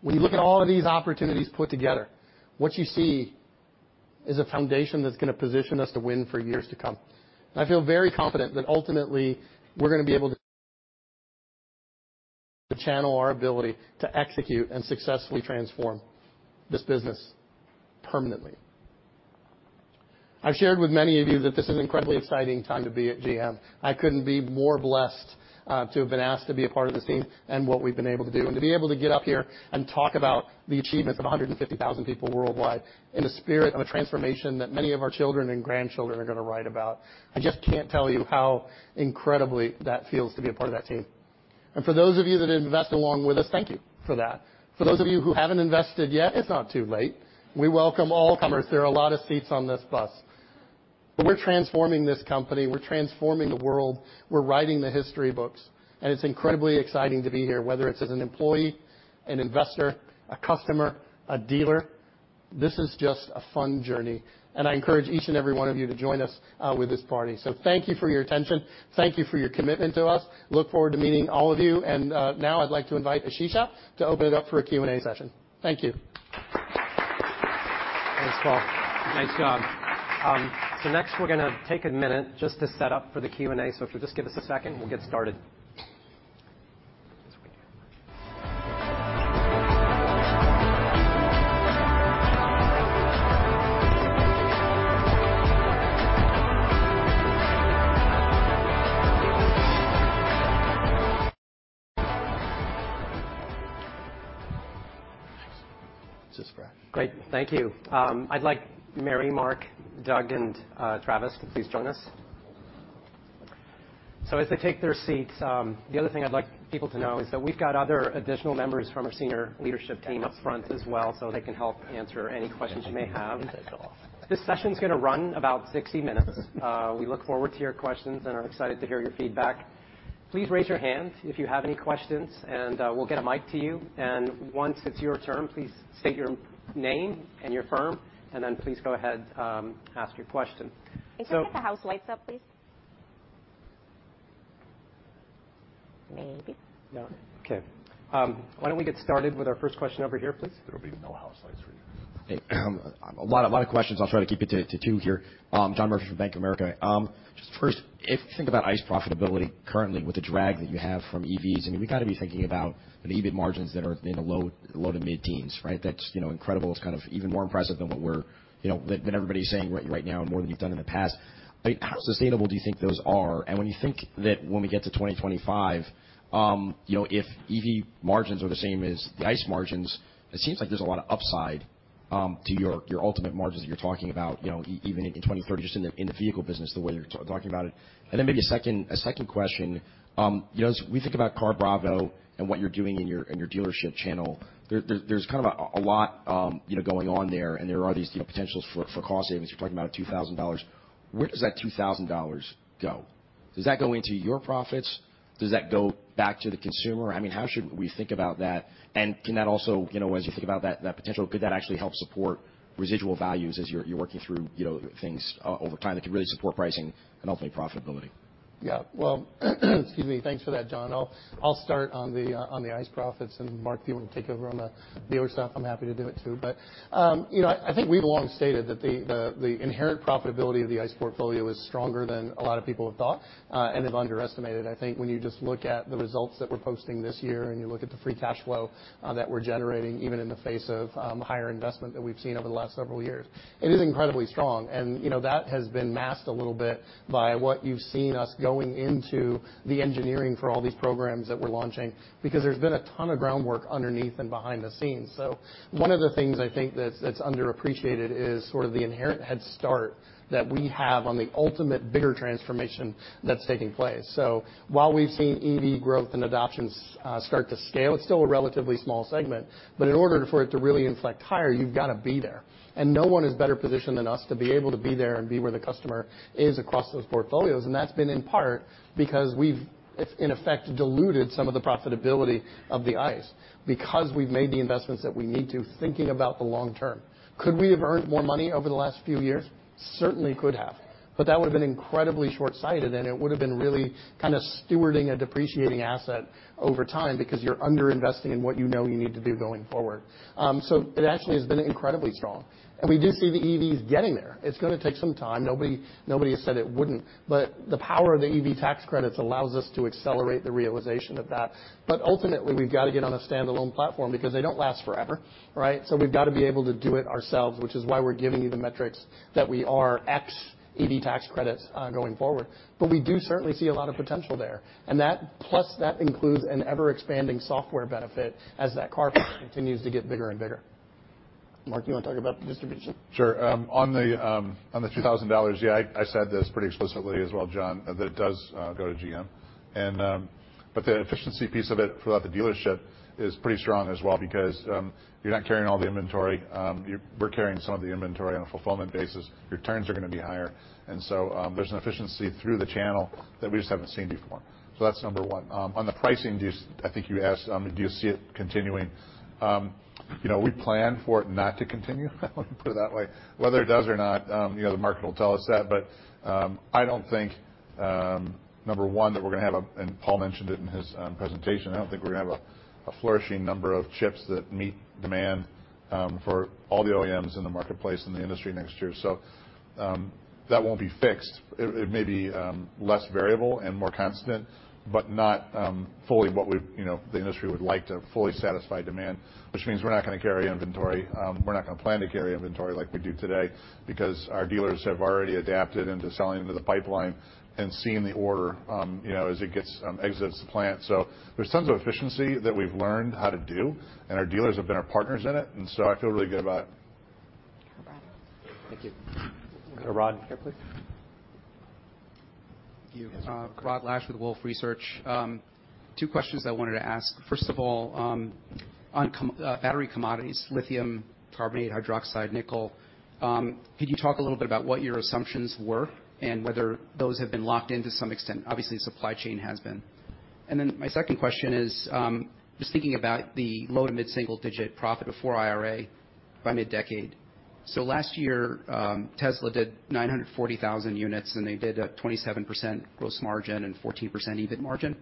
When you look at all of these opportunities put together, what you see is a foundation that's gonna position us to win for years to come. I feel very confident that ultimately, we're gonna be able to channel our ability to execute and successfully transform this business permanently. I've shared with many of you that this is an incredibly exciting time to be at GM. I couldn't be more blessed to have been asked to be a part of this team and what we've been able to do. To be able to get up here and talk about the achievements of 150,000 people worldwide in the spirit of a transformation that many of our children and grandchildren are gonna write about, I just can't tell you how incredibly that feels to be a part of that team. For those of you that invest along with us, thank you for that. For those of you who haven't invested yet, it's not too late. We welcome all comers. There are a lot of seats on this bus. We're transforming this company, we're transforming the world, we're writing the history books, and it's incredibly exciting to be here, whether it's as an employee, an investor, a customer, a dealer. This is just a fun journey, and I encourage each and every one of you to join us with this party. Thank you for your attention. Thank you for your commitment to us. Look forward to meeting all of you, and now I'd like to invite Ashish to open it up for a Q&A session. Thank you. Thanks, Paul. Nice job. Next, we're gonna take a minute just to set up for the Q&A. If you'll just give us a second, we'll get started. Great. Thank you. I'd like Mary, Mark, Doug, and Travis to please join us. As they take their seats, the other thing I'd like people to know is that we've got other additional members from our senior leadership team up front as well, so they can help answer any questions you may have. This session's gonna run about 60 minutes. We look forward to your questions and are excited to hear your feedback. Please raise your hand if you have any questions, and we'll get a mic to you. Once it's your turn, please state your name and your firm, and then please go ahead, ask your question. Can we get the house lights up, please? Maybe. No. Okay. Why don't we get started with our first question over here, please? There will be no house lights for you. A lot of questions. I'll try to keep it to two here. John Murphy from Bank of America. Just first, if you think about ICE profitability currently with the drag that you have from EVs, I mean, we've got to be thinking about EBIT margins that are in the low- to mid-teens%, right? That's incredible. It's kind of even more impressive than everybody's saying right now and more than you've done in the past. I mean, how sustainable do you think those are? When you think that we get to 2025, you know, if EV margins are the same as the ICE margins, it seems like there's a lot of upside to your ultimate margins that you're talking about, you know, even in 2030, just in the vehicle business the way you're talking about it. Then maybe a second question, you know, as we think about CarBravo and what you're doing in your dealership channel, there's kind of a lot going on there, and there are these potentials for cost savings. You're talking about $2,000. Where does that $2,000 go? Does that go into your profits? Does that go back to the consumer? I mean, how should we think about that? Can that also, you know, as you think about that potential, could that actually help support residual values as you're working through, you know, things over time that could really support pricing and ultimately profitability? Yeah. Well, excuse me. Thanks for that, John. I'll start on the ICE profits, and Mark, if you wanna take over on the other stuff, I'm happy to do it, too. You know, I think we've long stated that the inherent profitability of the ICE portfolio is stronger than a lot of people have thought and have underestimated. I think when you just look at the results that we're posting this year and you look at the free cash flow that we're generating, even in the face of higher investment that we've seen over the last several years, it is incredibly strong. You know, that has been masked a little bit by what you've seen us going into the engineering for all these programs that we're launching because there's been a ton of groundwork underneath and behind the scenes. One of the things I think that's underappreciated is sort of the inherent head start that we have on the ultimate bigger transformation that's taking place. While we've seen EV growth and adoption start to scale, it's still a relatively small segment, but in order for it to really inflect higher, you've gotta be there. No one is better positioned than us to be able to be there and be where the customer is across those portfolios, and that's been in part because we've, in effect, diluted some of the profitability of the ICE because we've made the investments that we need to, thinking about the long term. Could we have earned more money over the last few years? Certainly could have. That would have been incredibly shortsighted, and it would have been really kind of stewarding a depreciating asset over time because you're under-investing in what you know you need to do going forward. It actually has been incredibly strong. We do see the EVs getting there. It's gonna take some time. Nobody has said it wouldn't. The power of the EV tax credits allows us to accelerate the realization of that. Ultimately, we've got to get on a standalone platform because they don't last forever, right? We've got to be able to do it ourselves, which is why we're giving you the metrics that we are ex EV tax credits, going forward. We do certainly see a lot of potential there. That, plus that includes an ever-expanding software benefit as that car park continues to get bigger and bigger. Mark, you want to talk about the distribution? Sure. On the $2,000, yeah, I said this pretty explicitly as well, John, that it does go to GM. But the efficiency piece of it throughout the dealership is pretty strong as well because you're not carrying all the inventory. We're carrying some of the inventory on a fulfillment basis. Returns are gonna be higher. There's an efficiency through the channel that we just haven't seen before. That's number one. On the pricing, I think you asked, do you see it continuing? You know, we plan for it not to continue, let me put it that way. Whether it does or not, you know, the market will tell us that. I don't think number one that we're gonna have and Paul mentioned it in his presentation. I don't think we're gonna have a flourishing number of chips that meet demand for all the OEMs in the marketplace in the industry next year. That won't be fixed. It may be less variable and more constant, but not fully what we've you know the industry would like to fully satisfy demand, which means we're not gonna carry inventory. We're not gonna plan to carry inventory like we do today because our dealers have already adapted into selling into the pipeline and seeing the order you know as it exits the plant. There's tons of efficiency that we've learned how to do, and our dealers have been our partners in it, and so I feel really good about it. Thank you. Rod, here please. Thank you. Rod Lache with Wolfe Research. Two questions I wanted to ask. First of all, on battery commodities, lithium carbonate, hydroxide, nickel, could you talk a little bit about what your assumptions were and whether those have been locked in to some extent? Obviously, supply chain has been. My second question is, just thinking about the low- to mid-single digit profit before IRA by mid-decade. Last year, Tesla did 940,000 units, and they did a 27% gross margin and 14% EBIT margin,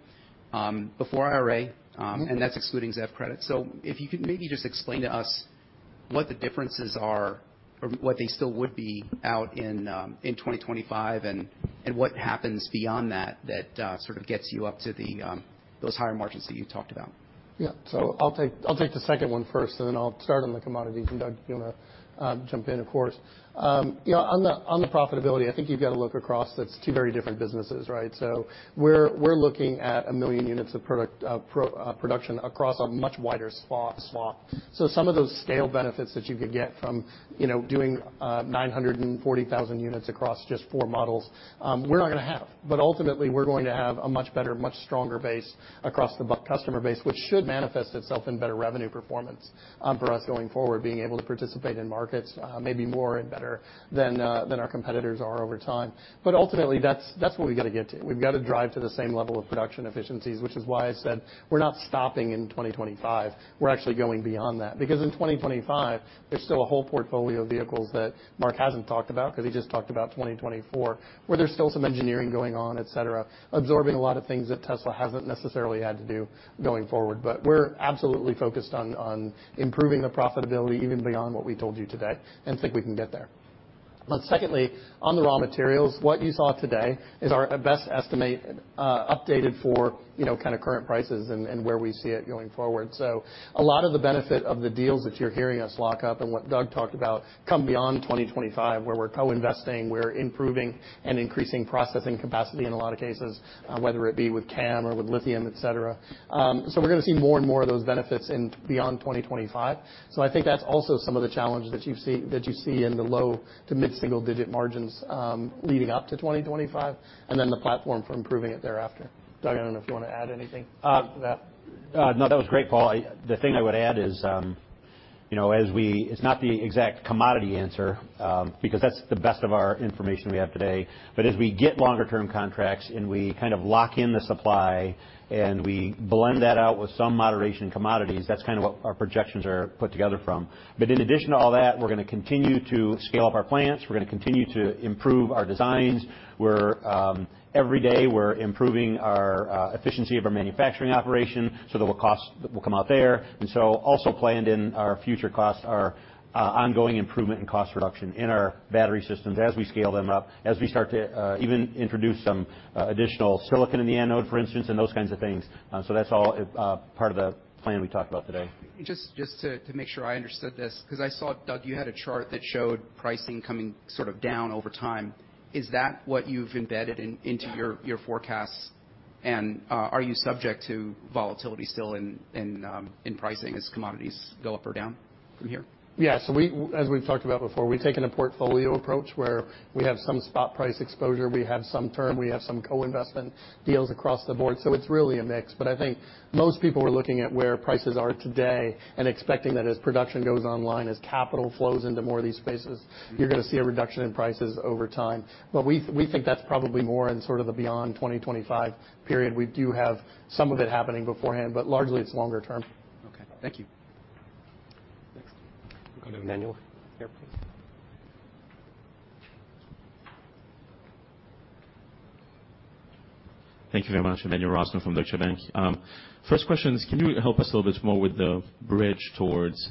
before IRA, and that's excluding ZEV credits. If you could maybe just explain to us what the differences are or what they still would be out in 2025, and what happens beyond that that sort of gets you up to the those higher margins that you talked about. Yeah. I'll take the second one first, and then I'll start on the commodities, and Doug, you wanna jump in, of course. You know, on the profitability, I think you've got to look across those two very different businesses, right? We're looking at 1 million units of product production across a much wider swath. Some of those scale benefits that you could get from, you know, doing 940,000 units across just four models, we're not gonna have. But ultimately, we're going to have a much better, much stronger base across the customer base, which should manifest itself in better revenue performance for us going forward, being able to participate in markets maybe more and better than our competitors are over time. Ultimately, that's what we got to get to. We've got to drive to the same level of production efficiencies, which is why I said we're not stopping in 2025. We're actually going beyond that. Because in 2025, there's still a whole portfolio of vehicles that Mark hasn't talked about 'cause he just talked about 2024, where there's still some engineering going on, et cetera, absorbing a lot of things that Tesla hasn't necessarily had to do going forward. We're absolutely focused on improving the profitability even beyond what we told you today, and think we can get there. Secondly, on the raw materials, what you saw today is our best estimate updated for, you know, kinda current prices and where we see it going forward. A lot of the benefit of the deals that you're hearing us lock up and what Doug talked about come beyond 2025, where we're co-investing, we're improving and increasing processing capacity in a lot of cases, whether it be with CAM or with lithium, et cetera. We're gonna see more and more of those benefits and beyond 2025. I think that's also some of the challenge that you see in the low- to mid-single digit margins, leading up to 2025, and then the platform for improving it thereafter. Doug, I don't know if you wanna add anything to that. No, that was great, Paul. The thing I would add is, you know, it's not the exact commodity answer, because that's the best of our information we have today. As we get longer-term contracts and we kind of lock in the supply and we blend that out with some moderation in commodities, that's kind of what our projections are put together from. In addition to all that, we're gonna continue to scale up our plants. We're gonna continue to improve our designs. Every day, we're improving our efficiency of our manufacturing operation so that what costs will come out there. Also planned in our future costs are ongoing improvement in cost reduction in our battery systems as we scale them up, as we start to even introduce some additional silicon in the anode, for instance, and those kinds of things. That's all part of the plan we talked about today. Just to make sure I understood this, 'cause I saw, Doug, you had a chart that showed pricing coming sort of down over time. Is that what you've embedded into your forecasts? Are you subject to volatility still in pricing as commodities go up or down from here? Yeah. As we've talked about before, we've taken a portfolio approach where we have some spot price exposure, we have some term, we have some co-investment deals across the board. It's really a mix. I think most people are looking at where prices are today and expecting that as production goes online, as capital flows into more of these spaces, you're gonna see a reduction in prices over time. We think that's probably more in sort of the beyond 2025 period. We do have some of it happening beforehand, but largely it's longer term. Okay. Thank you. Next. We'll go to Emmanuel. Here, please. Thank you very much. Emmanuel Rosner from Deutsche Bank. First question is, can you help us a little bit more with the bridge towards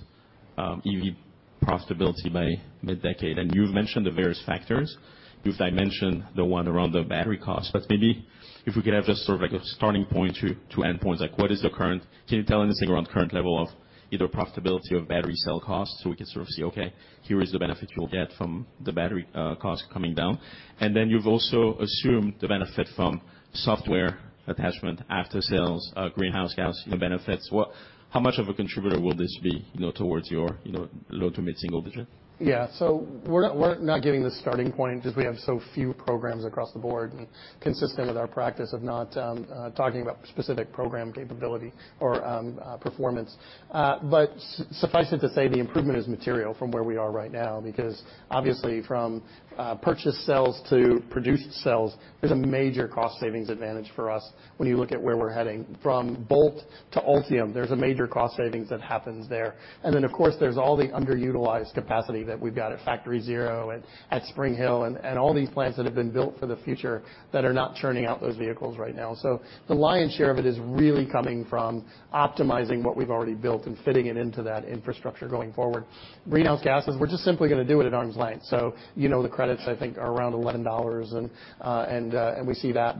EV profitability by mid-decade. You've mentioned the various factors. You've mentioned the one around the battery cost. Maybe if we could have just sort of like a starting point to endpoint, like what is the current? Can you tell anything around current level of either profitability or battery cell costs, so we could sort of see, okay, here is the benefit you'll get from the battery cost coming down? Then you've also assumed the benefit from software attachment after sales, greenhouse gas benefits. What? How much of a contributor will this be, you know, towards your, you know, low to mid-single digit? We're not giving the starting point because we have so few programs across the board and consistent with our practice of not talking about specific program capability or performance. Suffice it to say, the improvement is material from where we are right now because obviously from purchase cells to produced cells, there's a major cost savings advantage for us when you look at where we're heading. From Bolt to Ultium, there's a major cost savings that happens there. Then, of course, there's all the underutilized capacity that we've got at Factory ZERO and at Spring Hill and all these plants that have been built for the future that are not churning out those vehicles right now. The lion's share of it is really coming from optimizing what we've already built and fitting it into that infrastructure going forward. Greenhouse gases, we're just simply gonna do it at arm's length. You know the credits, I think, are around $11 and we see that.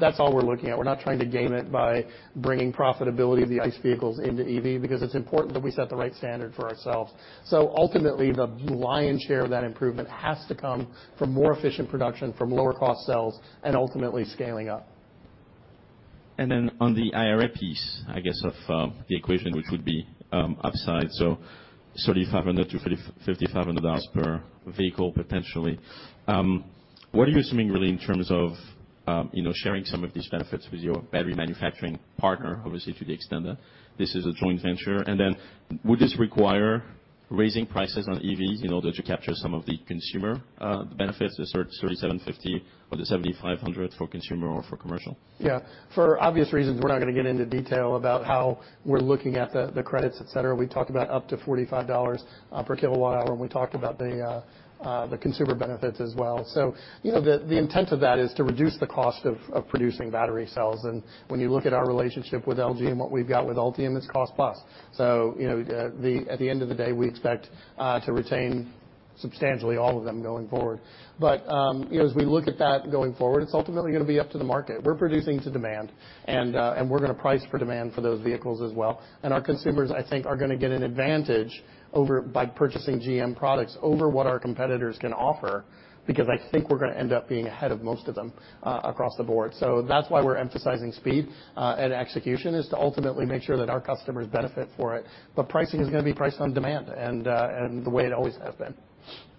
That's all we're looking at. We're not trying to game it by bringing profitability of the ICE vehicles into EV because it's important that we set the right standard for ourselves. Ultimately, the lion's share of that improvement has to come from more efficient production, from lower cost cells, and ultimately scaling up. On the IRA piece, I guess, of the equation, which would be upside, so $3,500-`$5,500 per vehicle potentially. What are you assuming really in terms of, you know, sharing some of these benefits with your battery manufacturing partner, obviously to the extent that this is a joint venture? Would this require raising prices on EVs in order to capture some of the consumer benefits, the $3,750 or the $7,500 for consumer or for commercial? Yeah. For obvious reasons, we're not gonna get into detail about how we're looking at the credits, et cetera. We talked about up to $45 per kWh, and we talked about the consumer benefits as well. You know, the intent of that is to reduce the cost of producing battery cells. When you look at our relationship with LG and what we've got with Ultium, it's cost plus. You know, at the end of the day, we expect to retain substantially all of them going forward. You know, as we look at that going forward, it's ultimately gonna be up to the market. We're producing to demand, and we're gonna price for demand for those vehicles as well. Our consumers, I think, are gonna get an advantage by purchasing GM products over what our competitors can offer, because I think we're gonna end up being ahead of most of them across the board. That's why we're emphasizing speed and execution, is to ultimately make sure that our customers benefit from it. Pricing is gonna be priced on demand and the way it always has been.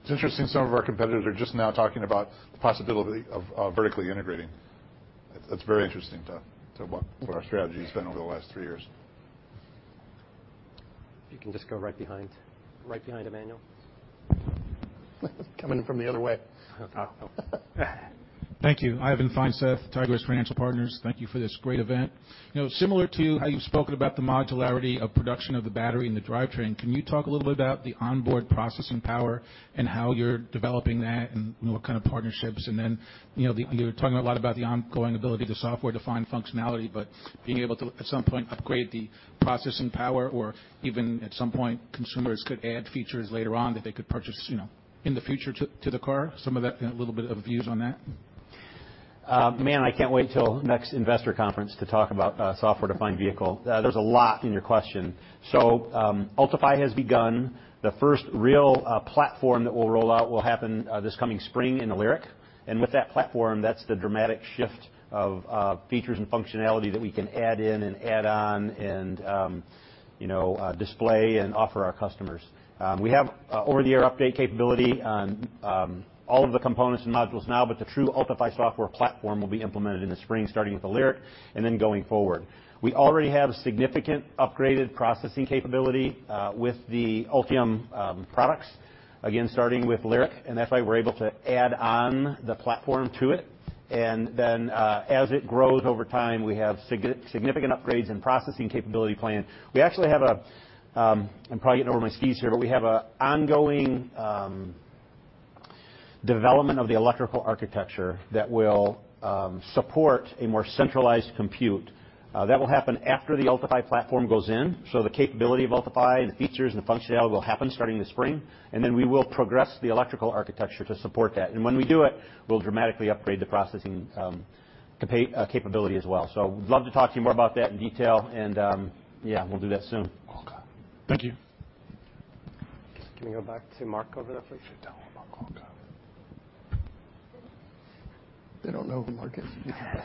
It's interesting, some of our competitors are just now talking about the possibility of vertically integrating. That's very interesting to what our strategy has been over the last three years. If you can just go right behind Emmanuel. Coming from the other way. Oh. Thank you. Ivan Finseth, Tigress Financial Partners. Thank you for this great event. You know, similar to how you've spoken about the modularity of production of the battery and the drivetrain, can you talk a little bit about the onboard processing power and how you're developing that and, you know, what kind of partnerships? Then, you know, you're talking a lot about the ongoing ability to software-defined functionality, but being able to, at some point, upgrade the processing power or even at some point, consumers could add features later on that they could purchase, you know, in the future to the car. Some of that, you know, a little bit of views on that. Man, I can't wait till next investor conference to talk about a software-defined vehicle. There's a lot in your question. Ultifi has begun. The first real platform that we'll roll out will happen this coming spring in the LYRIQ. With that platform, that's the dramatic shift of features and functionality that we can add in and add on and you know display and offer our customers. We have over-the-air update capability on all of the components and modules now, but the true Ultifi software platform will be implemented in the spring, starting with the LYRIQ and then going forward. We already have significant upgraded processing capability with the Ultium products, again, starting with LYRIQ, and that's why we're able to add on the platform to it. As it grows over time, we have significant upgrades in processing capability planned. We actually have an ongoing development of the electrical architecture that will support a more centralized compute. I'm probably getting over my skis here, but that will happen after the Ultifi platform goes in. The capability of Ultifi, the features and functionality will happen starting this spring, and then we will progress the electrical architecture to support that. When we do it, we'll dramatically upgrade the processing capability as well. Love to talk to you more about that in detail, and yeah, we'll do that soon. Okay. Thank you. Can we go back to Mark over there, please? Should tell him about Coco. They don't know who Mark is.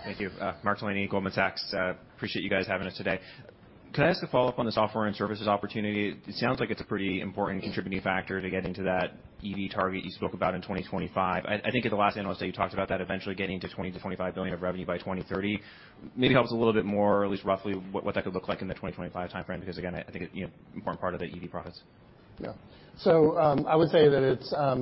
Thank you. Mark Delaney, Goldman Sachs. Appreciate you guys having us today. Can I ask a follow-up on the software and services opportunity? It sounds like it's a pretty important contributing factor to getting to that EV target you spoke about in 2025. I think at the last analyst day, you talked about that eventually getting to $20-$25 billion of revenue by 2030. Maybe help us a little bit more, or at least roughly what that could look like in the 2025 timeframe, because again, I think it, you know, important part of the EV profits. Yeah. I would say that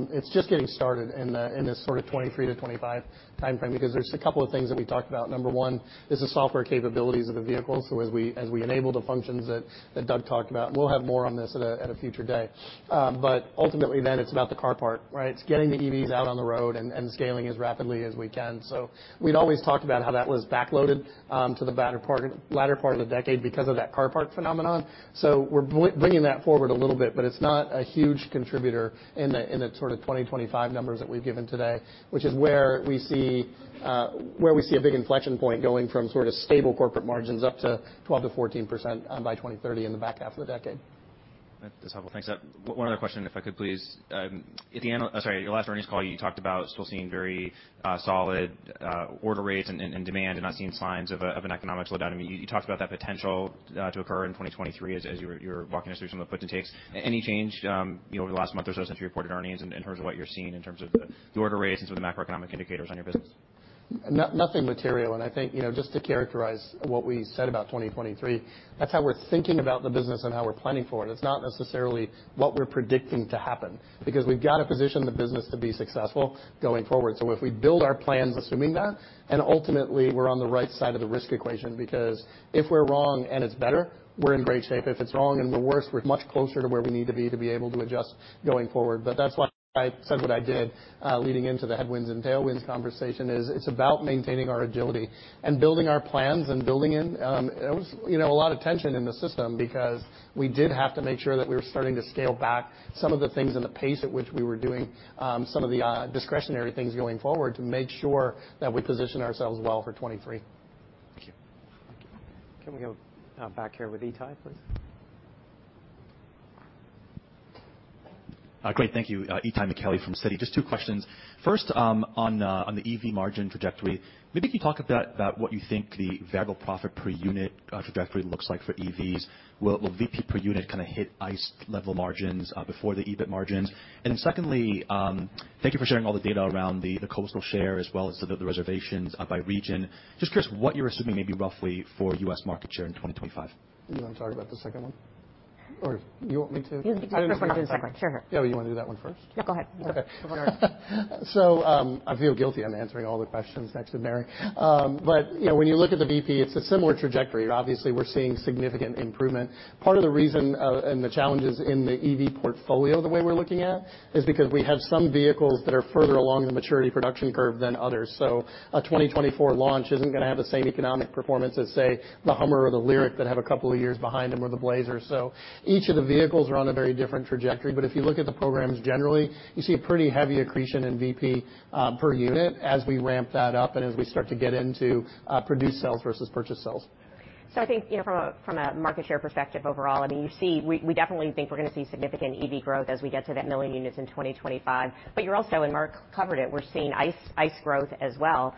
it's just getting started in this sort of 2023 to 2025 timeframe because there's a couple of things that we talked about. Number one is the software capabilities of the vehicle. As we enable the functions that Doug talked about, we'll have more on this at a future day. Ultimately then it's about the car part, right? It's getting the EVs out on the road and scaling as rapidly as we can. We'd always talked about how that was backloaded to the latter part of the decade because of that car parc phenomenon. We're bringing that forward a little bit, but it's not a huge contributor in the sort of 2025 numbers that we've given today, which is where we see a big inflection point going from sort of stable corporate margins up to 12%-14%, by 2030 in the back half of the decade. That's helpful. Thanks. One other question if I could please. Your last earnings call, you talked about still seeing very solid order rates and demand and not seeing signs of an economic slowdown. I mean, you talked about that potential to occur in 2023 as you were walking us through some of the puts and takes. Any change, you know, over the last month or so since you reported earnings in terms of what you're seeing in terms of the order rates and some of the macroeconomic indicators on your business? Nothing material. I think, you know, just to characterize what we said about 2023, that's how we're thinking about the business and how we're planning for it. It's not necessarily what we're predicting to happen because we've got to position the business to be successful going forward. If we build our plans assuming that, and ultimately we're on the right side of the risk equation, because if we're wrong and it's better, we're in great shape. If it's wrong and we're worse, we're much closer to where we need to be to be able to adjust going forward. That's why I said what I did leading into the headwinds and tailwinds conversation. It's about maintaining our agility and building our plans. You know, it was a lot of tension in the system because we did have to make sure that we were starting to scale back some of the things and the pace at which we were doing some of the discretionary things going forward to make sure that we position ourselves well for 2023. Thank you. Can we go back here with Itay, please? Great. Thank you. Itay Michaeli from Citi. Just two questions. First, on the EV margin trajectory, maybe can you talk about what you think the variable profit per unit trajectory looks like for EVs? Will VP per unit kind of hit ICE level margins before the EBIT margins? And then secondly, thank you for sharing all the data around the cost of sales as well as some of the observations by region. Just curious what you're assuming maybe roughly for U.S market share in 2025. You wanna talk about the second one? Or you want me to? You can take the first one or the second one. Sure, sure. Oh, you wanna do that one first? Yeah, go ahead. Okay. Whichever one you want. I feel guilty I'm answering all the questions next to Mary. But you know, when you look at the VP, it's a similar trajectory. Obviously, we're seeing significant improvement. Part of the reason and the challenges in the EV portfolio the way we're looking at is because we have some vehicles that are further along the maturity production curve than others. A 2024 launch isn't gonna have the same economic performance as, say, the HUMMER or the LYRIQ that have a couple of years behind them or the Blazer. Each of the vehicles are on a very different trajectory. But if you look at the programs generally, you see a pretty heavy accretion in VP per unit as we ramp that up and as we start to get into produced sales versus purchased sales. I think, you know, from a market share perspective overall, I mean, you see we definitely think we're gonna see significant EV growth as we get to that 1 million units in 2025. You're also, and Mark covered it, we're seeing ICE growth as well.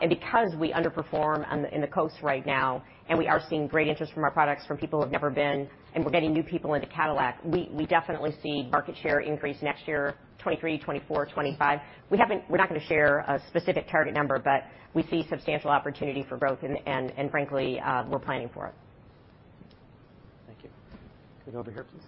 Because we underperform in the coast right now, and we are seeing great interest in our products from people who have never been, and we're getting new people into Cadillac, we definitely see market share increase next year, 2023, 2024, 2025. We're not gonna share a specific target number, but we see substantial opportunity for growth and frankly, we're planning for it. Thank you. Can we go over here, please?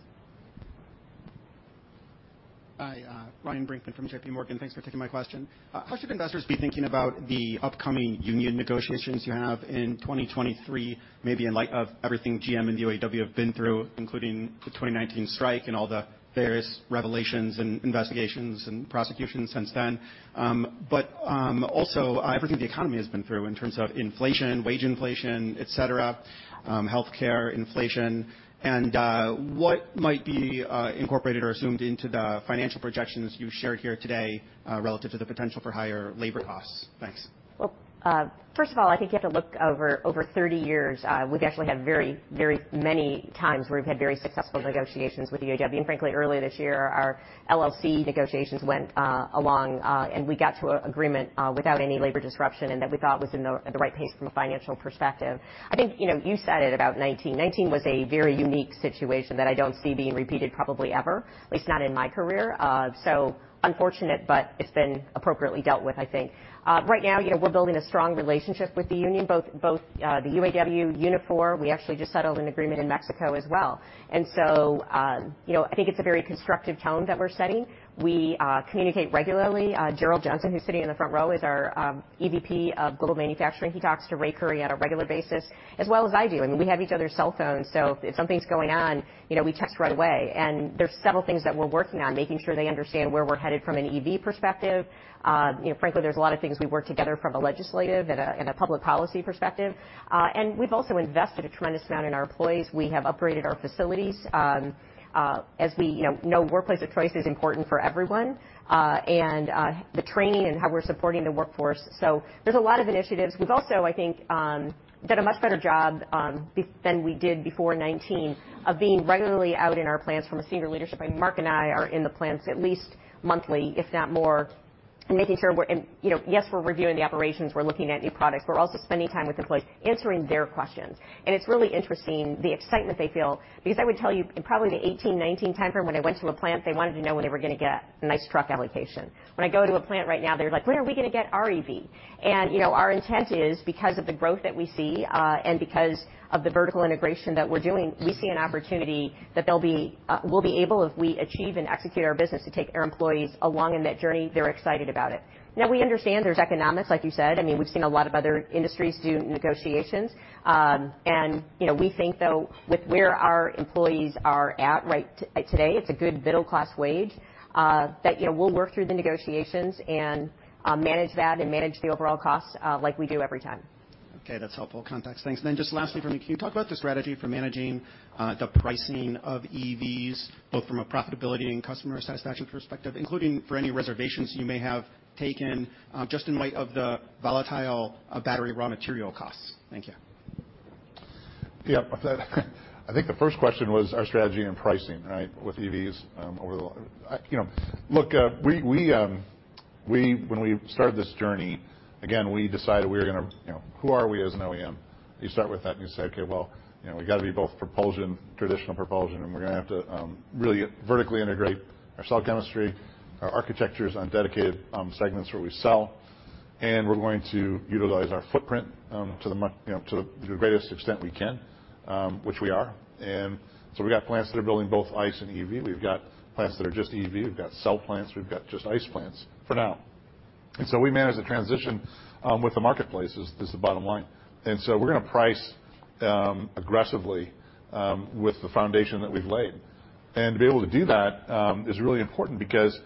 Hi, Ryan Brinkman from JPMorgan. Thanks for taking my question. How should investors be thinking about the upcoming union negotiations you have in 2023, maybe in light of everything GM and the UAW have been through, including the 2019 strike and all the various revelations and investigations and prosecutions since then? Also, everything the economy has been through in terms of inflation, wage inflation, et cetera, healthcare inflation, and what might be incorporated or assumed into the financial projections you've shared here today, relative to the potential for higher labor costs? Thanks. Well, first of all, I think you have to look over 30 years. We've actually had very many times where we've had very successful negotiations with the UAW. Frankly, earlier this year, our local negotiations went along and we got to an agreement without any labor disruption, and that we thought was at the right pace from a financial perspective. I think, you know, you said it about 2019. 2019 was a very unique situation that I don't see being repeated probably ever, at least not in my career. So unfortunate, but it's been appropriately dealt with, I think. Right now, you know, we're building a strong relationship with the union, both the UAW, Unifor. We actually just settled an agreement in Mexico as well. I think it's a very constructive tone that we're setting. We communicate regularly. Gerald Johnson, who's sitting in the front row, is our EVP of Global Manufacturing. He talks to Ray Curry on a regular basis, as well as I do, and we have each other's cell phones, so if something's going on, you know, we text right away. There's several things that we're working on, making sure they understand where we're headed from an EV perspective. You know, frankly, there's a lot of things we work together from a legislative and a public policy perspective. We've also invested a tremendous amount in our employees. We have upgraded our facilities. As we know, workplace of choice is important for everyone, and the training and how we're supporting the workforce. There's a lot of initiatives. We've also, I think, done a much better job than we did before 2019 of being regularly out in our plants from a senior leadership. I mean, Mark and I are in the plants at least monthly, if not more. Making sure we're in. You know, yes, we're reviewing the operations, we're looking at new products. We're also spending time with employees answering their questions. It's really interesting the excitement they feel, because I would tell you in probably the 2018, 2019 timeframe, when I went to a plant, they wanted to know when they were gonna get a nice truck allocation. When I go to a plant right now, they're like, "When are we gonna get our EV?" You know, our intent is because of the growth that we see, and because of the vertical integration that we're doing, we see an opportunity that we'll be able, if we achieve and execute our business, to take our employees along in that journey. They're excited about it. Now we understand there's economics, like you said. I mean, we've seen a lot of other industries do negotiations. You know, we think, though, with where our employees are at right today, it's a good middle-class wage, that, you know, we'll work through the negotiations and, manage that and manage the overall cost, like we do every time. Okay, that's helpful context. Thanks. Just lastly from me, can you talk about the strategy for managing the pricing of EVs, both from a profitability and customer satisfaction perspective, including for any reservations you may have taken, just in light of the volatile battery raw material costs? Thank you. Yeah. I think the first question was our strategy and pricing, right? With EVs, you know, look, we, when we started this journey, again, we decided we were gonna, you know, who are we as an OEM? You start with that, and you say, "Okay, well, you know, we gotta be both propulsion, traditional propulsion, and we're gonna have to really vertically integrate our cell chemistry, our architectures on dedicated segments where we sell, and we're going to utilize our footprint, you know, to the greatest extent we can, which we are. We got plants that are building both ICE and EV. We've got plants that are just EV. We've got cell plants. We've got just ICE plants for now. We manage the transition with the marketplace is the bottom line. We're gonna price aggressively with the foundation that we've laid. To be able to do that is really important because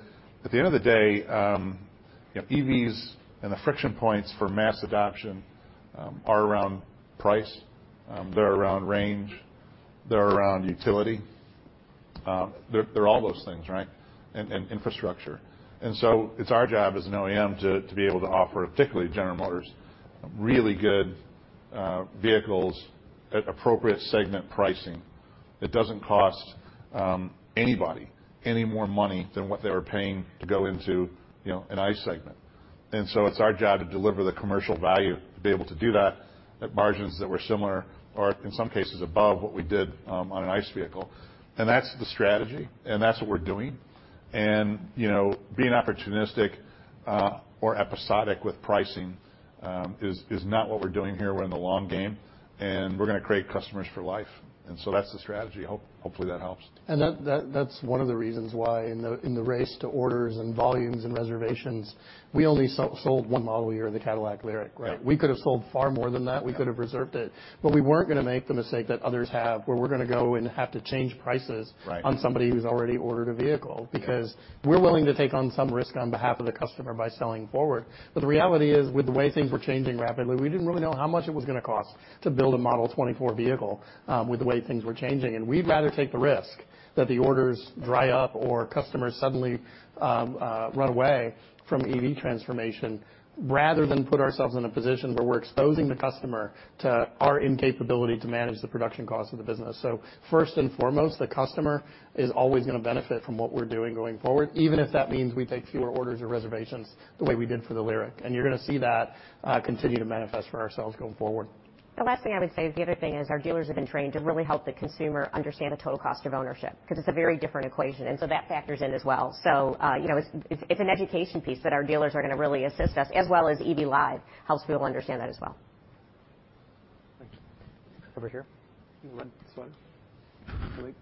at the end of the day, you know, EVs and the friction points for mass adoption are around price. They're around range. They're around utility. They're all those things, right? Infrastructure. It's our job as an OEM to be able to offer, particularly General Motors, really good vehicles at appropriate segment pricing that doesn't cost anybody any more money than what they were paying to go into, you know, an ICE segment. It's our job to deliver the commercial value to be able to do that at margins that were similar or in some cases above what we did on an ICE vehicle. That's the strategy, and that's what we're doing. You know, being opportunistic or episodic with pricing is not what we're doing here. We're in the long game, and we're gonna create customers for life. That's the strategy. Hopefully, that helps. That's one of the reasons why in the race to orders and volumes and reservations, we only sold one model a year, the Cadillac LYRIQ, right? Yeah. We could have sold far more than that. Yeah. We could have reserved it, but we weren't gonna make the mistake that others have, where we're gonna go and have to change prices on somebody who's already ordered a vehicle. Yeah. Because we're willing to take on some risk on behalf of the customer by selling forward. The reality is, with the way things were changing rapidly, we didn't really know how much it was gonna cost to build a model 2024 vehicle, with the way things were changing. We'd rather take the risk that the orders dry up or customers suddenly run away from EV transformation rather than put ourselves in a position where we're exposing the customer to our incapability to manage the production cost of the business. First and foremost, the customer is always gonna benefit from what we're doing going forward, even if that means we take fewer orders or reservations the way we did for the LYRIQ. You're gonna see that continue to manifest for ourselves going forward. The last thing I would say is the other thing is our dealers have been trained to really help the consumer understand the total cost of ownership, 'cause it's a very different equation. That factors in as well. You know, it's an education piece that our dealers are gonna really assist us, as well as EV Live helps people understand that as well. Thank you. Over here. You want this one? Philippe?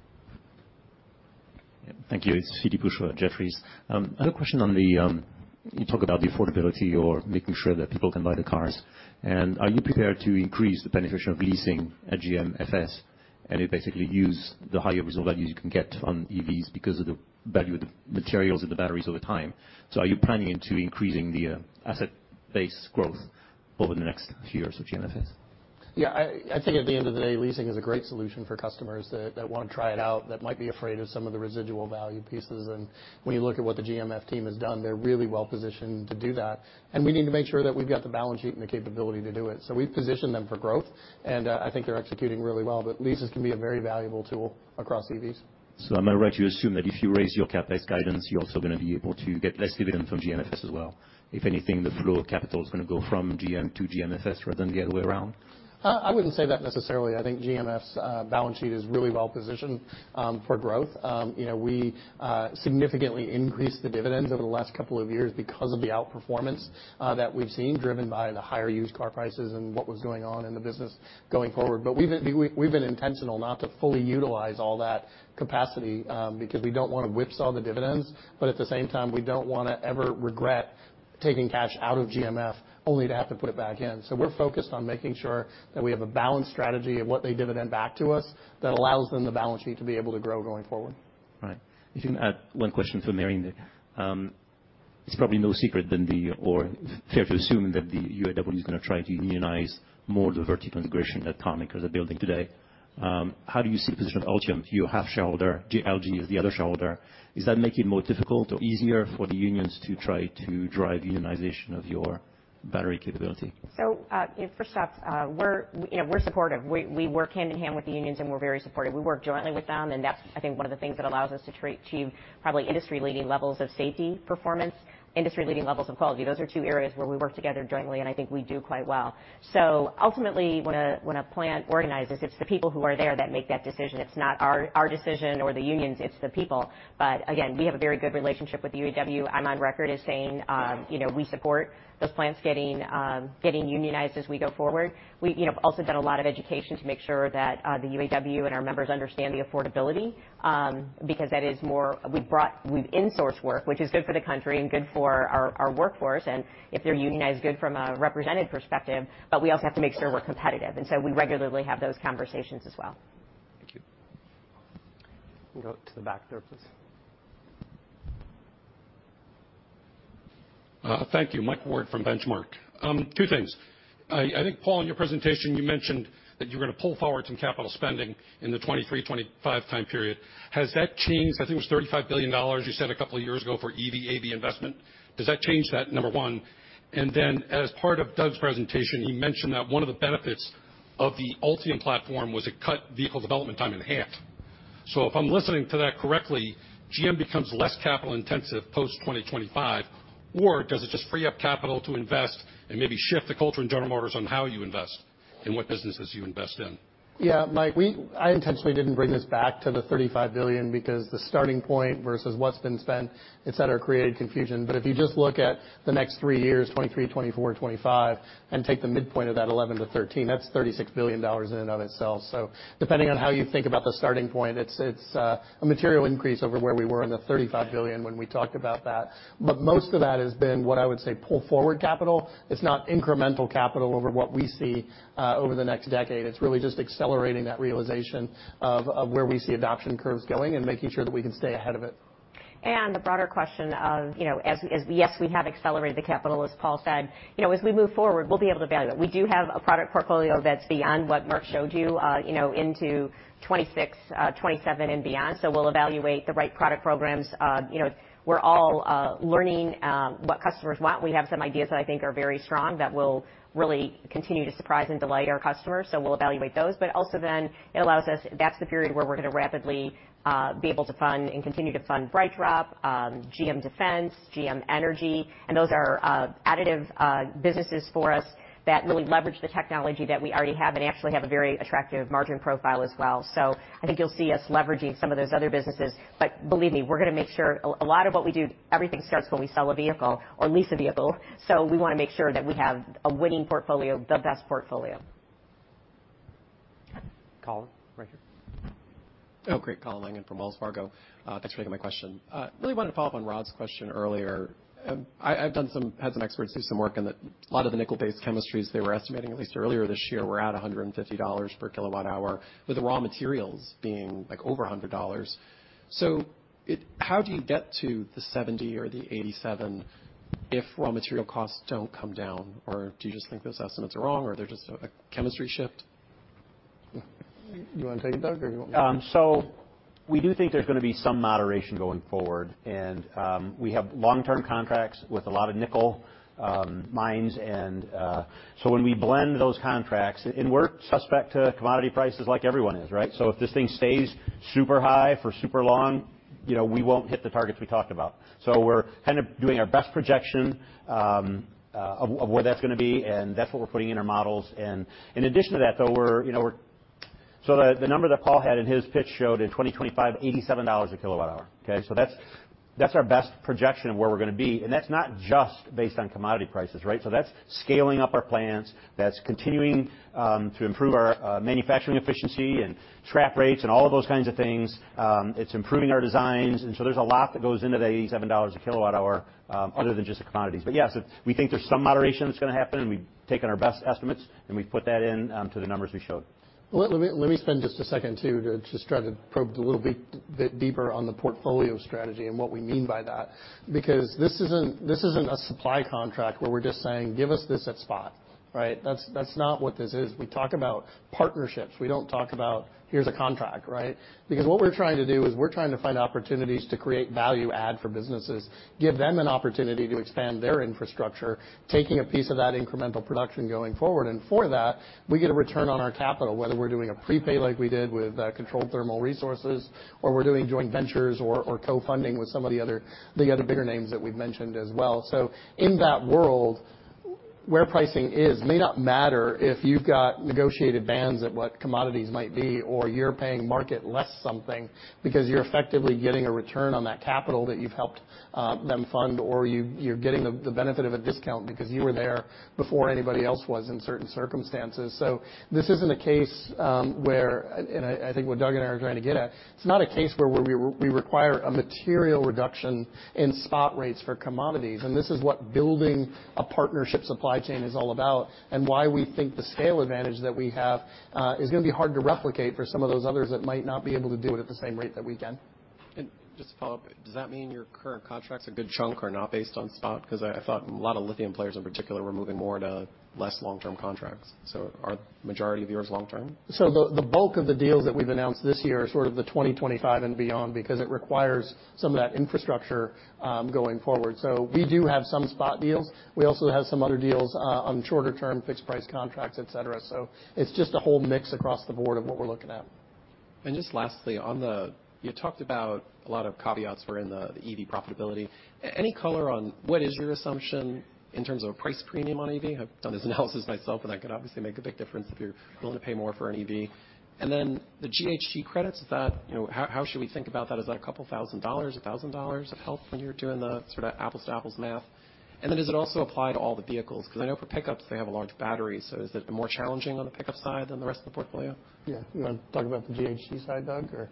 Yeah. Thank you. It's Philippe Houchois, Jefferies. I had a question on the, you talk about the affordability or making sure that people can buy the cars. Are you prepared to increase the benefits of leasing at GMFS, and you basically use the higher residual values you can get on EVs because of the value of the materials of the batteries over time? Are you planning on increasing the asset base growth over the next few years with GMFS? Yeah. I think at the end of the day, leasing is a great solution for customers that wanna try it out, that might be afraid of some of the residual value pieces. When you look at what the GMF team has done, they're really well-positioned to do that. We need to make sure that we've got the balance sheet and the capability to do it. We've positioned them for growth, and I think they're executing really well, but leases can be a very valuable tool across EVs. Am I right to assume that if you raise your CapEx guidance, you're also gonna be able to get less dividend from GMFS as well? If anything, the flow of capital is gonna go from GM to GMFS rather than the other way around. I wouldn't say that necessarily. I think GMF's balance sheet is really well-positioned for growth. You know, we significantly increased the dividends over the last couple of years because of the outperformance that we've seen, driven by the higher used car prices and what was going on in the business going forward. We've been intentional not to fully utilize all that capacity because we don't wanna whipsaw the dividends. At the same time, we don't wanna ever regret taking cash out of GMF only to have to put it back in. We're focused on making sure that we have a balanced strategy of what they dividend back to us that allows them the balance sheet to be able to grow going forward. Right. If you can add one question for Mary Barra. It's probably no secret that the, or fair to assume that the UAW is gonna try to unionize more of the vertical integration at Tennessee as they're building today. How do you see position of Ultium? You have shareholder, LG is the other shareholder. Does that make it more difficult or easier for the unions to try to drive unionization of your battery capability? Yeah, first off, you know, we're supportive. We work hand in hand with the unions, and we're very supportive. We work jointly with them, and that's, I think, one of the things that allows us to achieve probably industry-leading levels of safety performance, industry-leading levels of quality. Those are two areas where we work together jointly, and I think we do quite well. Ultimately, when a plant organizes, it's the people who are there that make that decision. It's not our decision or the unions, it's the people. Again, we have a very good relationship with UAW. I'm on record as saying, you know, we support those plants getting unionized as we go forward. We, you know, have also done a lot of education to make sure that the UAW and our members understand the affordability, because that is more. We've insourced work, which is good for the country and good for our workforce, and if they're unionized, good from a represented perspective, but we also have to make sure we're competitive. We regularly have those conversations as well. Thank you. We can go to the back there, please. Thank you. Mike Ward from The Benchmark. Two things. I think, Paul, in your presentation you mentioned that you're gonna pull forward some capital spending in the 2023-2025 time period. Has that changed? I think it was $35 billion you said a couple of years ago for EV/AV investment. Does that change that, number one? As part of Doug's presentation, he mentioned that one of the benefits of the Ultium platform was it cut vehicle development time in half. If I'm listening to that correctly, GM becomes less capital intensive post 2025, or does it just free up capital to invest and maybe shift the culture in General Motors on how you invest and what businesses you invest in? Yeah. Mike, I intentionally didn't bring this back to the $35 billion because the starting point versus what's been spent, et cetera, created confusion. If you just look at the next three years, 2023, 2024, 2025, and take the midpoint of that 11-13, that's $36 billion in and of itself. Depending on how you think about the starting point, it's a material increase over where we were in the $35 billion when we talked about that. Most of that has been what I would say pull forward capital. It's not incremental capital over what we see over the next decade. It's really just accelerating that realization of where we see adoption curves going and making sure that we can stay ahead of it. The broader question of, you know, as yes, we have accelerated the capital, as Paul said. You know, as we move forward, we'll be able to evaluate. We do have a product portfolio that's beyond what Mark showed you know, into 2026, 2027 and beyond. We'll evaluate the right product programs. You know, we're all learning what customers want. We have some ideas that I think are very strong that will really continue to surprise and delight our customers, so we'll evaluate those. Also then it allows us. That's the period where we're gonna rapidly be able to fund and continue to fund BrightDrop, GM Defense, GM Energy, and those are additive businesses for us that really leverage the technology that we already have and actually have a very attractive margin profile as well. I think you'll see us leveraging some of those other businesses, but believe me, we're gonna make sure, A, a lot of what we do, everything starts when we sell a vehicle or lease a vehicle, so we wanna make sure that we have a winning portfolio, the best portfolio. Colin, right here. Oh, great. Colin Langan from Wells Fargo. Thanks for taking my question. Really wanted to follow up on Rod's question earlier. I've had some experts do some work, and a lot of the nickel-based chemistries, they were estimating at least earlier this year, were at $150 per kWh, with the raw materials being, like, over $100. How do you get to the 70 or the 87 if raw material costs don't come down or do you just think those estimates are wrong or they're just a chemistry shift? You wanna take it, Doug, or you want me to? We do think there's gonna be some moderation going forward, and we have long-term contracts with a lot of nickel mines and. When we blend those contracts, and we're subject to commodity prices like everyone is, right? If this thing stays super high for super long, you know, we won't hit the targets we talked about. We're kind of doing our best projection of where that's gonna be, and that's what we're putting in our models. In addition to that, though, you know, the number that Paul had in his pitch showed in 2025, $87/kWh. Okay. That's our best projection of where we're gonna be, and that's not just based on commodity prices, right? That's scaling up our plants, that's continuing to improve our manufacturing efficiency and scrap rates and all of those kinds of things. It's improving our designs, and so there's a lot that goes into the $87 a kWh, other than just the commodities. Yes, we think there's some moderation that's gonna happen, and we've taken our best estimates, and we've put that in to the numbers we showed. Well, let me spend just a second to just try to probe a little bit deeper on the portfolio strategy and what we mean by that. Because this isn't a supply contract where we're just saying, "Give us this at spot." Right? That's not what this is. We talk about partnerships. We don't talk about, "Here's a contract," right? Because what we're trying to do is we're trying to find opportunities to create value add for businesses, give them an opportunity to expand their infrastructure, taking a piece of that incremental production going forward. For that, we get a return on our capital, whether we're doing a prepay like we did with Controlled Thermal Resources, or we're doing joint ventures or co-funding with some of the other bigger names that we've mentioned as well. In that world, where pricing may not matter if you've got negotiated bands at what commodities might be, or you're paying market less something because you're effectively getting a return on that capital that you've helped them fund, or you're getting the benefit of a discount because you were there before anybody else was in certain circumstances. This isn't a case where I think what Doug and I are trying to get at. It's not a case where we require a material reduction in spot rates for commodities, and this is what building a partnership supply chain is all about and why we think the scale advantage that we have is gonna be hard to replicate for some of those others that might not be able to do it at the same rate that we can. Just to follow up, does that mean your current contracts, a good chunk are not based on spot? Because I thought a lot of lithium players in particular were moving more to less long-term contracts. Are the majority of yours long term? The bulk of the deals that we've announced this year are sort of the 2025 and beyond because it requires some of that infrastructure going forward. We do have some spot deals. We also have some other deals on shorter term fixed price contracts, et cetera. It's just a whole mix across the board of what we're looking at. Just lastly, on the. You talked about a lot of caveats were in the EV profitability. Any color on what is your assumption in terms of a price premium on EV? I've done this analysis myself, and that could obviously make a big difference if you're willing to pay more for an EV. Then the GHG credits, is that, you know, how should we think about that? Is that $2,000, $1,000 of help when you're doing the sort of apples to apples math? Then does it also apply to all the vehicles? 'Cause I know for pickups, they have a large battery, so is it more challenging on the pickup side than the rest of the portfolio? Yeah. You wanna talk about the GHG side, Doug, or?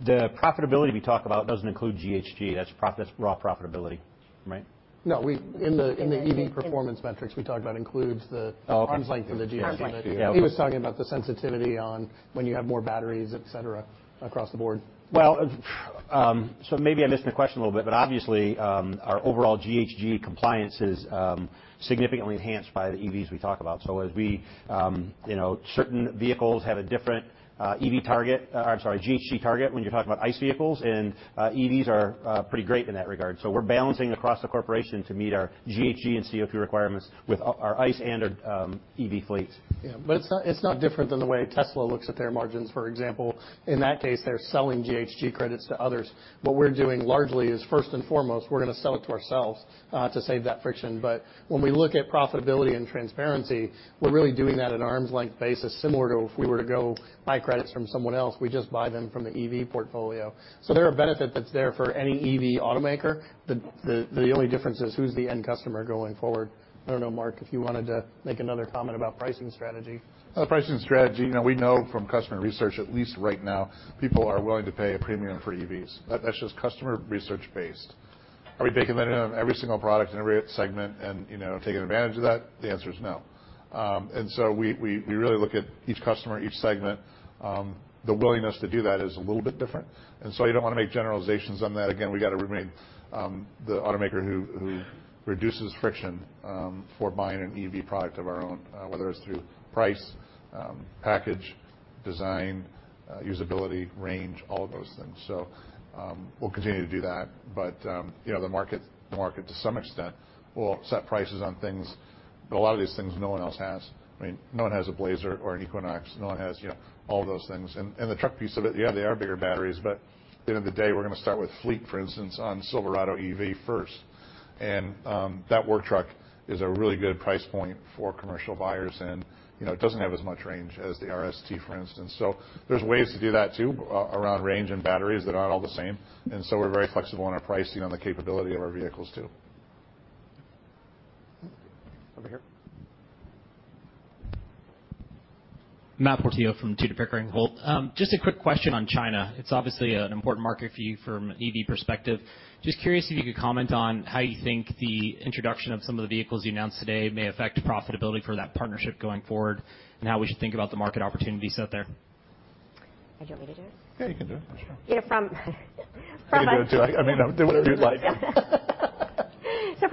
The profitability we talk about doesn't include GHG. That's raw profitability, right? No. In the EV performance metrics we talked about includes the. Oh, okay. Arm's length of the GHG. Arm's length, yeah. He was talking about the sensitivity on when you have more batteries, et cetera, across the board. Well, maybe I missed the question a little bit, but obviously, our overall GHG compliance is significantly enhanced by the EVs we talk about. As we, you know, certain vehicles have a different GHG target when you're talking about ICE vehicles, and EVs are pretty great in that regard. We're balancing across the corporation to meet our GHG and CO2 requirements with our ICE and our EV fleets. Yeah. It's not different than the way Tesla looks at their margins, for example. In that case, they're selling GHG credits to others. What we're doing largely is, first and foremost, we're gonna sell it to ourselves, to save that friction. When we look at profitability and transparency, we're really doing that at an arm's length basis, similar to if we were to go buy credits from someone else. We just buy them from the EV portfolio. So they're a benefit that's there for any EV automaker. The only difference is who's the end customer going forward. I don't know, Mark, if you wanted to make another comment about pricing strategy. On pricing strategy, you know, we know from customer research, at least right now, people are willing to pay a premium for EVs. That's just customer research-based. Are we baking that into every single product in every segment and, you know, taking advantage of that? The answer is no. We really look at each customer, each segment. The willingness to do that is a little bit different, and so you don't wanna make generalizations on that. Again, we gotta remain the automaker who reduces friction for buying an EV product of our own, whether it's through price, package, design, usability, range, all of those things. We'll continue to do that. You know, the market to some extent will set prices on things. A lot of these things no one else has. I mean, no one has a Blazer or an Equinox. No one has, you know, all those things. The truck piece of it, yeah, they are bigger batteries, but at the end of the day, we're gonna start with fleet, for instance, on Silverado EV first. That work truck is a really good price point for commercial buyers and, you know, it doesn't have as much range as the RST, for instance. So there's ways to do that too around range and batteries that aren't all the same. We're very flexible on our pricing on the capability of our vehicles too. Over here. Matt Portillo from Tudor, Pickering, Holt. Just a quick question on China. It's obviously an important market for you from an EV perspective. Just curious if you could comment on how you think the introduction of some of the vehicles you announced today may affect profitability for that partnership going forward and how we should think about the market opportunity set there? Do you want me to do it? Yeah, you can do it. You can do it too. I mean, do whatever you'd like.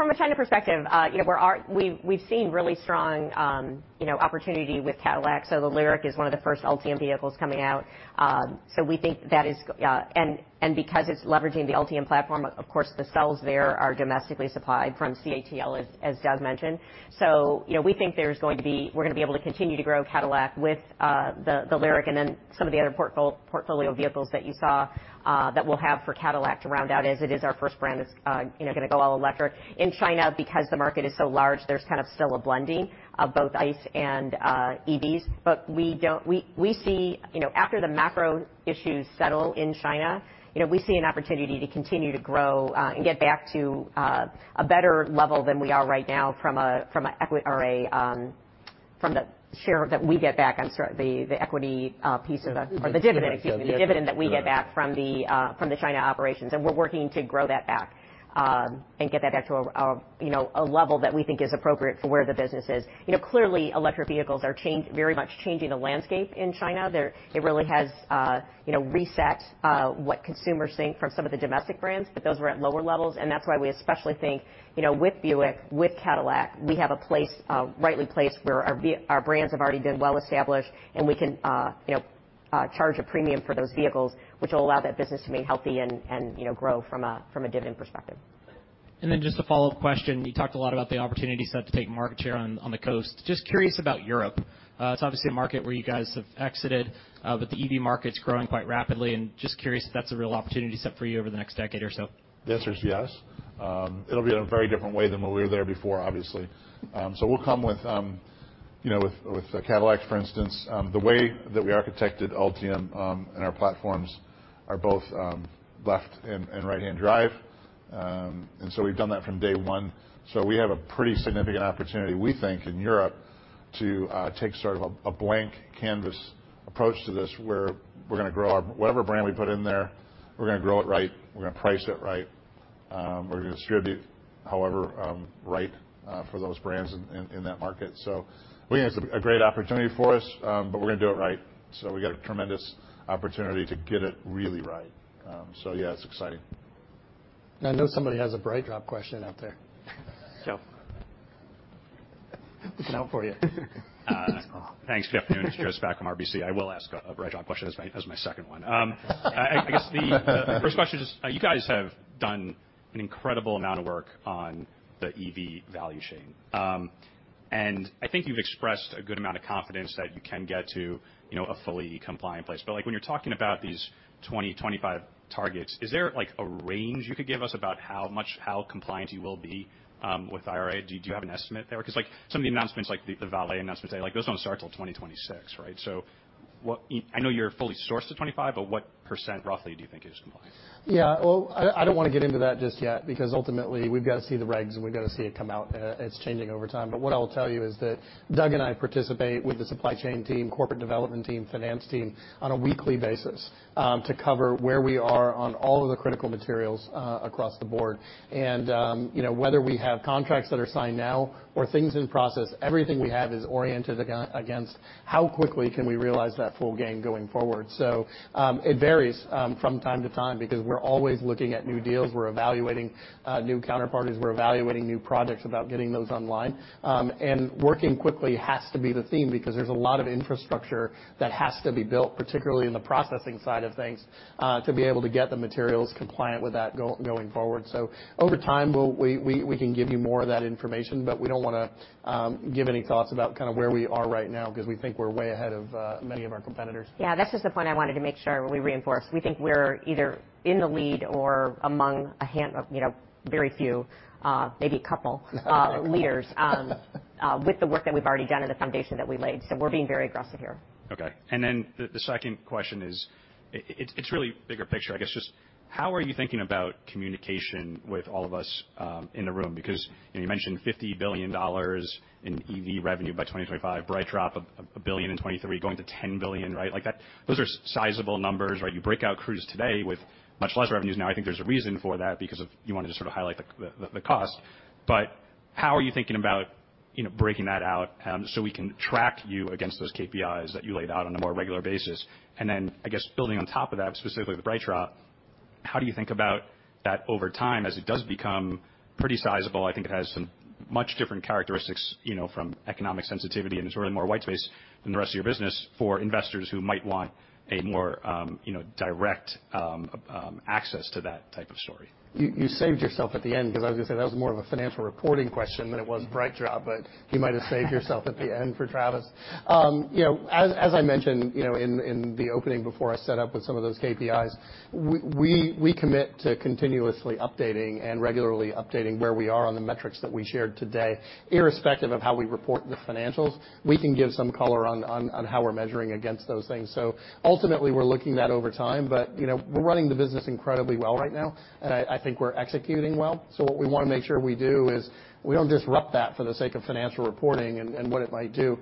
From a China perspective, you know, we've seen really strong, you know, opportunity with Cadillac. The LYRIQ is one of the first Ultium vehicles coming out. We think, and because it's leveraging the Ultium platform, of course, the cells there are domestically supplied from CATL, as Doug mentioned. You know, we think we're gonna be able to continue to grow Cadillac with the LYRIQ and then some of the other portfolio vehicles that you saw that we'll have for Cadillac to round out, as it is our first brand that's, you know, gonna go all electric. In China, because the market is so large, there's kind of still a blending of both ICE and EVs. We see, you know, after the macro issues settle in China, you know, we see an opportunity to continue to grow and get back to a better level than we are right now from the share that we get back on the equity piece of the dividend. Excuse me. The dividend that we get back from the China operations, and we're working to grow that back and get that back to a you know a level that we think is appropriate for where the business is. You know, clearly electric vehicles are very much changing the landscape in China. It really has you know reset what consumers think from some of the domestic brands, but those were at lower levels, and that's why we especially think, you know, with Buick, with Cadillac, we have a place rightly placed where our brands have already been well established and we can you know charge a premium for those vehicles, which will allow that business to be healthy and you know grow from a dividend perspective. Just a follow-up question. You talked a lot about the opportunity set to take market share on the coast. Just curious about Europe. It's obviously a market where you guys have exited, but the EV market's growing quite rapidly and just curious if that's a real opportunity set for you over the next decade or so. The answer is yes. It'll be in a very different way than when we were there before, obviously. We'll come with, you know, with Cadillac, for instance, the way that we architected Ultium, and our platforms are both left and right-hand drive. We've done that from day one. We have a pretty significant opportunity, we think, in Europe to take sort of a blank canvas approach to this, where, whatever brand we put in there, we're gonna grow it right, we're gonna price it right. We're gonna distribute however, right, for those brands in that market. We think it's a great opportunity for us, but we're gonna do it right. We got a tremendous opportunity to get it really right. Yeah, it's exciting. I know somebody has a BrightDrop question out there. Joe. Looking out for you. Thanks. Good afternoon. It's Joe Spak from RBC. I will ask a BrightDrop question as my second one. I guess the first question is, you guys have done an incredible amount of work on the EV value chain. I think you've expressed a good amount of confidence that you can get to, you know, a fully compliant place. Like when you're talking about these 2025 targets, is there like a range you could give us about how much, how compliant you will be, with IRA? Do you have an estimate there? 'Cause like some of the announcements like the Vale announcement today, like those don't start till 2026, right? So I know you're fully sourced to 25, but what percent roughly do you think is compliant? Yeah. Well, I don't wanna get into that just yet because ultimately we've gotta see the regs and we've gotta see it come out. It's changing over time. What I will tell you is that Doug and I participate with the supply chain team, corporate development team, finance team on a weekly basis to cover where we are on all of the critical materials across the board. You know, whether we have contracts that are signed now or things in process, everything we have is oriented against how quickly can we realize that full gain going forward. It varies from time to time because we're always looking at new deals. We're evaluating new counterparties. We're evaluating new projects about getting those online. Working quickly has to be the theme because there's a lot of infrastructure that has to be built, particularly in the processing side of things, to be able to get the materials compliant with that going forward. Over time, we can give you more of that information, but we don't wanna give any thoughts about kinda where we are right now because we think we're way ahead of many of our competitors. Yeah. That's just the point I wanted to make sure we reinforce. We think we're either in the lead or among very few, you know, maybe a couple of leaders, with the work that we've already done and the foundation that we laid. We're being very aggressive here. Okay. The second question is, it's really bigger picture, I guess just how are you thinking about communication with all of us in the room? Because, you know, you mentioned $50 billion in EV revenue by 2025, BrightDrop $1 billion in 2023 going to $10 billion, right? Like that, those are sizable numbers, right? You break out Cruise today with much less revenues. Now, I think there's a reason for that because you wanna just sort of highlight the cost. But how are you thinking about, you know, breaking that out, so we can track you against those KPIs that you laid out on a more regular basis? Then I guess building on top of that, specifically with BrightDrop, how do you think about that over time as it does become pretty sizable? I think it has some much different characteristics, you know, from economic sensitivity, and there's really more white space than the rest of your business for investors who might want a more, you know, direct access to that type of story. You saved yourself at the end because I was gonna say that was more of a financial reporting question than it was BrightDrop. You might have saved yourself at the end for Travis. You know, as I mentioned, you know, in the opening before I set up with some of those KPIs, we commit to continuously updating and regularly updating where we are on the metrics that we shared today. Irrespective of how we report the financials, we can give some color on how we're measuring against those things. Ultimately, we're looking that over time. You know, we're running the business incredibly well right now, and I think we're executing well. What we wanna make sure we do is we don't disrupt that for the sake of financial reporting and what it might do,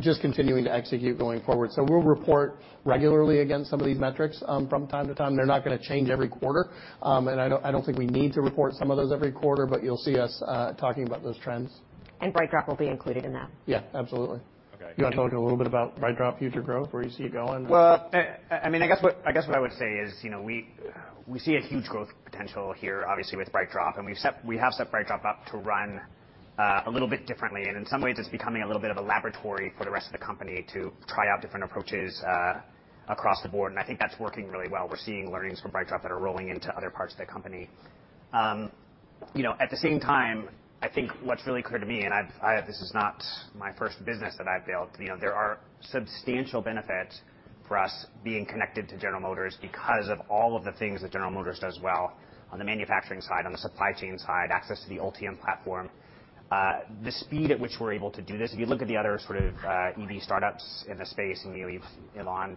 just continuing to execute going forward. We'll report regularly against some of these metrics from time to time. They're not gonna change every quarter. I don't think we need to report some of those every quarter, but you'll see us talking about those trends. BrightDrop will be included in that. Yeah. Absolutely. Okay. You wanna talk a little bit about BrightDrop future growth, where you see it going? Well, I mean, I guess what I would say is, you know, we see a huge growth potential here obviously with BrightDrop, and we have set BrightDrop up to run a little bit differently. In some ways, it's becoming a little bit of a laboratory for the rest of the company to try out different approaches across the board, and I think that's working really well. We're seeing learnings from BrightDrop that are rolling into other parts of the company. You know, at the same time, I think what's really clear to me, and this is not my first business that I've built, you know, there are substantial benefits for us being connected to General Motors because of all of the things that General Motors does well on the manufacturing side, on the supply chain side, access to the Ultium platform. The speed at which we're able to do this, if you look at the other sort of, EV startups in the space, you know, Elon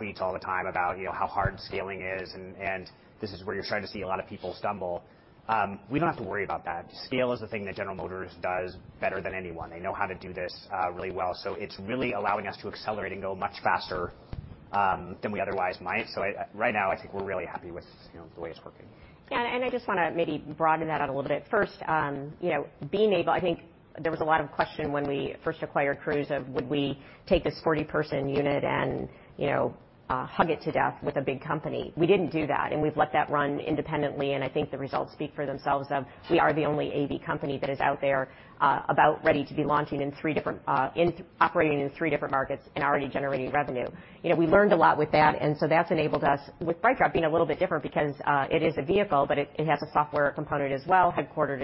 tweets all the time about, you know, how hard scaling is and this is where you're starting to see a lot of people stumble. We don't have to worry about that. Scale is the thing that General Motors does better than anyone. They know how to do this, really well. It's really allowing us to accelerate and go much faster than we otherwise might. Right now, I think we're really happy with, you know, the way it's working. Yeah. I just wanna maybe broaden that out a little bit. First, I think there was a lot of question when we first acquired Cruise of would we take this 40-person unit and, you know, hug it to death with a big company. We didn't do that, and we've let that run independently, and I think the results speak for themselves that we are the only AV company that is out there, about ready to be operating in three different markets and already generating revenue. You know, we learned a lot with that, and that's enabled us, with BrightDrop being a little bit different because it is a vehicle, but it has a software component as well, headquartered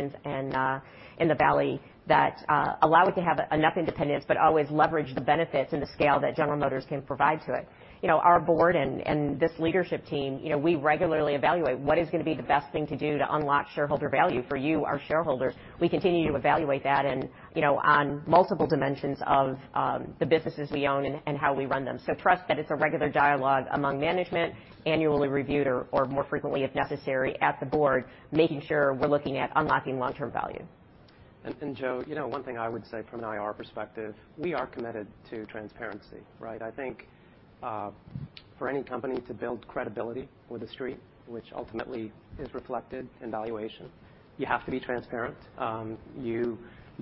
in the Valley, that allow it to have enough independence but always leverage the benefits and the scale that General Motors can provide to it. You know, our board and this leadership team, you know, we regularly evaluate what is gonna be the best thing to do to unlock shareholder value for you, our shareholders. We continue to evaluate that and, you know, on multiple dimensions of the businesses we own and how we run them. Trust that it's a regular dialogue among management, annually reviewed or more frequently, if necessary, at the board, making sure we're looking at unlocking long-term value. Joe, you know, one thing I would say from an IR perspective, we are committed to transparency, right? I think, for any company to build credibility with the Street, which ultimately is reflected in valuation, you have to be transparent. You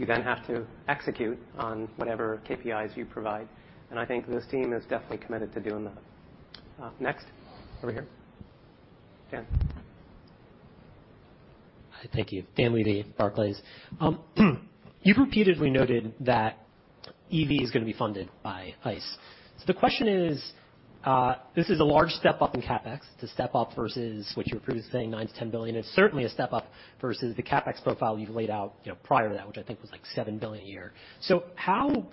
then have to execute on whatever KPIs you provide, and I think this team is definitely committed to doing that. Next. Over here. Dan. Hi. Thank you. Dan Levy, Barclays. You've repeatedly noted that EV is gonna be funded by ICE. The question is, this is a large step-up in CapEx. It's a step-up versus what your crew is saying, $9 billion-$10 billion. It's certainly a step-up versus the CapEx profile you've laid out, you know, prior to that, which I think was, like, $7 billion a year. How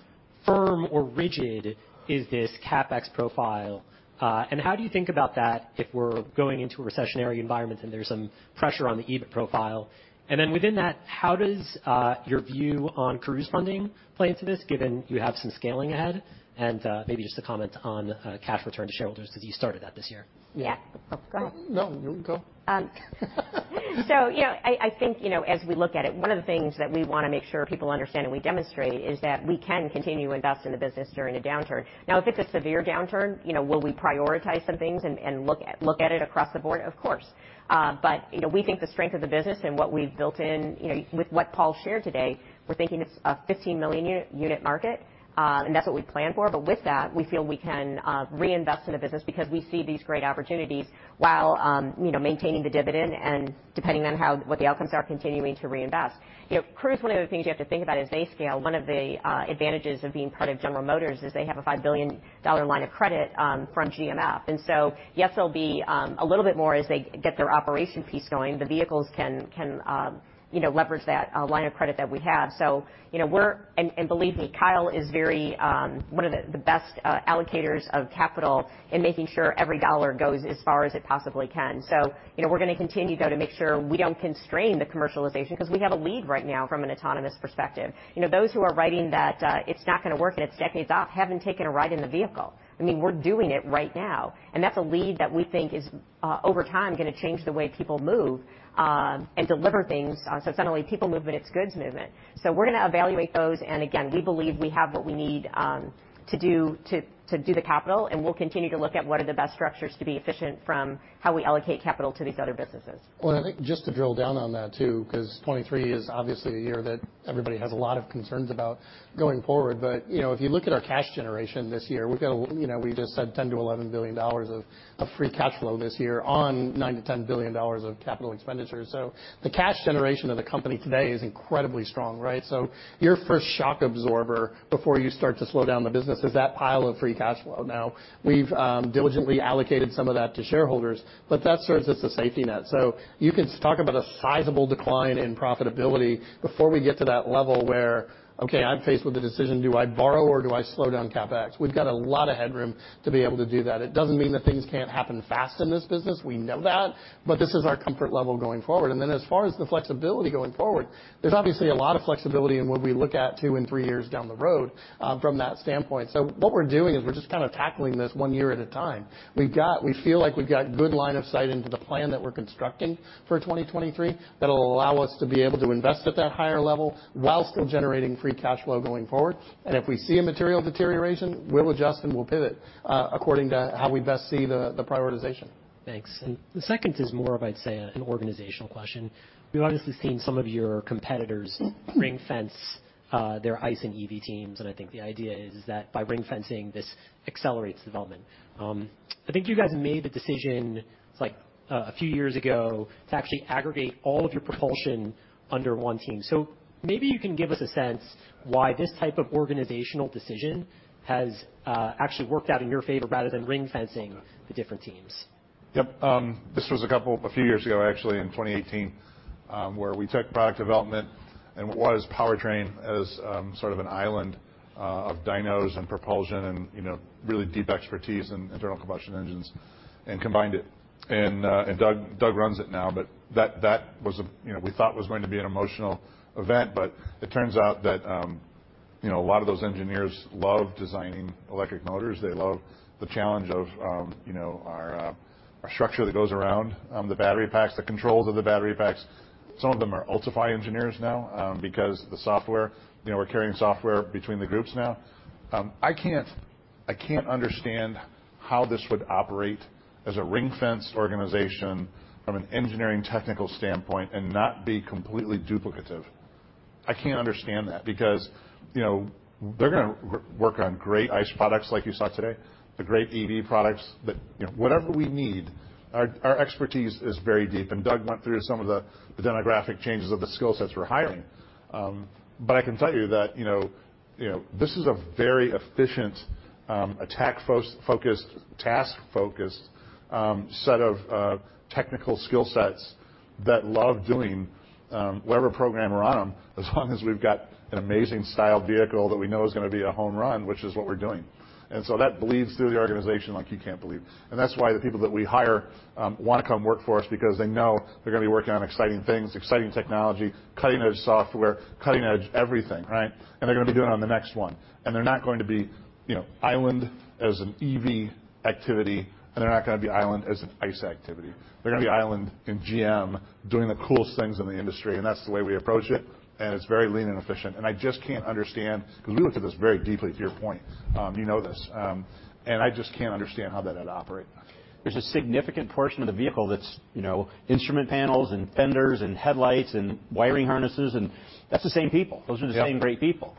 firm or rigid is this CapEx profile? And how do you think about that if we're going into a recessionary environment, and there's some pressure on the EBIT profile? And then within that, how does your view on Cruise funding play into this, given you have some scaling ahead? And maybe just a comment on cash return to shareholders because you started that this year. Yeah. Oh, go ahead. No, you go. You know, I think, you know, as we look at it, one of the things that we wanna make sure people understand and we demonstrate is that we can continue to invest in the business during a downturn. Now, if it's a severe downturn, you know, will we prioritize some things and look at it across the board? Of course. You know, we think the strength of the business and what we've built in, you know, with what Paul shared today, we're thinking it's a 15 million unit market, and that's what we plan for. With that, we feel we can reinvest in the business because we see these great opportunities while, you know, maintaining the dividend and depending on what the outcomes are continuing to reinvest. You know, Cruise, one of the things you have to think about as they scale, one of the advantages of being part of General Motors is they have a $5 billion line of credit from GMF. Yes, there'll be a little bit more as they get their operation piece going. The vehicles can you know, leverage that line of credit that we have. So, you know, believe me, Kyle is very one of the best allocators of capital in making sure every dollar goes as far as it possibly can. So, you know, we're gonna continue, though, to make sure we don't constrain the commercialization because we have a lead right now from an autonomous perspective. You know, those who are writing that it's not gonna work and it's decades off haven't taken a ride in the vehicle. I mean, we're doing it right now, and that's a lead that we think is over time gonna change the way people move and deliver things. It's not only people movement, it's goods movement. We're gonna evaluate those, and again, we believe we have what we need to do the capital, and we'll continue to look at what are the best structures to be efficient from how we allocate capital to these other businesses. Well, I think just to drill down on that too, 'cause 2023 is obviously a year that everybody has a lot of concerns about going forward. You know, if you look at our cash generation this year, we've got a, you know, we just said $10 billion-$11 billion of free cash flow this year on $9 billion-$10 billion of capital expenditures. The cash generation of the company today is incredibly strong, right? Your first shock absorber before you start to slow down the business is that pile of free cash flow. Now, we've diligently allocated some of that to shareholders, but that serves as the safety net. You can talk about a sizable decline in profitability before we get to that level where, okay, I'm faced with the decision, do I borrow or do I slow down CapEx? We've got a lot of headroom to be able to do that. It doesn't mean that things can't happen fast in this business. We know that, but this is our comfort level going forward. As far as the flexibility going forward, there's obviously a lot of flexibility in what we look at two and three years down the road, from that standpoint. What we're doing is we're just kinda tackling this one year at a time. We feel like we've got good line of sight into the plan that we're constructing for 2023 that'll allow us to be able to invest at that higher level while still generating free cash flow going forward. If we see a material deterioration, we'll adjust and we'll pivot, according to how we best see the prioritization. Thanks. The second is more of, I'd say, an organizational question. We've obviously seen some of your competitors ring-fence their ICE and EV teams, and I think the idea is that by ring-fencing, this accelerates development. I think you guys made the decision, it's like a few years ago, to actually aggregate all of your propulsion under one team. Maybe you can give us a sense why this type of organizational decision has actually worked out in your favor rather than ring-fencing the different teams. Yep. This was a few years ago, actually, in 2018, where we took product development and what was powertrain as sort of an island of dynos and propulsion and, you know, really deep expertise in internal combustion engines and combined it. Doug runs it now, but that was a, you know, we thought was going to be an emotional event. It turns out that, you know, a lot of those engineers love designing electric motors. They love the challenge of, you know, our structure that goes around the battery packs, the controls of the battery packs. Some of them are Ultifi engineers now, because the software, you know, we're carrying software between the groups now. I can't understand how this would operate as a ring-fence organization from an engineering technical standpoint and not be completely duplicative. I can't understand that because, you know, they're gonna work on great ICE products like you saw today, the great EV products that, you know, whatever we need, our expertise is very deep. Doug went through some of the demographic changes of the skill sets we're hiring. But I can tell you that, you know, this is a very efficient attack-focused, task-focused set of technical skill sets that love doing whatever program we're on as long as we've got an amazing style vehicle that we know is gonna be a home run, which is what we're doing. That bleeds through the organization like you can't believe. That's why the people that we hire wanna come work for us because they know they're gonna be working on exciting things, exciting technology, cutting-edge software, cutting-edge everything, right? They're gonna be doing it on the next one. They're not going to be, you know, siloed as an EV activity, and they're not gonna be siloed as an ICE activity. They're gonna be siloed in GM doing the coolest things in the industry, and that's the way we approach it, and it's very lean and efficient. I just can't understand, 'cause we look at this very deeply to your point, you know this. I just can't understand how that would operate. There's a significant portion of the vehicle that's, you know, instrument panels and fenders and headlights and wiring harnesses, and that's the same people. Yeah. Those are the same great people.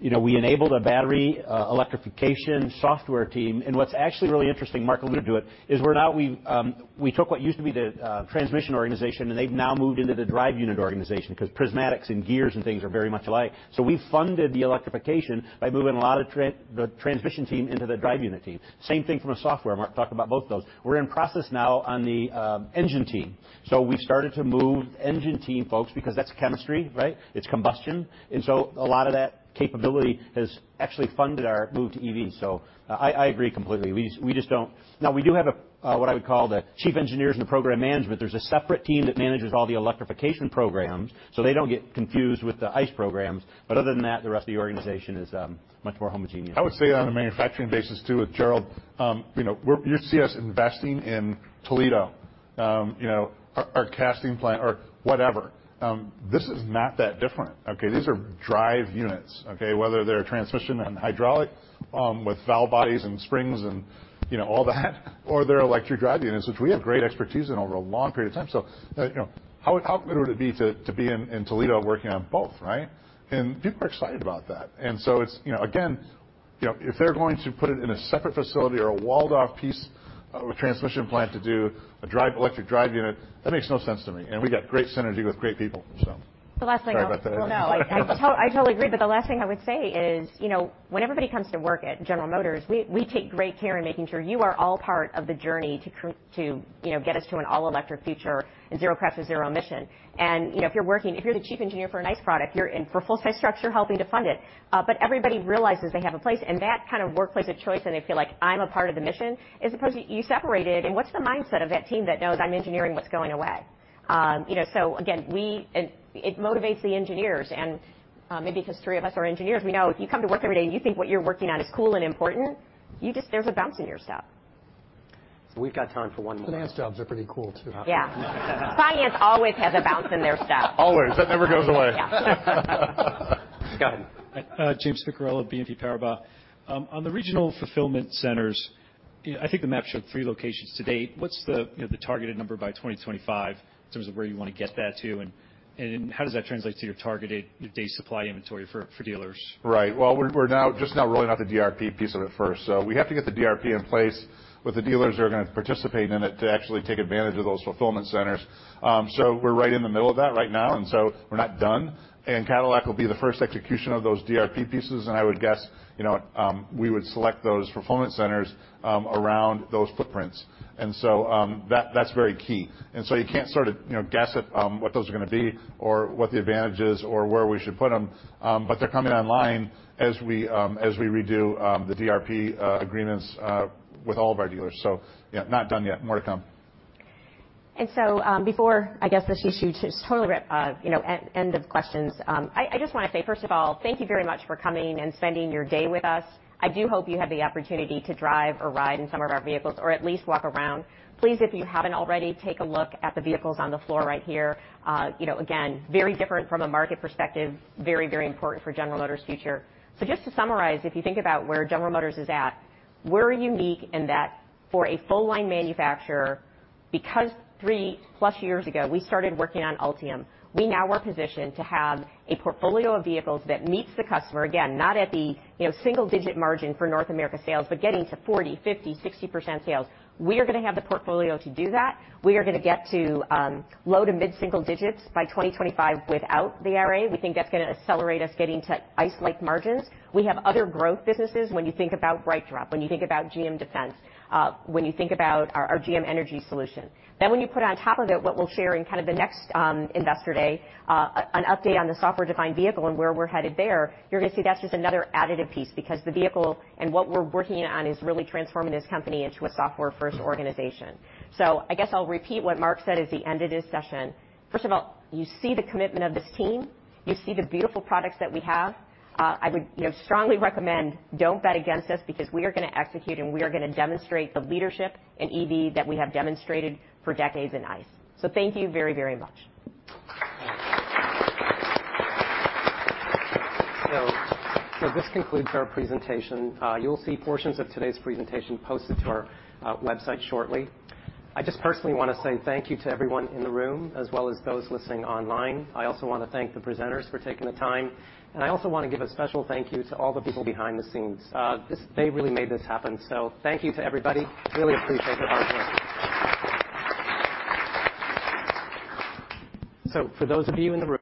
You know, we enabled a battery electrification software team. What's actually really interesting, Mark allude to it, is we took what used to be the transmission organization, and they've now moved into the drive unit organization 'cause prismatics and gears and things are very much alike. We funded the electrification by moving a lot of the transmission team into the drive unit team. Same thing from a software. Mark talked about both those. We're in process now on the engine team. We've started to move engine team folks because that's chemistry, right? It's combustion. A lot of that capability has actually funded our move to EV. I agree completely. We just don't. Now we do have what I would call the chief engineers and program management. There's a separate team that manages all the electrification programs, so they don't get confused with the ICE programs. Other than that, the rest of the organization is much more homogeneous. I would say on a manufacturing basis, too, with Gerald, you know, you see us investing in Toledo, you know, our casting plant or whatever. This is not that different, okay? These are drive units, okay? Whether they're transmission and hydraulic, with valve bodies and springs and, you know, all that or they're electric drive units, which we have great expertise in over a long period of time. You know, how good would it be to be in Toledo working on both, right? People are excited about that. It's, you know, again, you know, if they're going to put it in a separate facility or a walled off piece of a transmission plant to do an electric drive unit, that makes no sense to me. We got great synergy with great people, so. The last thing I would say. Sorry about that. Well, no. I totally agree, but the last thing I would say is, you know, when everybody comes to work at General Motors, we take great care in making sure you are all part of the journey to, you know, get us to an all-electric future and zero crash and zero emission. You know, if you're the chief engineer for an ICE product, you're in for full size structure helping to fund it. But everybody realizes they have a place and that kind of workplace of choice, and they feel like I'm a part of the mission, as opposed to you separate it. What's the mindset of that team that knows I'm engineering what's going away? You know, so again, it motivates the engineers. Maybe because three of us are engineers, we know if you come to work every day and you think what you're working on is cool and important, there's a bounce in your step. We've got time for one more. Finance jobs are pretty cool, too. Yeah. Finance always has a bounce in their step. Always. That never goes away. Yeah. Go ahead. Hi. James Picariello, BNP Paribas. On the regional fulfillment centers, I think the map showed three locations to date. What's the targeted number by 2025 in terms of where you wanna get that to? And how does that translate to your targeted day supply inventory for dealers? Right. Well, we're now just now rolling out the DRP piece of it first. We have to get the DRP in place with the dealers that are gonna participate in it to actually take advantage of those fulfillment centers. We're right in the middle of that right now, and we're not done. Cadillac will be the first execution of those DRP pieces. I would guess, you know, we would select those fulfillment centers around those footprints. That's very key. You can't sort of, you know, guess at what those are gonna be or what the advantage is or where we should put them. They're coming online as we redo the DRP agreements with all of our dealers. Yeah, not done yet. More to come. Before, I guess, this is totally, you know, end of questions, I just wanna say, first of all, thank you very much for coming and spending your day with us. I do hope you have the opportunity to drive or ride in some of our vehicles or at least walk around. Please, if you haven't already, take a look at the vehicles on the floor right here. You know, again, very different from a market perspective. Very, very important for General Motors' future. Just to summarize, if you think about where General Motors is at, we're unique in that for a full-line manufacturer, because 3+ years ago, we started working on Ultium, we now are positioned to have a portfolio of vehicles that meets the customer, again, not at the single-digit margin for North America sales, but getting to 40%, 50%, 60% sales. We are gonna have the portfolio to do that. We are gonna get to low- to mid-single digits by 2025 without the IRA. We think that's gonna accelerate us getting to isolated margins. We have other growth businesses when you think about BrightDrop, when you think about GM Defense, when you think about our GM Energy solution. When you put on top of it, what we'll share in kind of the next Investor Day, an update on the software-defined vehicle and where we're headed there, you're gonna see that's just another additive piece because the vehicle and what we're working on is really transforming this company into a software-first organization. I guess I'll repeat what Mark said at the end of this session. First of all, you see the commitment of this team. You see the beautiful products that we have. I would, you know, strongly recommend don't bet against us because we are gonna execute, and we are gonna demonstrate the leadership in EV that we have demonstrated for decades in ICE. Thank you very, very much. This concludes our presentation. You'll see portions of today's presentation posted to our website shortly. I just personally wanna say thank you to everyone in the room as well as those listening online. I also wanna thank the presenters for taking the time, and I also wanna give a special thank you to all the people behind the scenes. They really made this happen. Thank you to everybody. Really appreciate it. For those of you in the room.